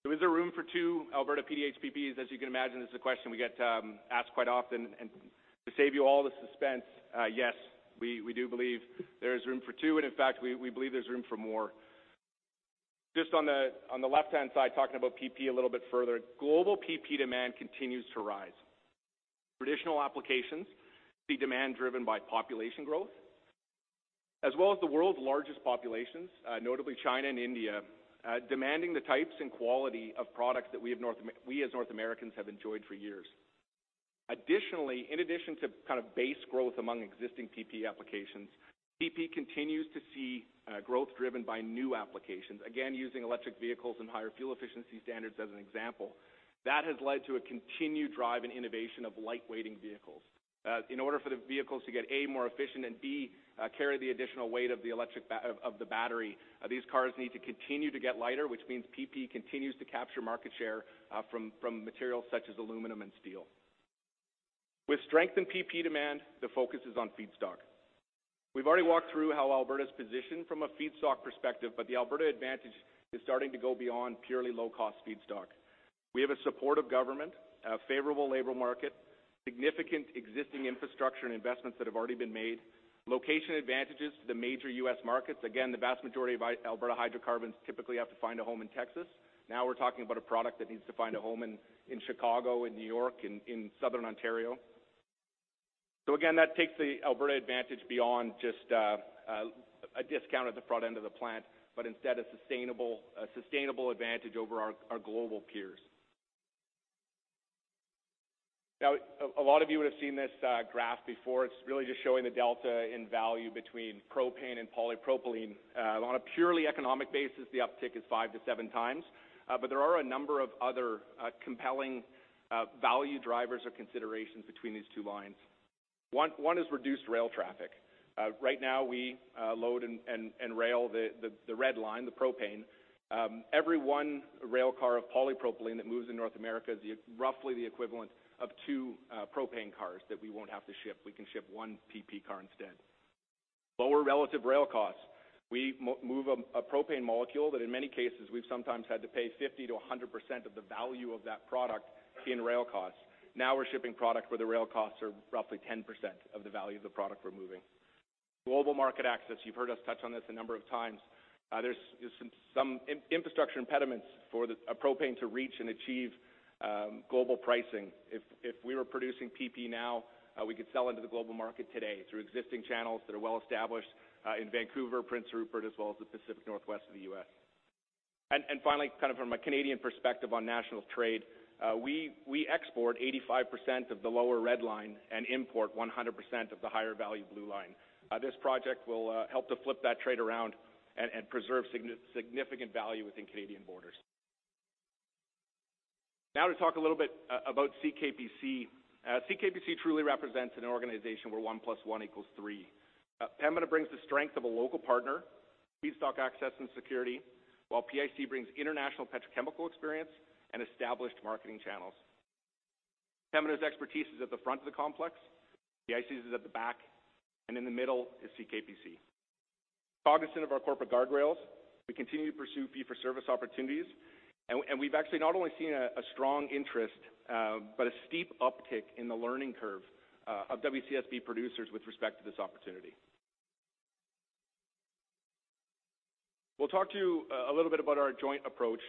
Is there room for two Alberta PDH/PPs? You can imagine, this is a question we get asked quite often. To save you all the suspense, yes, we do believe there is room for two, in fact, we believe there's room for more. Just on the left-hand side, talking about PP a little bit further, global PP demand continues to rise. Traditional applications see demand driven by population growth, as well as the world's largest populations, notably China and India, demanding the types and quality of products that we as North Americans have enjoyed for years. In addition to base growth among existing PP applications, PP continues to see growth driven by new applications, again, using electric vehicles and higher fuel efficiency standards as an example. That has led to a continued drive in innovation of lightweighting vehicles. In order for the vehicles to get, A, more efficient and B, carry the additional weight of the battery, these cars need to continue to get lighter, which means PP continues to capture market share from materials such as aluminum and steel. With strength in PP demand, the focus is on feedstock. We have already walked through how Alberta is positioned from a feedstock perspective, but the Alberta advantage is starting to go beyond purely low-cost feedstock. We have a supportive government, a favorable labor market, significant existing infrastructure and investments that have already been made, location advantages to the major U.S. markets. Again, the vast majority of Alberta hydrocarbons typically have to find a home in Texas. Now we are talking about a product that needs to find a home in Chicago, in New York, in Southern Ontario. Again, that takes the Alberta advantage beyond just a discount at the front end of the plant, but instead a sustainable advantage over our global peers. A lot of you would have seen this graph before. It is really just showing the delta in value between propane and polypropylene. On a purely economic basis, the uptick is five to seven times, but there are a number of other compelling value drivers or considerations between these two lines. One is reduced rail traffic. Right now, we load and rail the red line, the propane. Every one rail car of polypropylene that moves in North America is roughly the equivalent of two propane cars that we will not have to ship. We can ship one PP car instead. Lower relative rail costs. We move a propane molecule that in many cases, we have sometimes had to pay 50%-100% of the value of that product in rail costs. Now we are shipping product where the rail costs are roughly 10% of the value of the product we are moving. Global market access, you have heard us touch on this a number of times. There are some infrastructure impediments for the propane to reach and achieve global pricing. If we were producing PP now, we could sell into the global market today through existing channels that are well-established in Vancouver, Prince Rupert, as well as the Pacific Northwest of the U.S. Finally, from a Canadian perspective on national trade, we export 85% of the lower red line and import 100% of the higher value blue line. This project will help to flip that trade around and preserve significant value within Canadian borders. Now to talk a little bit about CKPC. CKPC truly represents an organization where one plus one equals three. Pembina brings the strength of a local partner, feedstock access, and security, while PIC brings international petrochemical experience and established marketing channels. Pembina's expertise is at the front of the complex, PIC's is at the back, and in the middle is CKPC. Cognizant of our corporate guardrails, we continue to pursue fee-for-service opportunities, and we have actually not only seen a strong interest, but a steep uptick in the learning curve of WCSB producers with respect to this opportunity. We will talk to you a little bit about our joint approach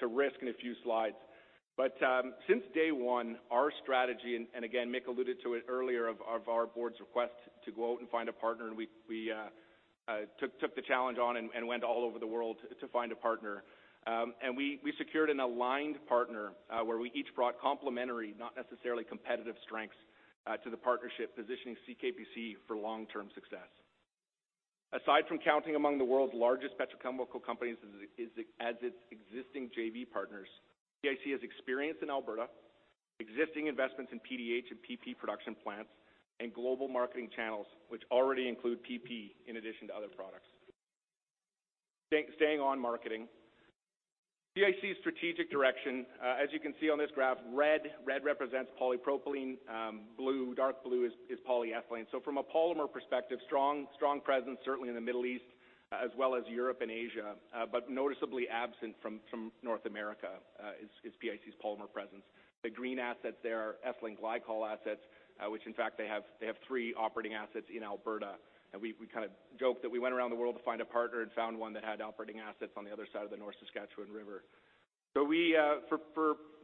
to risk in a few slides. Since day one, our strategy, and again, Mick alluded to it earlier, of our board's request to go out and find a partner, and we took the challenge on and went all over the world to find a partner. We secured an aligned partner, where we each brought complementary, not necessarily competitive strengths to the partnership, positioning CKPC for long-term success. Aside from counting among the world's largest petrochemical companies as its existing JV partners, PIC has experience in Alberta, existing investments in PDH and PP production plants, and global marketing channels, which already include PP in addition to other products. Staying on marketing, PIC's strategic direction, as you can see on this graph, red represents polypropylene, dark blue is polyethylene. From a polymer perspective, strong presence certainly in the Middle East as well as Europe and Asia, but noticeably absent from North America, is PIC's polymer presence. The green assets there are ethylene glycol assets, which in fact, they have three operating assets in Alberta. We kind of joke that we went around the world to find a partner and found one that had operating assets on the other side of the North Saskatchewan River. For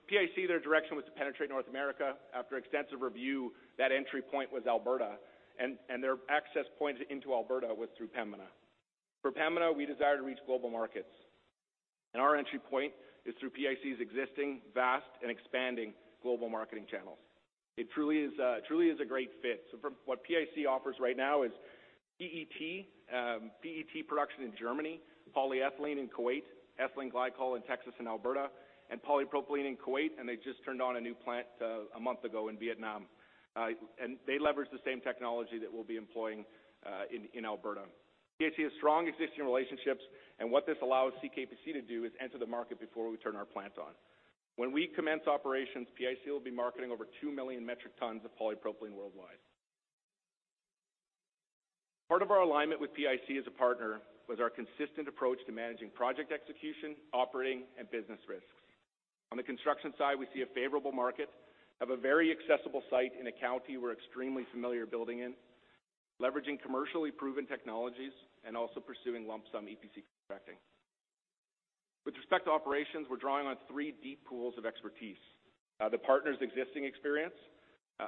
PIC, their direction was to penetrate North America. After extensive review, that entry point was Alberta, and their access point into Alberta was through Pembina. For Pembina, we desire to reach global markets. Our entry point is through PIC's existing, vast, and expanding global marketing channels. It truly is a great fit. What PIC offers right now is PET production in Germany, polyethylene in Kuwait, ethylene glycol in Texas and Alberta, and polypropylene in Kuwait, and they just turned on a new plant a month ago in Vietnam. They leverage the same technology that we'll be employing in Alberta. PIC has strong existing relationships, and what this allows CKPC to do is enter the market before we turn our plant on. When we commence operations, PIC will be marketing over two million metric tons of polypropylene worldwide. Part of our alignment with PIC as a partner was our consistent approach to managing project execution, operating, and business risks. On the construction side, we see a favorable market, have a very accessible site in a county we're extremely familiar building in, leveraging commercially proven technologies, and also pursuing lump sum EPC contracting. With respect to operations, we're drawing on three deep pools of expertise. The partner's existing experience,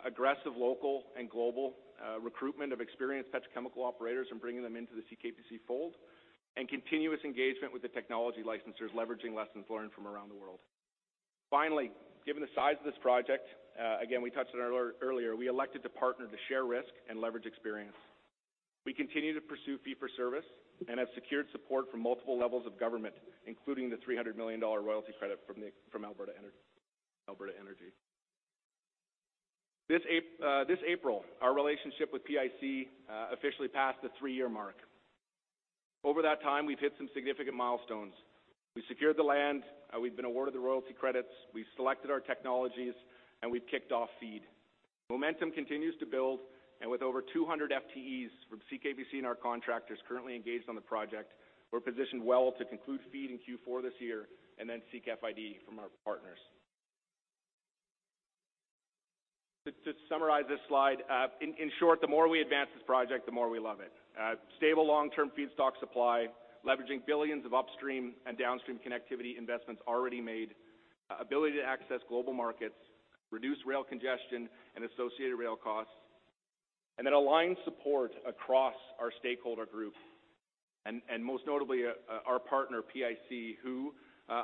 aggressive local and global recruitment of experienced petrochemical operators and bringing them into the CKPC fold, and continuous engagement with the technology licensors, leveraging lessons learned from around the world. Finally, given the size of this project, again, we touched on it earlier, we elected to partner to share risk and leverage experience. We continue to pursue fee-for-service and have secured support from multiple levels of government, including the 300 million dollar royalty credit from Alberta Energy. This April, our relationship with PIC officially passed the three-year mark. Over that time, we've hit some significant milestones. We secured the land, we've been awarded the royalty credits, we've selected our technologies, and we've kicked off FEED. Momentum continues to build. With over 200 FTEs from CKPC and our contractors currently engaged on the project, we're positioned well to conclude FEED in Q4 this year then seek FID from our partners. To summarize this slide, in short, the more we advance this project, the more we love it. Stable long-term feedstock supply, leveraging billions of upstream and downstream connectivity investments already made, ability to access global markets, reduce rail congestion and associated rail costs then align support across our stakeholder group, and most notably, our partner, PIC, who,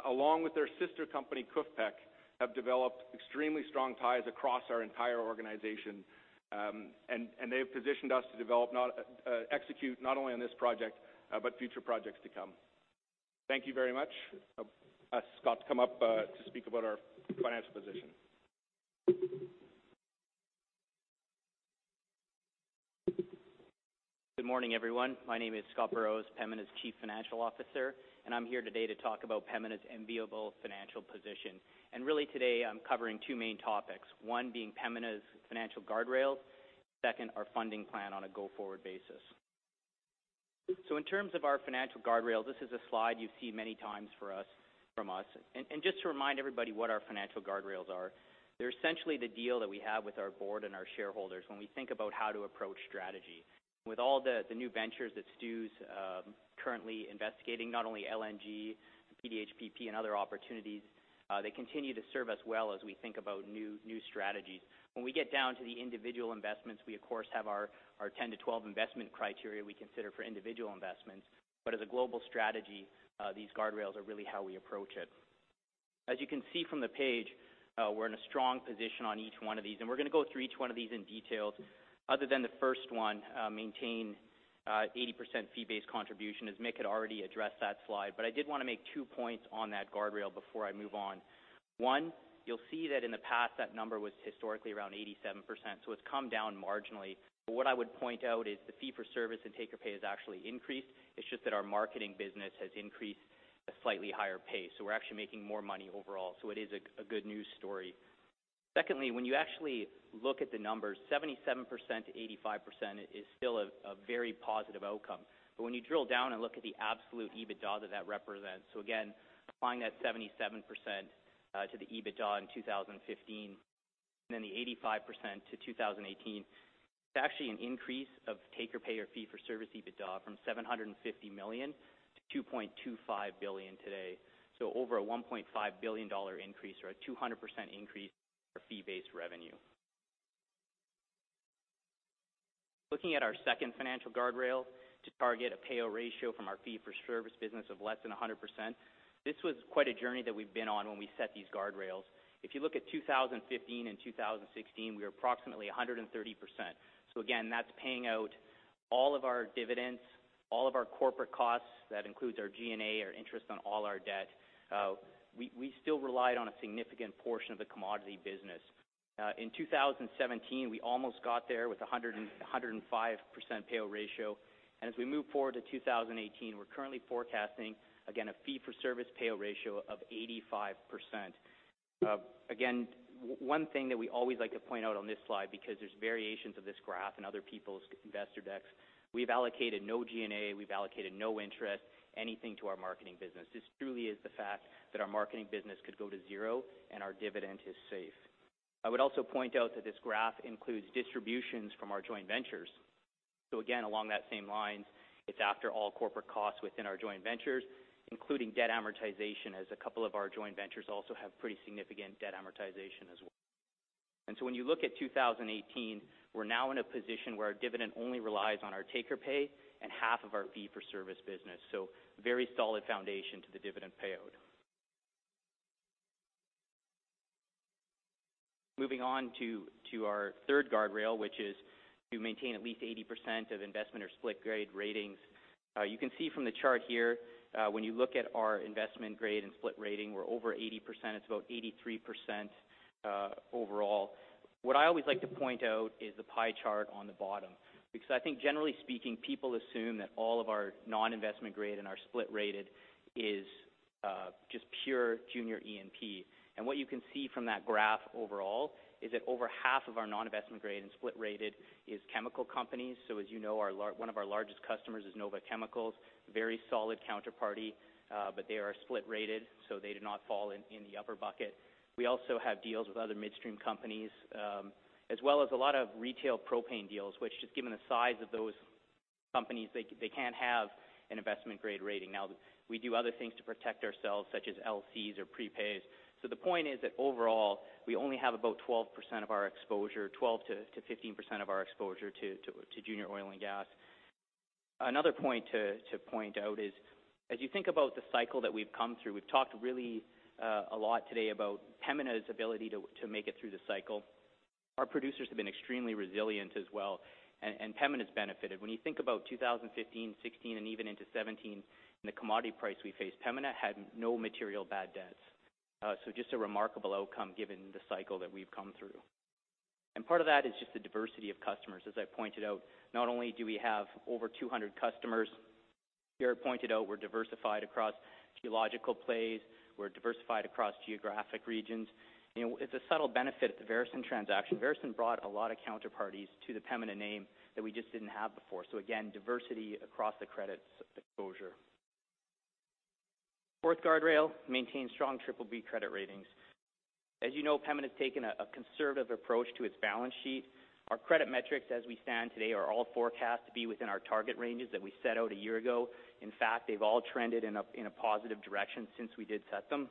along with their sister company, KUFPEC, have developed extremely strong ties across our entire organization. They have positioned us to execute not only on this project but future projects to come. Thank you very much. I'll ask Scott to come up to speak about our financial position. Good morning, everyone. My name is Scott Burrows, Pembina's Chief Financial Officer. I'm here today to talk about Pembina's enviable financial position. Really today, I'm covering two main topics, one being Pembina's financial guardrails, second, our funding plan on a go-forward basis. In terms of our financial guardrails, this is a slide you see many times from us. Just to remind everybody what our financial guardrails are, they're essentially the deal that we have with our board and our shareholders when we think about how to approach strategy. With all the new ventures that Stu's currently investigating, not only LNG, PDHPP, and other opportunities, they continue to serve us well as we think about new strategies. When we get down to the individual investments, we of course have our 10 to 12 investment criteria we consider for individual investments. As a global strategy, these guardrails are really how we approach it. As you can see from the page, we're in a strong position on each one of these. We're going to go through each one of these in detail, other than the first one, maintain 80% fee-based contribution, as Mick had already addressed that slide. I did want to make two points on that guardrail before I move on. One, you'll see that in the past, that number was historically around 87%, so it's come down marginally. What I would point out is the fee-for-service and take-or-pay has actually increased. It's just that our marketing business has increased at a slightly higher pace. We're actually making more money overall, so it is a good news story. Secondly, when you actually look at the numbers, 77%-85% is still a very positive outcome. When you drill down and look at the absolute EBITDA that represents, again, applying that 77% to the EBITDA in 2015, then the 85% to 2018, it's actually an increase of take-or-pay or fee-for-service EBITDA from 750 million to 2.25 billion today. Over a 1.5 billion dollar increase or a 200% increase for fee-based revenue. Looking at our second financial guardrail to target a payout ratio from our fee-for-service business of less than 100%. This was quite a journey that we've been on when we set these guardrails. If you look at 2015 and 2016, we were approximately 130%. Again, that's paying out all of our dividends, all of our corporate costs. That includes our G&A, our interest on all our debt. We still relied on a significant portion of the commodity business. In 2017, we almost got there with 105% payout ratio. As we move forward to 2018, we're currently forecasting, again, a fee-for-service payout ratio of 85%. Again, one thing that we always like to point out on this slide, because there's variations of this graph in other people's investor decks, we've allocated no G&A, we've allocated no interest, anything to our marketing business. This truly is the fact that our marketing business could go to zero and our dividend is safe. I would also point out that this graph includes distributions from our joint ventures. Again, along that same line, it's after all corporate costs within our joint ventures, including debt amortization, as a couple of our joint ventures also have pretty significant debt amortization as well. When you look at 2018, we're now in a position where our dividend only relies on our take-or-pay and half of our fee-for-service business. Very solid foundation to the dividend payout. Moving on to our third guardrail, which is to maintain at least 80% of investment-grade or split-grade ratings. You can see from the chart here, when you look at our investment-grade and split rating, we're over 80%. It's about 83% overall. What I always like to point out is the pie chart on the bottom, because I think generally speaking, people assume that all of our non-investment-grade and our split-rated is just pure junior E&P. What you can see from that graph overall is that over half of our non-investment-grade and split-rated is chemical companies. As you know, one of our largest customers is Nova Chemicals, very solid counterparty, but they are split-rated, so they do not fall in the upper bucket. We also have deals with other midstream companies, as well as a lot of retail propane deals, which just given the size of those companies, they can't have an investment-grade rating. Now, we do other things to protect ourselves, such as LCs or prepays. The point is that overall, we only have about 12% of our exposure, 12%-15% of our exposure to junior oil and gas. Another point to point out is as you think about the cycle that we've come through, we've talked really a lot today about Pembina's ability to make it through the cycle. Our producers have been extremely resilient as well. Pembina's benefited. When you think about 2015, 2016, and even into 2017 and the commodity price we faced, Pembina had no material bad debts. Just a remarkable outcome given the cycle that we've come through. Part of that is just the diversity of customers. As I pointed out, not only do we have over 200 customers, Jaret pointed out we're diversified across geological plays. We're diversified across geographic regions. It's a subtle benefit of the Veresen transaction. Veresen brought a lot of counterparties to the Pembina name that we just didn't have before. Again, diversity across the credits exposure. Fourth guardrail, maintain strong BBB credit ratings. As you know, Pembina's taken a conservative approach to its balance sheet. Our credit metrics as we stand today are all forecast to be within our target ranges that we set out a year ago. In fact, they've all trended in a positive direction since we did set them.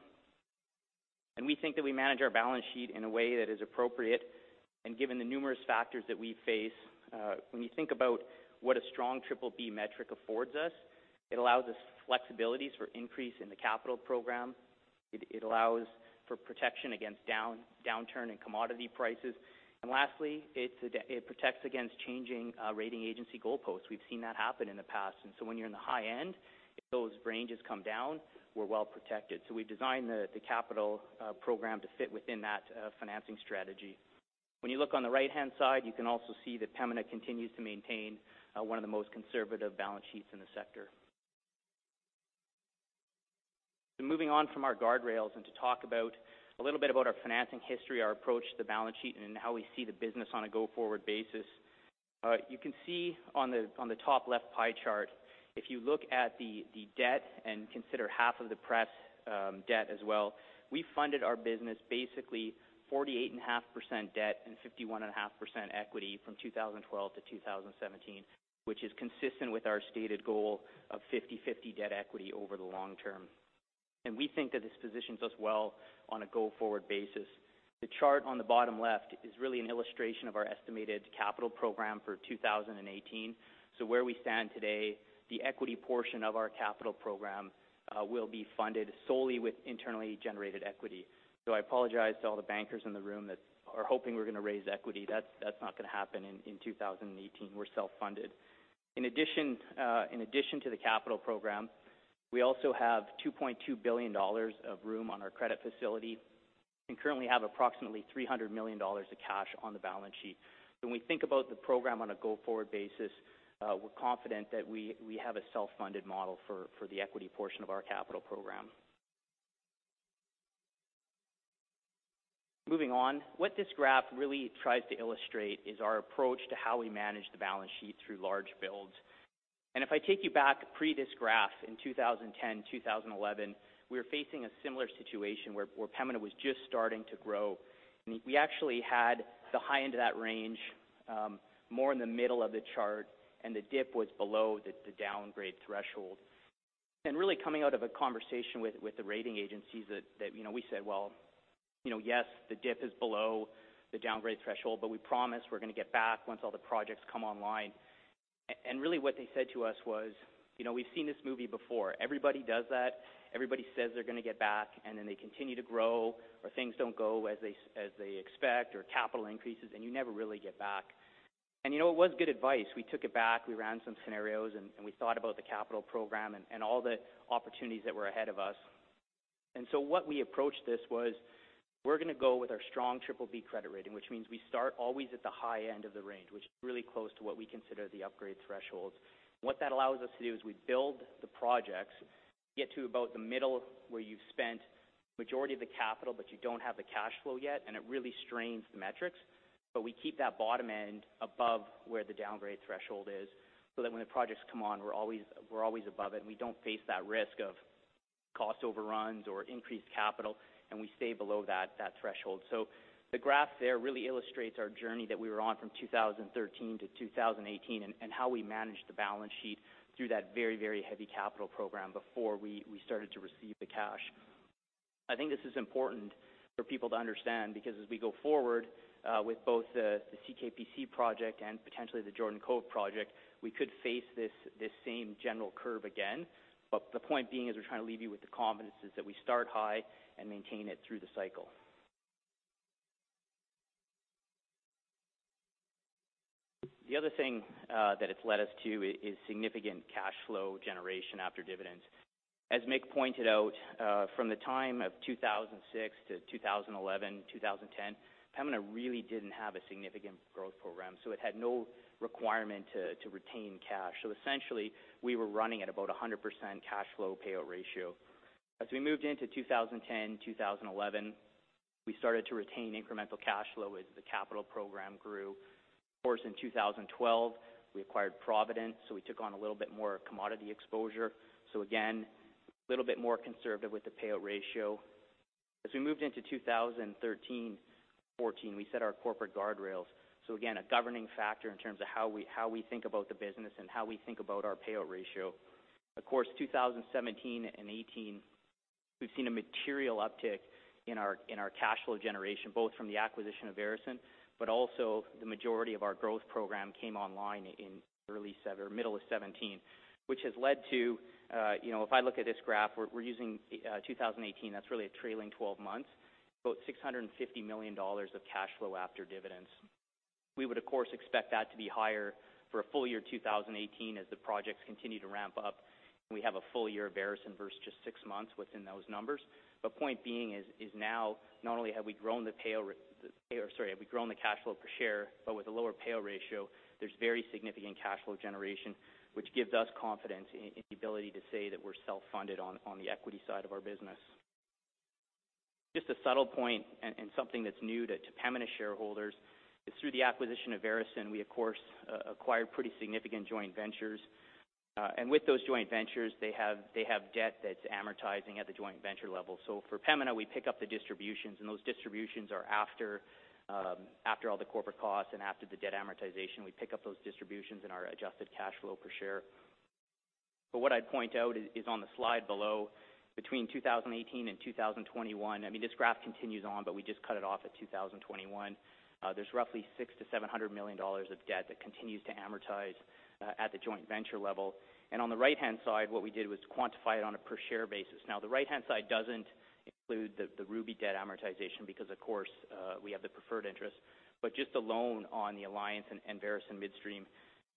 We think that we manage our balance sheet in a way that is appropriate and given the numerous factors that we face, when you think about what a strong BBB metric affords us, it allows us flexibilities for increase in the capital program. It allows for protection against downturn in commodity prices. Lastly, it protects against changing rating agency goalposts. We've seen that happen in the past. When you're in the high end, if those ranges come down, we're well protected. We designed the capital program to fit within that financing strategy. When you look on the right-hand side, you can also see that Pembina continues to maintain one of the most conservative balance sheets in the sector. Moving on from our guardrails and to talk about a little bit about our financing history, our approach to the balance sheet, and how we see the business on a go-forward basis. You can see on the top left pie chart, if you look at the debt and consider half of the prefs debt as well, we funded our business basically 48.5% debt and 51.5% equity from 2012 to 2017, which is consistent with our stated goal of 50/50 debt equity over the long term. We think that this positions us well on a go-forward basis. The chart on the bottom left is really an illustration of our estimated capital program for 2018. Where we stand today, the equity portion of our capital program will be funded solely with internally generated equity. I apologize to all the bankers in the room that are hoping we're going to raise equity. That's not going to happen in 2018. We're self-funded. In addition to the capital program, we also have 2.2 billion dollars of room on our credit facility and currently have approximately 300 million dollars of cash on the balance sheet. When we think about the program on a go-forward basis, we're confident that we have a self-funded model for the equity portion of our capital program. Moving on. What this graph really tries to illustrate is our approach to how we manage the balance sheet through large builds. If I take you back pre this graph in 2010, 2011, we were facing a similar situation where Pembina was just starting to grow. We actually had the high end of that range, more in the middle of the chart, and the dip was below the downgrade threshold. Really coming out of a conversation with the rating agencies that we said, "Well, yes, the dip is below the downgrade threshold, but we promise we're going to get back once all the projects come online." Really what they said to us was, "We've seen this movie before. Everybody does that. Everybody says they're going to get back, then they continue to grow or things don't go as they expect or capital increases, you never really get back." It was good advice. We took it back, we ran some scenarios, and we thought about the capital program and all the opportunities that were ahead of us. What we approached this was, we're going to go with our strong BBB credit rating, which means we start always at the high end of the range, which is really close to what we consider the upgrade thresholds. What that allows us to do is we build the projects, get to about the middle where you've spent majority of the capital, but you don't have the cash flow yet, and it really strains the metrics, but we keep that bottom end above where the downgrade threshold is, so that when the projects come on, we're always above it and we don't face that risk of cost overruns or increased capital, and we stay below that threshold. The graph there really illustrates our journey that we were on from 2013 to 2018 and how we managed the balance sheet through that very heavy capital program before we started to receive the cash. I think this is important for people to understand because as we go forward with both the CKPC project and potentially the Jordan Cove project, we could face this same general curve again. The point being is we're trying to leave you with the confidence is that we start high and maintain it through the cycle. The other thing that it's led us to is significant cash flow generation after dividends. As Mick pointed out, from the time of 2006 to 2011, 2010, Pembina really didn't have a significant growth program, so it had no requirement to retain cash. Essentially, we were running at about 100% cash flow payout ratio. We moved into 2010, 2011, we started to retain incremental cash flow as the capital program grew. In 2012, we acquired Provident, we took on a little bit more commodity exposure. Again, a little bit more conservative with the payout ratio. We moved into 2013, 2014, we set our corporate guardrails. Again, a governing factor in terms of how we think about the business and how we think about our payout ratio. 2017 and 2018, we've seen a material uptick in our cash flow generation, both from the acquisition of Veresen, the majority of our growth program came online in middle of 2017. If I look at this graph, we're using 2018, that's really a trailing 12 months, about 650 million dollars of cash flow after dividends. We would, of course, expect that to be higher for a full year 2018 as the projects continue to ramp up and we have a full year of Veresen versus just six months within those numbers. Point being is now, not only have we grown the cash flow per share, but with a lower payout ratio, there's very significant cash flow generation, which gives us confidence in the ability to say that we're self-funded on the equity side of our business. Just a subtle point and something that's new to Pembina shareholders is through the acquisition of Veresen, we of course, acquired pretty significant joint ventures. With those joint ventures, they have debt that's amortizing at the joint venture level. For Pembina, we pick up the distributions, and those distributions are after all the corporate costs and after the debt amortization, we pick up those distributions in our adjusted cash flow per share. What I'd point out is on the slide below, between 2018 and 2021, this graph continues on, but we just cut it off at 2021. There's roughly 600 million to 700 million dollars of debt that continues to amortize at the joint venture level. On the right-hand side, what we did was quantify it on a per share basis. The right-hand side doesn't include the Ruby debt amortization because, of course, we have the preferred interest. Just alone on the Alliance and Veresen Midstream,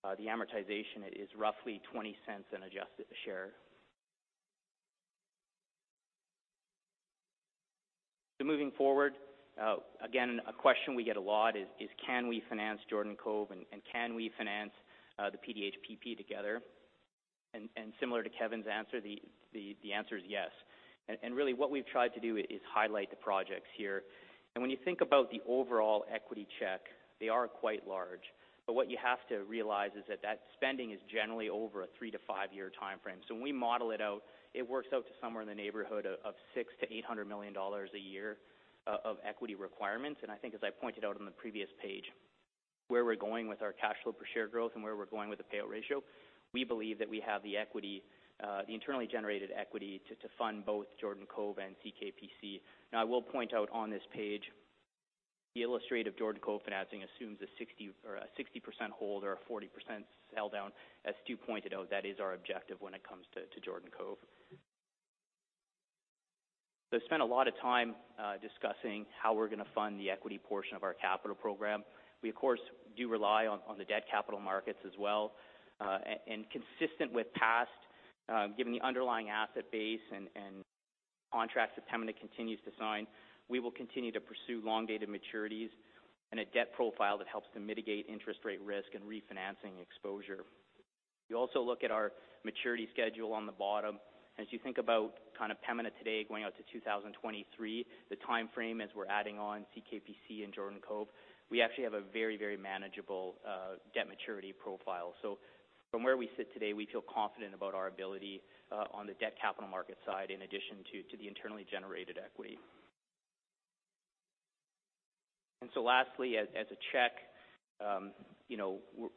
the amortization is roughly 0.20 unadjusted a share. Moving forward, again, a question we get a lot is can we finance Jordan Cove and can we finance the PDHPP together? Similar to Kevin's answer, the answer is yes. Really what we've tried to do is highlight the projects here. When you think about the overall equity check, they are quite large. What you have to realize is that that spending is generally over a three- to five-year timeframe. When we model it out, it works out to somewhere in the neighborhood of 600 million to 800 million dollars a year of equity requirements. I think as I pointed out on the previous page, where we're going with our cash flow per share growth and where we're going with the payout ratio, we believe that we have the internally generated equity to fund both Jordan Cove and CKPC. I will point out on this page, the illustrative Jordan Cove financing assumes a 60% hold or a 40% sell down. As Stu pointed out, that is our objective when it comes to Jordan Cove. I spent a lot of time discussing how we're going to fund the equity portion of our capital program. We, of course, do rely on the debt capital markets as well. Consistent with past, given the underlying asset base and contracts that Pembina continues to sign, we will continue to pursue long-dated maturities and a debt profile that helps to mitigate interest rate risk and refinancing exposure. You also look at our maturity schedule on the bottom. You think about Pembina today going out to 2023, the timeframe as we're adding on CKPC and Jordan Cove, we actually have a very manageable debt maturity profile. From where we sit today, we feel confident about our ability on the debt capital market side in addition to the internally generated equity. Lastly, as a check,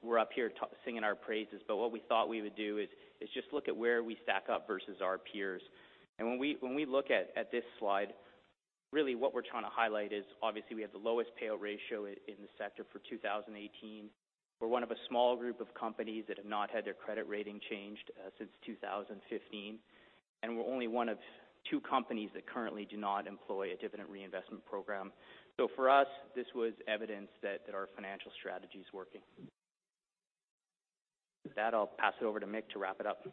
we're up here singing our praises, what we thought we would do is just look at where we stack up versus our peers. When we look at this slide, really what we're trying to highlight is obviously we have the lowest payout ratio in the sector for 2018. We're one of a small group of companies that have not had their credit rating changed since 2015, and we're only one of two companies that currently do not employ a dividend reinvestment program. For us, this was evidence that our financial strategy is working. With that, I'll pass it over to Mick to wrap it up.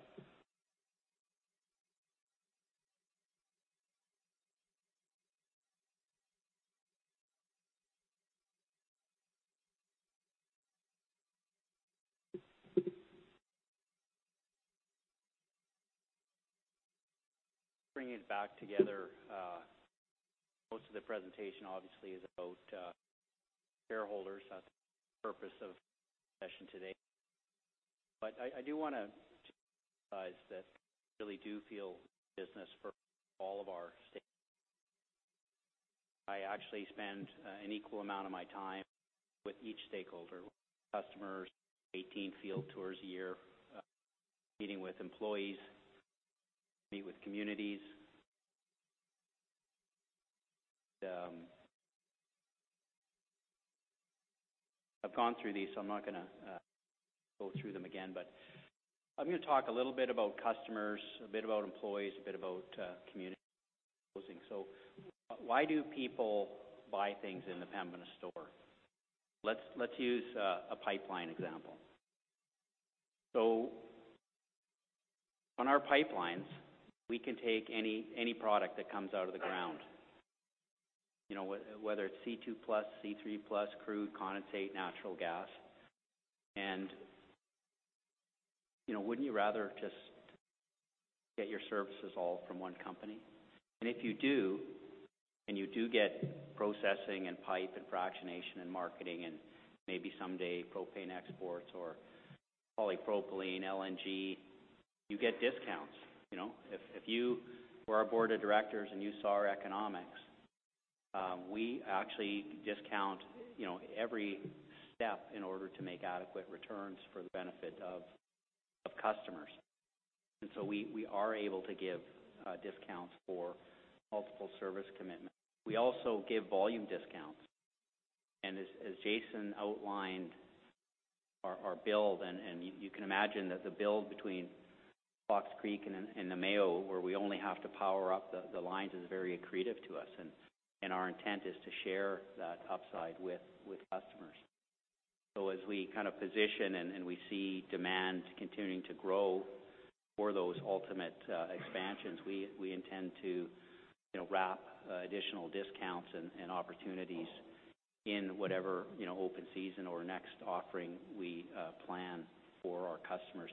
Bring it back together. Most of the presentation obviously is about shareholders. That's the purpose of the session today. I do want to emphasize that we really do feel business for all of our stakeholders. I actually spend an equal amount of my time with each stakeholder. Customers, 18 field tours a year, meeting with employees, meet with communities. I've gone through these, so I'm not going to go through them again, but I'm going to talk a little bit about customers, a bit about employees, a bit about community closing. Why do people buy things in the Pembina store? Let's use a pipeline example. On our pipelines, we can take any product that comes out of the ground, whether it's C2+, C3+, crude, condensate, natural gas, wouldn't you rather just get your services all from one company? If you do, you do get processing and pipe and fractionation and marketing, maybe someday propane exports or polypropylene, LNG, you get discounts. If you were our board of directors and you saw our economics, we actually discount every step in order to make adequate returns for the benefit of customers. We are able to give discounts for multiple service commitments. We also give volume discounts. As Jason outlined our build, you can imagine that the build between Fox Creek and the Mayo, where we only have to power up the lines, is very accretive to us. Our intent is to share that upside with customers. As we position, we see demand continuing to grow for those ultimate expansions, we intend to wrap additional discounts and opportunities in whatever open season or next offering we plan for our customers,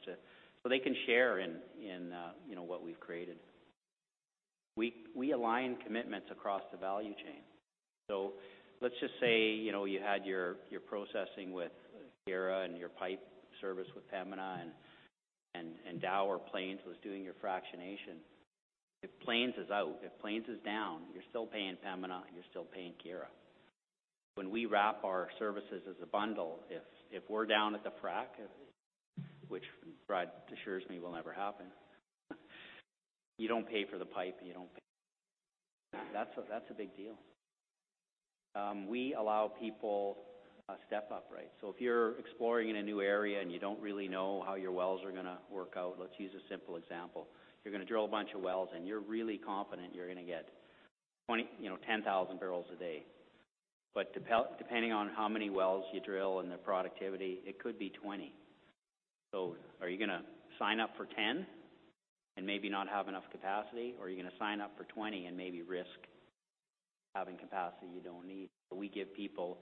they can share in what we've created. We align commitments across the value chain. Let's just say, you had your processing with Keyera and your pipe service with Pembina, Dow or Plains was doing your fractionation. If Plains is out, if Plains is down, you're still paying Pembina, you're still paying Keyera. When we wrap our services as a bundle, if we're down at the frack, which Brad assures me will never happen, you don't pay for the pipe. That's a big deal. We allow people a step-up right. If you're exploring in a new area, you don't really know how your wells are going to work out, let's use a simple example. You're going to drill a bunch of wells, you're really confident you're going to get 10,000 barrels a day. Depending on how many wells you drill and their productivity, it could be 20. Are you going to sign up for 10 and maybe not have enough capacity? Are you going to sign up for 20 and maybe risk having capacity you don't need? We give people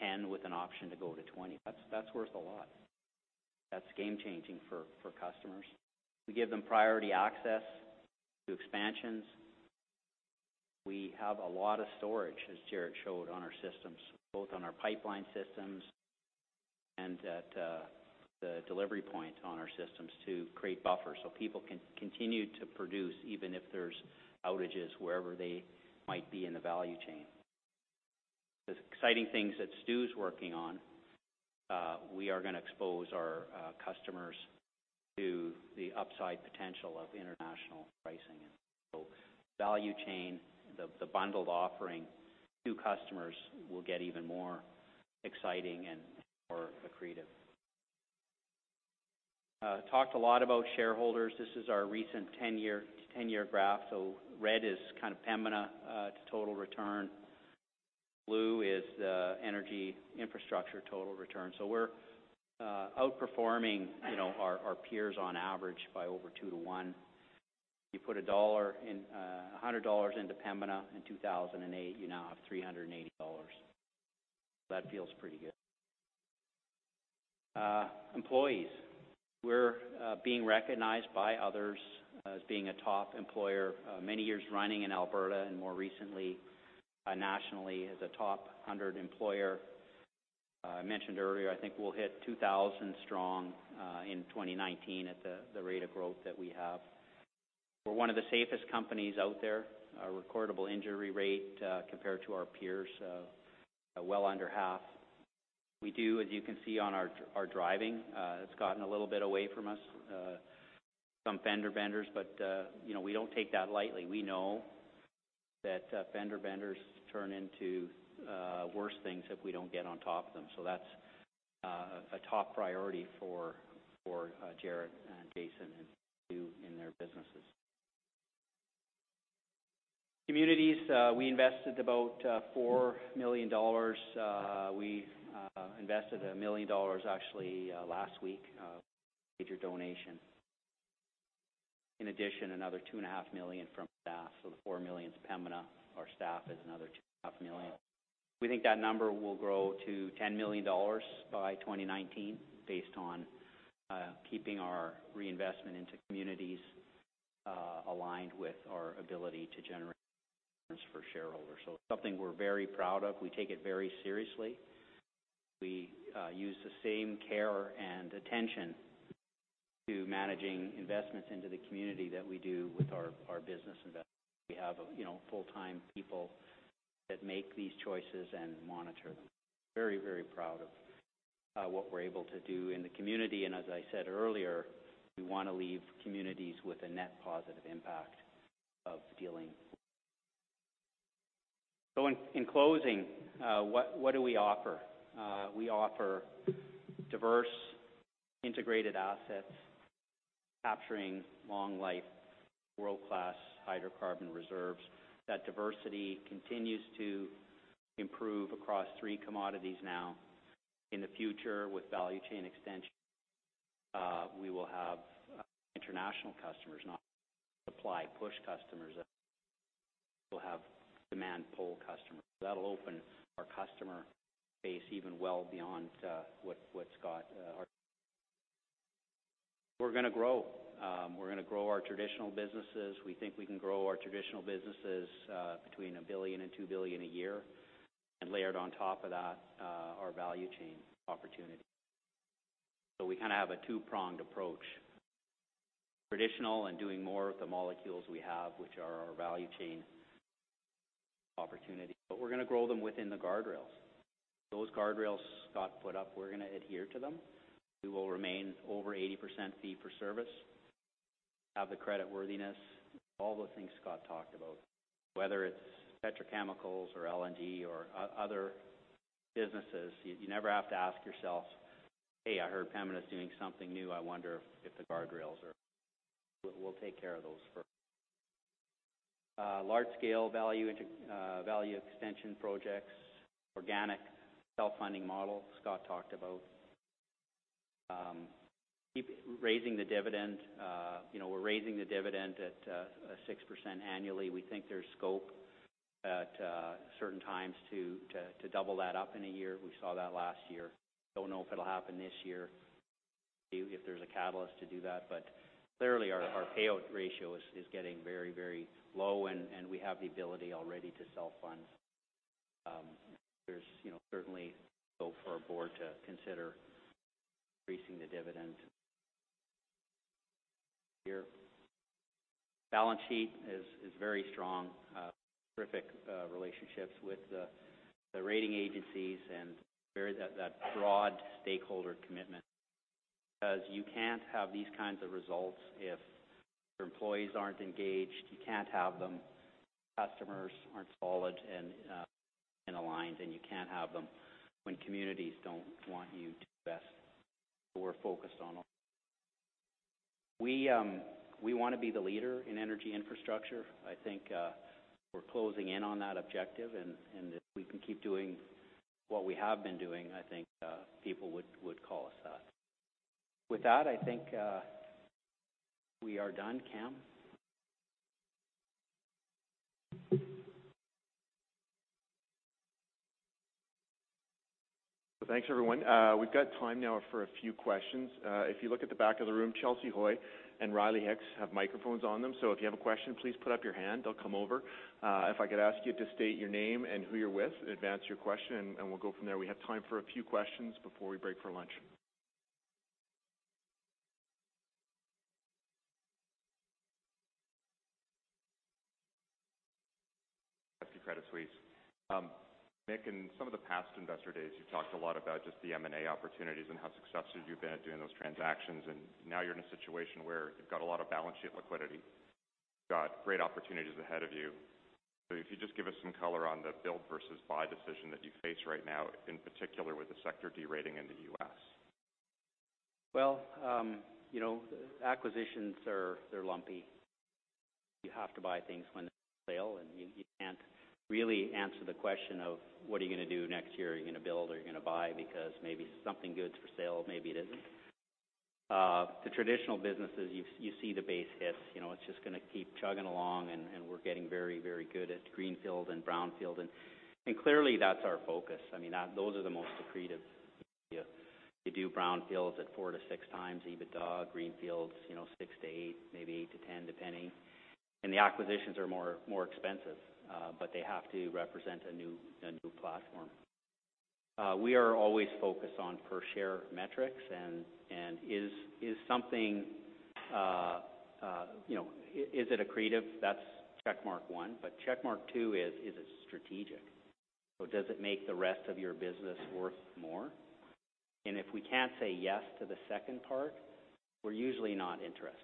10 with an option to go to 20. That's worth a lot. That's game-changing for customers. We give them priority access to expansions. We have a lot of storage, as Jaret showed, on our systems, both on our pipeline systems and at the delivery point on our systems to create buffers so people can continue to produce even if there's outages wherever they might be in the value chain. The exciting things that Stu's working on, we are going to expose our customers to the upside potential of international pricing. The value chain, the bundled offering to customers will get even more exciting and more accretive. I talked a lot about shareholders. This is our recent 10-year graph. Red is Pembina, its total return. Blue is the energy infrastructure total return. We're outperforming our peers on average by over two to one. You put 100 dollars into Pembina in 2008, you now have 380 dollars. That feels pretty good. Employees. We're being recognized by others as being a top employer many years running in Alberta and more recently, nationally as a top 100 employer. I mentioned earlier, I think we'll hit 2,000 strong in 2019 at the rate of growth that we have. We're one of the safest companies out there. Our recordable injury rate, compared to our peers, well under half. We do, as you can see on our driving, it's gotten a little bit away from us. Some fender benders, but we don't take that lightly. We know that fender benders turn into worse things if we don't get on top of them. That's a top priority for Jaret and Jason and Stu in their businesses. Communities, we invested about 4 million dollars. We invested 1 million dollars actually last week, a major donation. In addition, another two and a half million from staff. The 4 million's Pembina. Our staff is another two and a half million. We think that number will grow to 10 million dollars by 2019 based on keeping our reinvestment into communities aligned with our ability to generate returns for shareholders. It's something we're very proud of. We take it very seriously. We use the same care and attention to managing investments into the community that we do with our business investments. We have full-time people that make these choices and monitor them. Very proud of what we're able to do in the community, and as I said earlier, we want to leave communities with a net positive impact of dealing. In closing, what do we offer? We offer diverse, integrated assets capturing long life, world-class hydrocarbon reserves. That diversity continues to improve across three commodities now. In the future, with value chain extension, we will have international customers, not supply push customers. We'll have demand pull customers. That'll open our customer base even well beyond what Scott. We're going to grow. We're going to grow our traditional businesses. We think we can grow our traditional businesses between 1 billion and 2 billion a year, and layered on top of that, our value chain opportunity. We have a two-pronged approach, traditional and doing more with the molecules we have, which are our value chain opportunity. But we're going to grow them within the guardrails. Those guardrails Scott put up, we're going to adhere to them. We will remain over 80% fee-for-service, have the credit worthiness, all the things Scott talked about. Whether it's petrochemicals or LNG or other businesses, you never have to ask yourself, "Hey, I heard Pembina's doing something new. We'll take care of those first. Large scale value extension projects, organic self-funding model Scott talked about. Keep raising the dividend. We're raising the dividend at 6% annually. We think there's scope at certain times to double that up in a year. We saw that last year. Don't know if it'll happen this year, if there's a catalyst to do that, clearly our payout ratio is getting very low, and we have the ability already to self-fund. There's certainly scope for our board to consider increasing the dividend. Our balance sheet is very strong. Terrific relationships with the rating agencies and that broad stakeholder commitment. You can't have these kinds of results if your employees aren't engaged. You can't have them, customers aren't solid and aligned. You can't have them when communities don't want you to invest. We're focused on all that. We want to be the leader in energy infrastructure. I think we're closing in on that objective, if we can keep doing what we have been doing, I think people would call us that. With that, I think we are done, Cam. Thanks, everyone. We've got time now for a few questions. If you look at the back of the room, Chelsy Hoy and Riley Hicks have microphones on them. If you have a question, please put up your hand. They'll come over. If I could ask you to state your name and who you're with, advance your question, we'll go from there. We have time for a few questions before we break for lunch. Credit Suisse. Mick, in some of the past Investor Days, you've talked a lot about just the M&A opportunities and how successful you've been at doing those transactions. Now you're in a situation where you've got a lot of balance sheet liquidity, you've got great opportunities ahead of you. If you could just give us some color on the build versus buy decision that you face right now, in particular with the sector de-rating in the U.S. Well, acquisitions are lumpy. You have to buy things when they're on sale, you can't really answer the question of what are you going to do next year? Are you going to build or are you going to buy? Because maybe something good's for sale, maybe it isn't. The traditional businesses, you see the base hits. It's just going to keep chugging along, we're getting very good at greenfield and brownfield, clearly that's our focus. Those are the most accretive. You do brownfields at 4-6x EBITDA, greenfields 6-8x, maybe 8-10x, depending. The acquisitions are more expensive, but they have to represent a new platform. We are always focused on per-share metrics, is it accretive? That's check mark one. Check mark two is it strategic? Does it make the rest of your business worth more? If we can't say yes to the second part, we're usually not interested.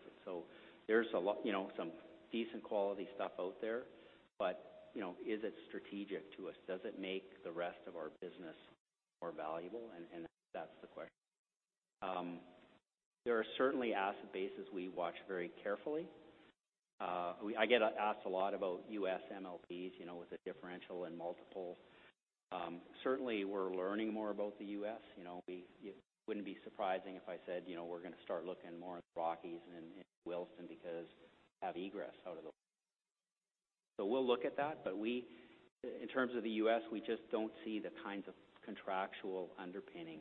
There's some decent quality stuff out there. Is it strategic to us? Does it make the rest of our business more valuable? That's the question. There are certainly asset bases we watch very carefully. I get asked a lot about U.S. MLPs, with the differential and multiple. Certainly, we're learning more about the U.S. It wouldn't be surprising if I said we're going to start looking more at Rockies and Williston, because we have egress out of those. We'll look at that. In terms of the U.S., we just don't see the kinds of contractual underpinning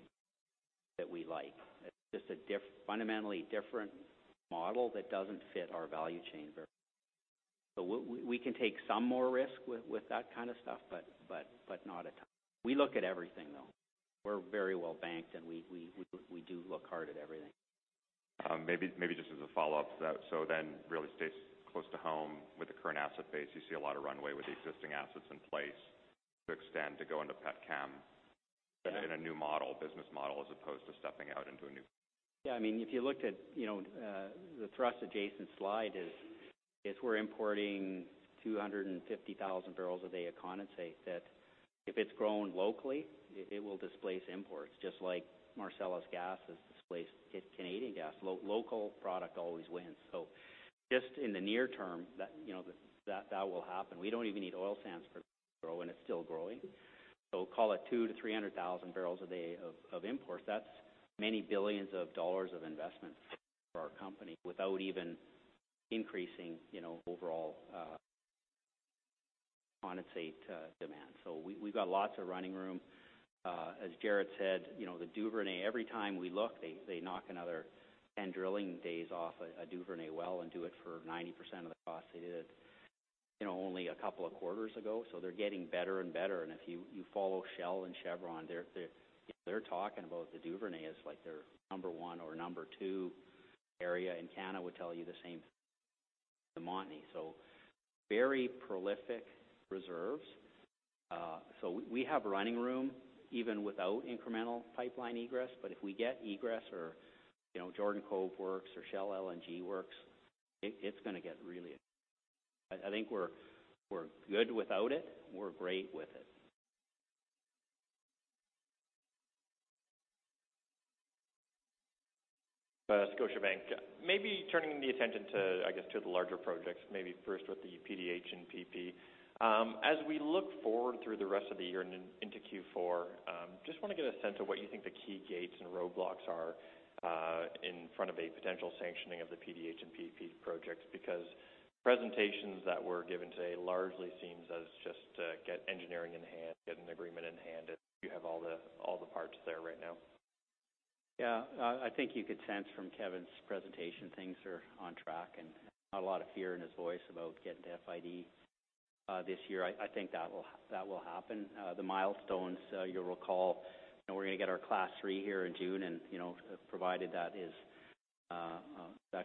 that we like. It's just a fundamentally different model that doesn't fit our value chain very. We can take some more risk with that kind of stuff, but not a ton. We look at everything, though. We're very well banked, we do look hard at everything. Maybe just as a follow-up to that. Really stays close to home with the current asset base. You see a lot of runway with the existing assets in place to extend to go into petchem in a new business model as opposed to stepping out into a new. If you looked at the thrust of Jason's slide is, if we're importing 250,000 barrels a day of condensate, that if it's grown locally, it will displace imports, just like Marcellus gas has displaced Canadian gas. Local product always wins. Just in the near term, that will happen. We don't even need oil sands to grow, and it's still growing. Call it 200,000-300,000 barrels a day of imports. That's many billions of CAD of investment for our company without even increasing overall condensate demand. We've got lots of running room. As Jaret said, the Duvernay, every time we look, they knock another 10 drilling days off a Duvernay well and do it for 90% of the cost they did it only a couple of quarters ago. They're getting better and better. If you follow Shell and Chevron, they're talking about the Duvernay as their number one or number two area, and Canada would tell you the same, the Montney. Very prolific reserves. We have running room even without incremental pipeline egress, but if we get egress or Jordan Cove works or Shell LNG works, I think we're good without it. We're great with it. Scotiabank. Maybe turning the attention to, I guess, to the larger projects, maybe first with the PDH and PP. As we look forward through the rest of the year and into Q4, just want to get a sense of what you think the key gates and roadblocks are in front of a potential sanctioning of the PDH and PP projects, because presentations that were given today largely seems as just get engineering in hand, get an agreement in hand, if you have all the parts there right now. I think you could sense from Kevin's presentation, things are on track and not a lot of fear in his voice about getting to FID this year. I think that will happen. The milestones, you'll recall, we're going to get our Class 3 here in June, and provided that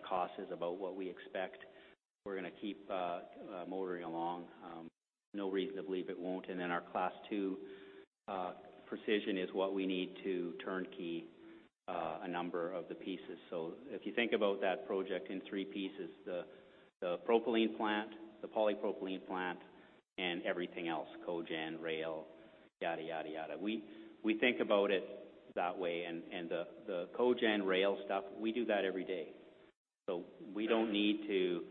cost is about what we expect, we're going to keep motoring along. No reason to believe it won't. Then our Class 2 precision is what we need to turnkey a number of the pieces. If you think about that project in three pieces, the propylene plant, the polypropylene plant, and everything else, cogen, rail, yada. We think about it that way, and the cogen rail stuff, we do that every day. We don't need to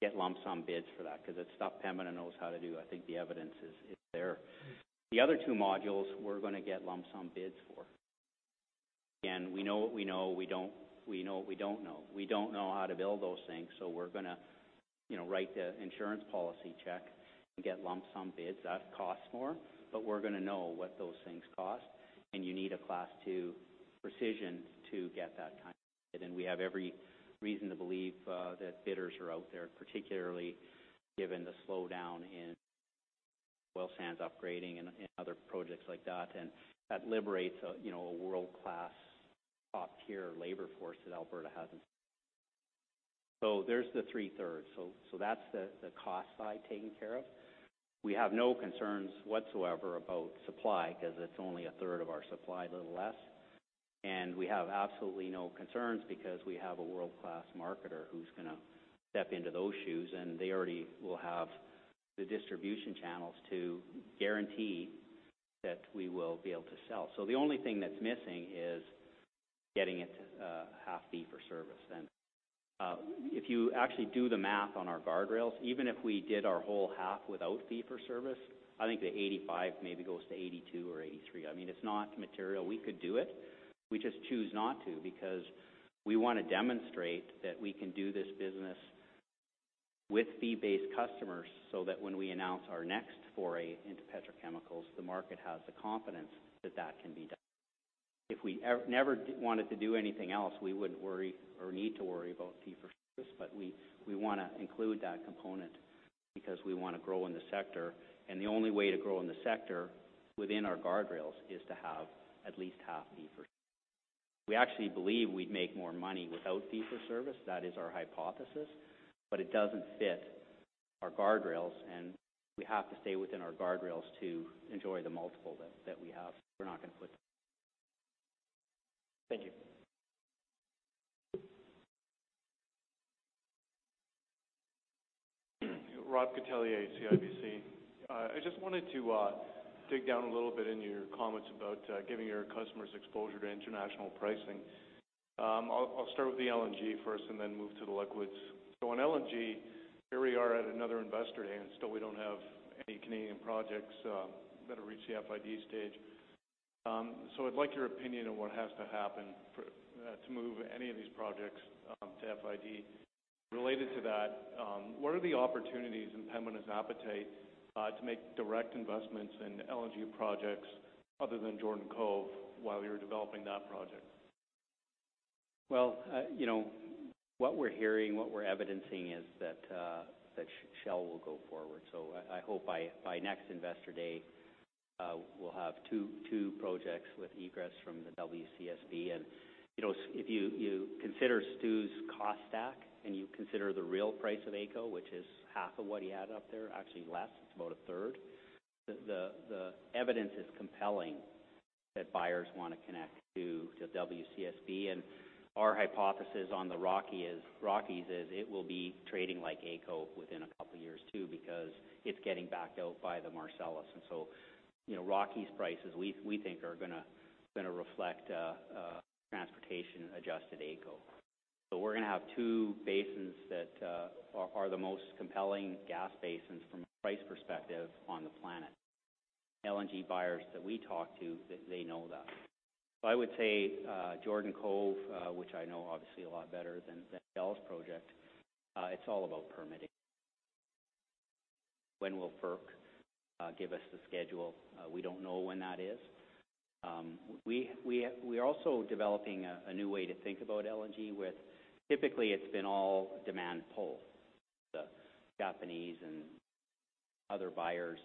get lump-sum bids for that because it's stuff Pembina knows how to do. I think the evidence is there. The other two modules we're going to get lump-sum bids for. We know what we know. We know what we don't know. We don't know how to build those things, so we're going to write the insurance policy check and get lump-sum bids. That costs more, but we're going to know what those things cost, and you need a Class 2 precision to get that kind of bid. We have every reason to believe that bidders are out there, particularly given the slowdown in oil sands upgrading and other projects like that. That liberates a world-class, top-tier labor force that Alberta has. There's the three-thirds. That's the cost side taken care of. We have no concerns whatsoever about supply because it's only a third of our supply, a little less. We have absolutely no concerns because we have a world-class marketer who's going to step into those shoes, and they already will have the distribution channels to guarantee that we will be able to sell. The only thing that's missing is getting it to half fee-for-service. If you actually do the math on our guardrails, even if we did our whole half without fee for service, I think the 85 maybe goes to 82 or 83. It's not material. We could do it. We just choose not to because we want to demonstrate that we can do this business with fee-based customers so that when we announce our next foray into petrochemicals, the market has the confidence that that can be done. If we never wanted to do anything else, we wouldn't worry or need to worry about fee for service, we want to include that component because we want to grow in the sector. The only way to grow in the sector within our guardrails is to have at least half fee for service. We actually believe we'd make more money without fee for service. That is our hypothesis. It doesn't fit our guardrails, and we have to stay within our guardrails to enjoy the multiple that we have. We're not going to put Thank you. Robert Catellier, CIBC. I just wanted to dig down a little bit in your comments about giving your customers exposure to international pricing. I'll start with the LNG first and then move to the liquids. On LNG, here we are at another Investor Day, and still we don't have any Canadian projects that have reached the FID stage. I'd like your opinion on what has to happen to move any of these projects to FID. Related to that, what are the opportunities in Pembina's appetite to make direct investments in LNG projects other than Jordan Cove while you were developing that project? Well, what we're hearing, what we're evidencing is that Shell will go forward. I hope by next Investor Day, we'll have two projects with egress from the WCSB. If you consider Stu's cost stack, and you consider the real price of AECO, which is half of what he had up there, actually less, it's about a third. The evidence is compelling that buyers want to connect to WCSB, and our hypothesis on the Rockies is it will be trading like AECO within a couple of years too, because it's getting backed out by the Marcellus. Rockies prices we think are going to reflect a transportation-adjusted AECO. We're going to have two basins that are the most compelling gas basins from a price perspective on the planet. LNG buyers that we talk to, they know that. I would say, Jordan Cove, which I know obviously a lot better than Shell's project, it's all about permitting. When will FERC give us the schedule? We don't know when that is. We're also developing a new way to think about LNG. Typically, it's been all demand pull. The Japanese and other buyers,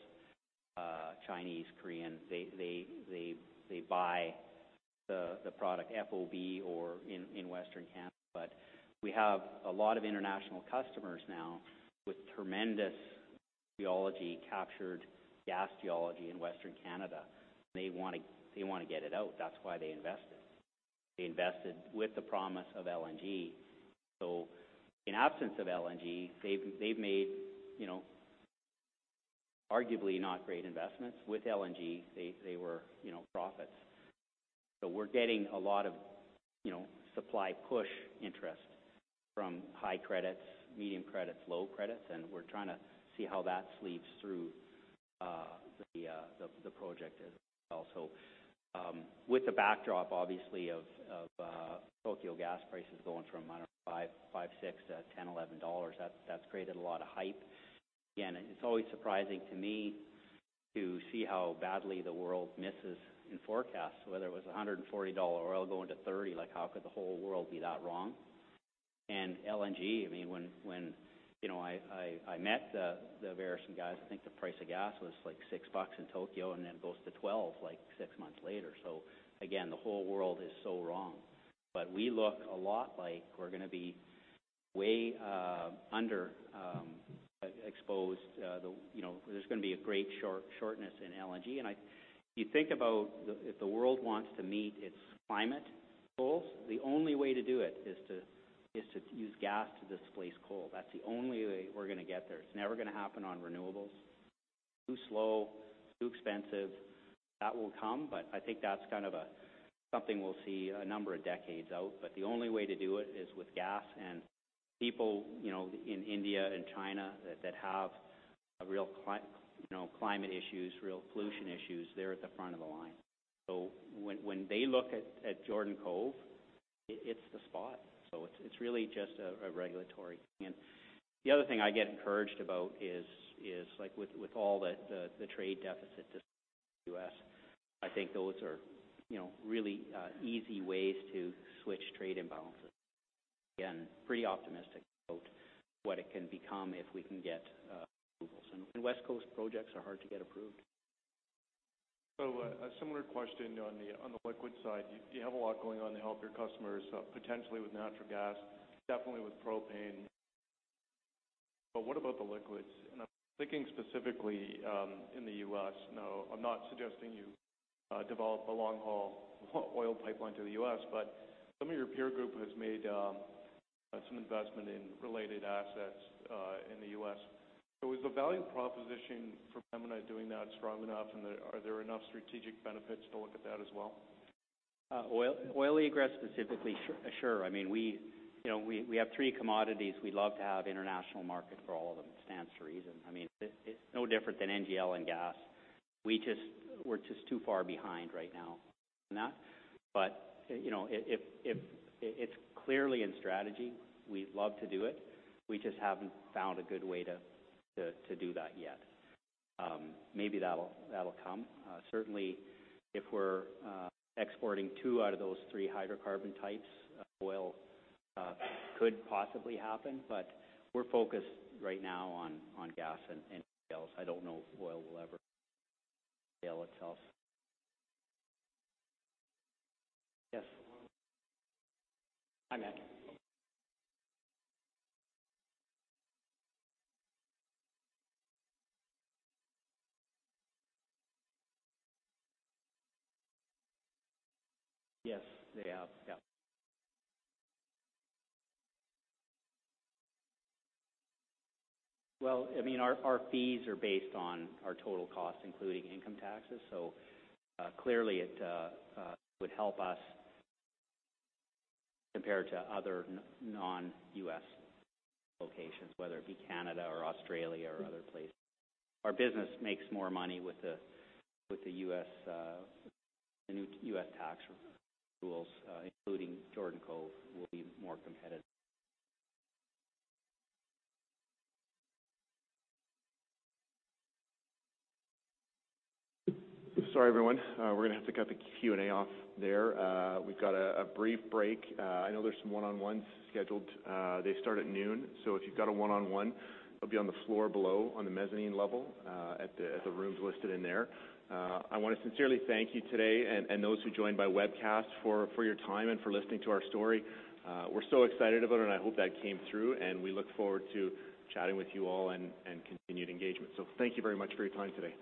Chinese, Korean, they buy the product FOB or in Western Canada. We have a lot of international customers now with tremendous geology, captured gas geology in Western Canada. They want to get it out. That's why they invested. They invested with the promise of LNG. In absence of LNG, they've made arguably not great investments. With LNG, they were profitable. We're getting a lot of supply push interest from high credits, medium credits, low credits, and we're trying to see how that sleeps through the project as well. With the backdrop obviously of Tokyo gas prices going from under CAD five, CAD six to 10, 11 dollars, that's created a lot of hype. Again, it's always surprising to me to see how badly the world misses in forecasts, whether it was 140 dollar oil going to 30, like how could the whole world be that wrong? LNG, I met the Veresen guys, I think the price of gas was like CAD six in Tokyo, and then goes to 12 like six months later. Again, the whole world is so wrong. We look a lot like we're going to be way underexposed. There's going to be a great shortness in LNG. If you think about if the world wants to meet its climate goals, the only way to do it is to use gas to displace coal. That's the only way we're going to get there. It's never going to happen on renewables. Too slow, too expensive. That will come, but I think that's something we'll see a number of decades out. The only way to do it is with gas and people in India and China that have real climate issues, real pollution issues, they're at the front of the line. When they look at Jordan Cove, it's the spot. It's really just a regulatory thing. The other thing I get encouraged about is with all the trade deficit decisions in the U.S., I think those are really easy ways to switch trade imbalances. Again, pretty optimistic about what it can become if we can get approvals. West Coast projects are hard to get approved. A similar question on the liquid side. You have a lot going on to help your customers, potentially with natural gas, definitely with propane. What about the liquids? I'm thinking specifically, in the U.S., I'm not suggesting you develop a long-haul oil pipeline to the U.S., but some of your peer group has made some investment in related assets, in the U.S. Is the value proposition for Pembina doing that strong enough, and are there enough strategic benefits to look at that as well? Oil egress specifically, sure. We have three commodities. We'd love to have international market for all of them, stands to reason. It's no different than NGL and gas. We're just too far behind right now on that. It's clearly in strategy. We'd love to do it. We just haven't found a good way to do that yet. Maybe that'll come. Certainly, if we're exporting two out of those three hydrocarbon types, oil could possibly happen, but we're focused right now on gas and liquids. I don't know if oil will ever scale itself. Yes. Hi, Matt. Yes, they have. Well, our fees are based on our total cost, including income taxes. Clearly it would help us compared to other non-U.S. locations, whether it be Encana or Australia or other places. Our business makes more money with the new U.S. tax rules, including Jordan Cove will be more competitive. Sorry, everyone. We're going to have to cut the Q&A off there. We've got a brief break. I know there's some one-on-ones scheduled. They start at noon. If you've got a one-on-one, it'll be on the floor below on the mezzanine level, at the rooms listed in there. I want to sincerely thank you today and those who joined by webcast for your time and for listening to our story. We're so excited about it, and I hope that came through, and we look forward to chatting with you all and continued engagement. Thank you very much for your time today.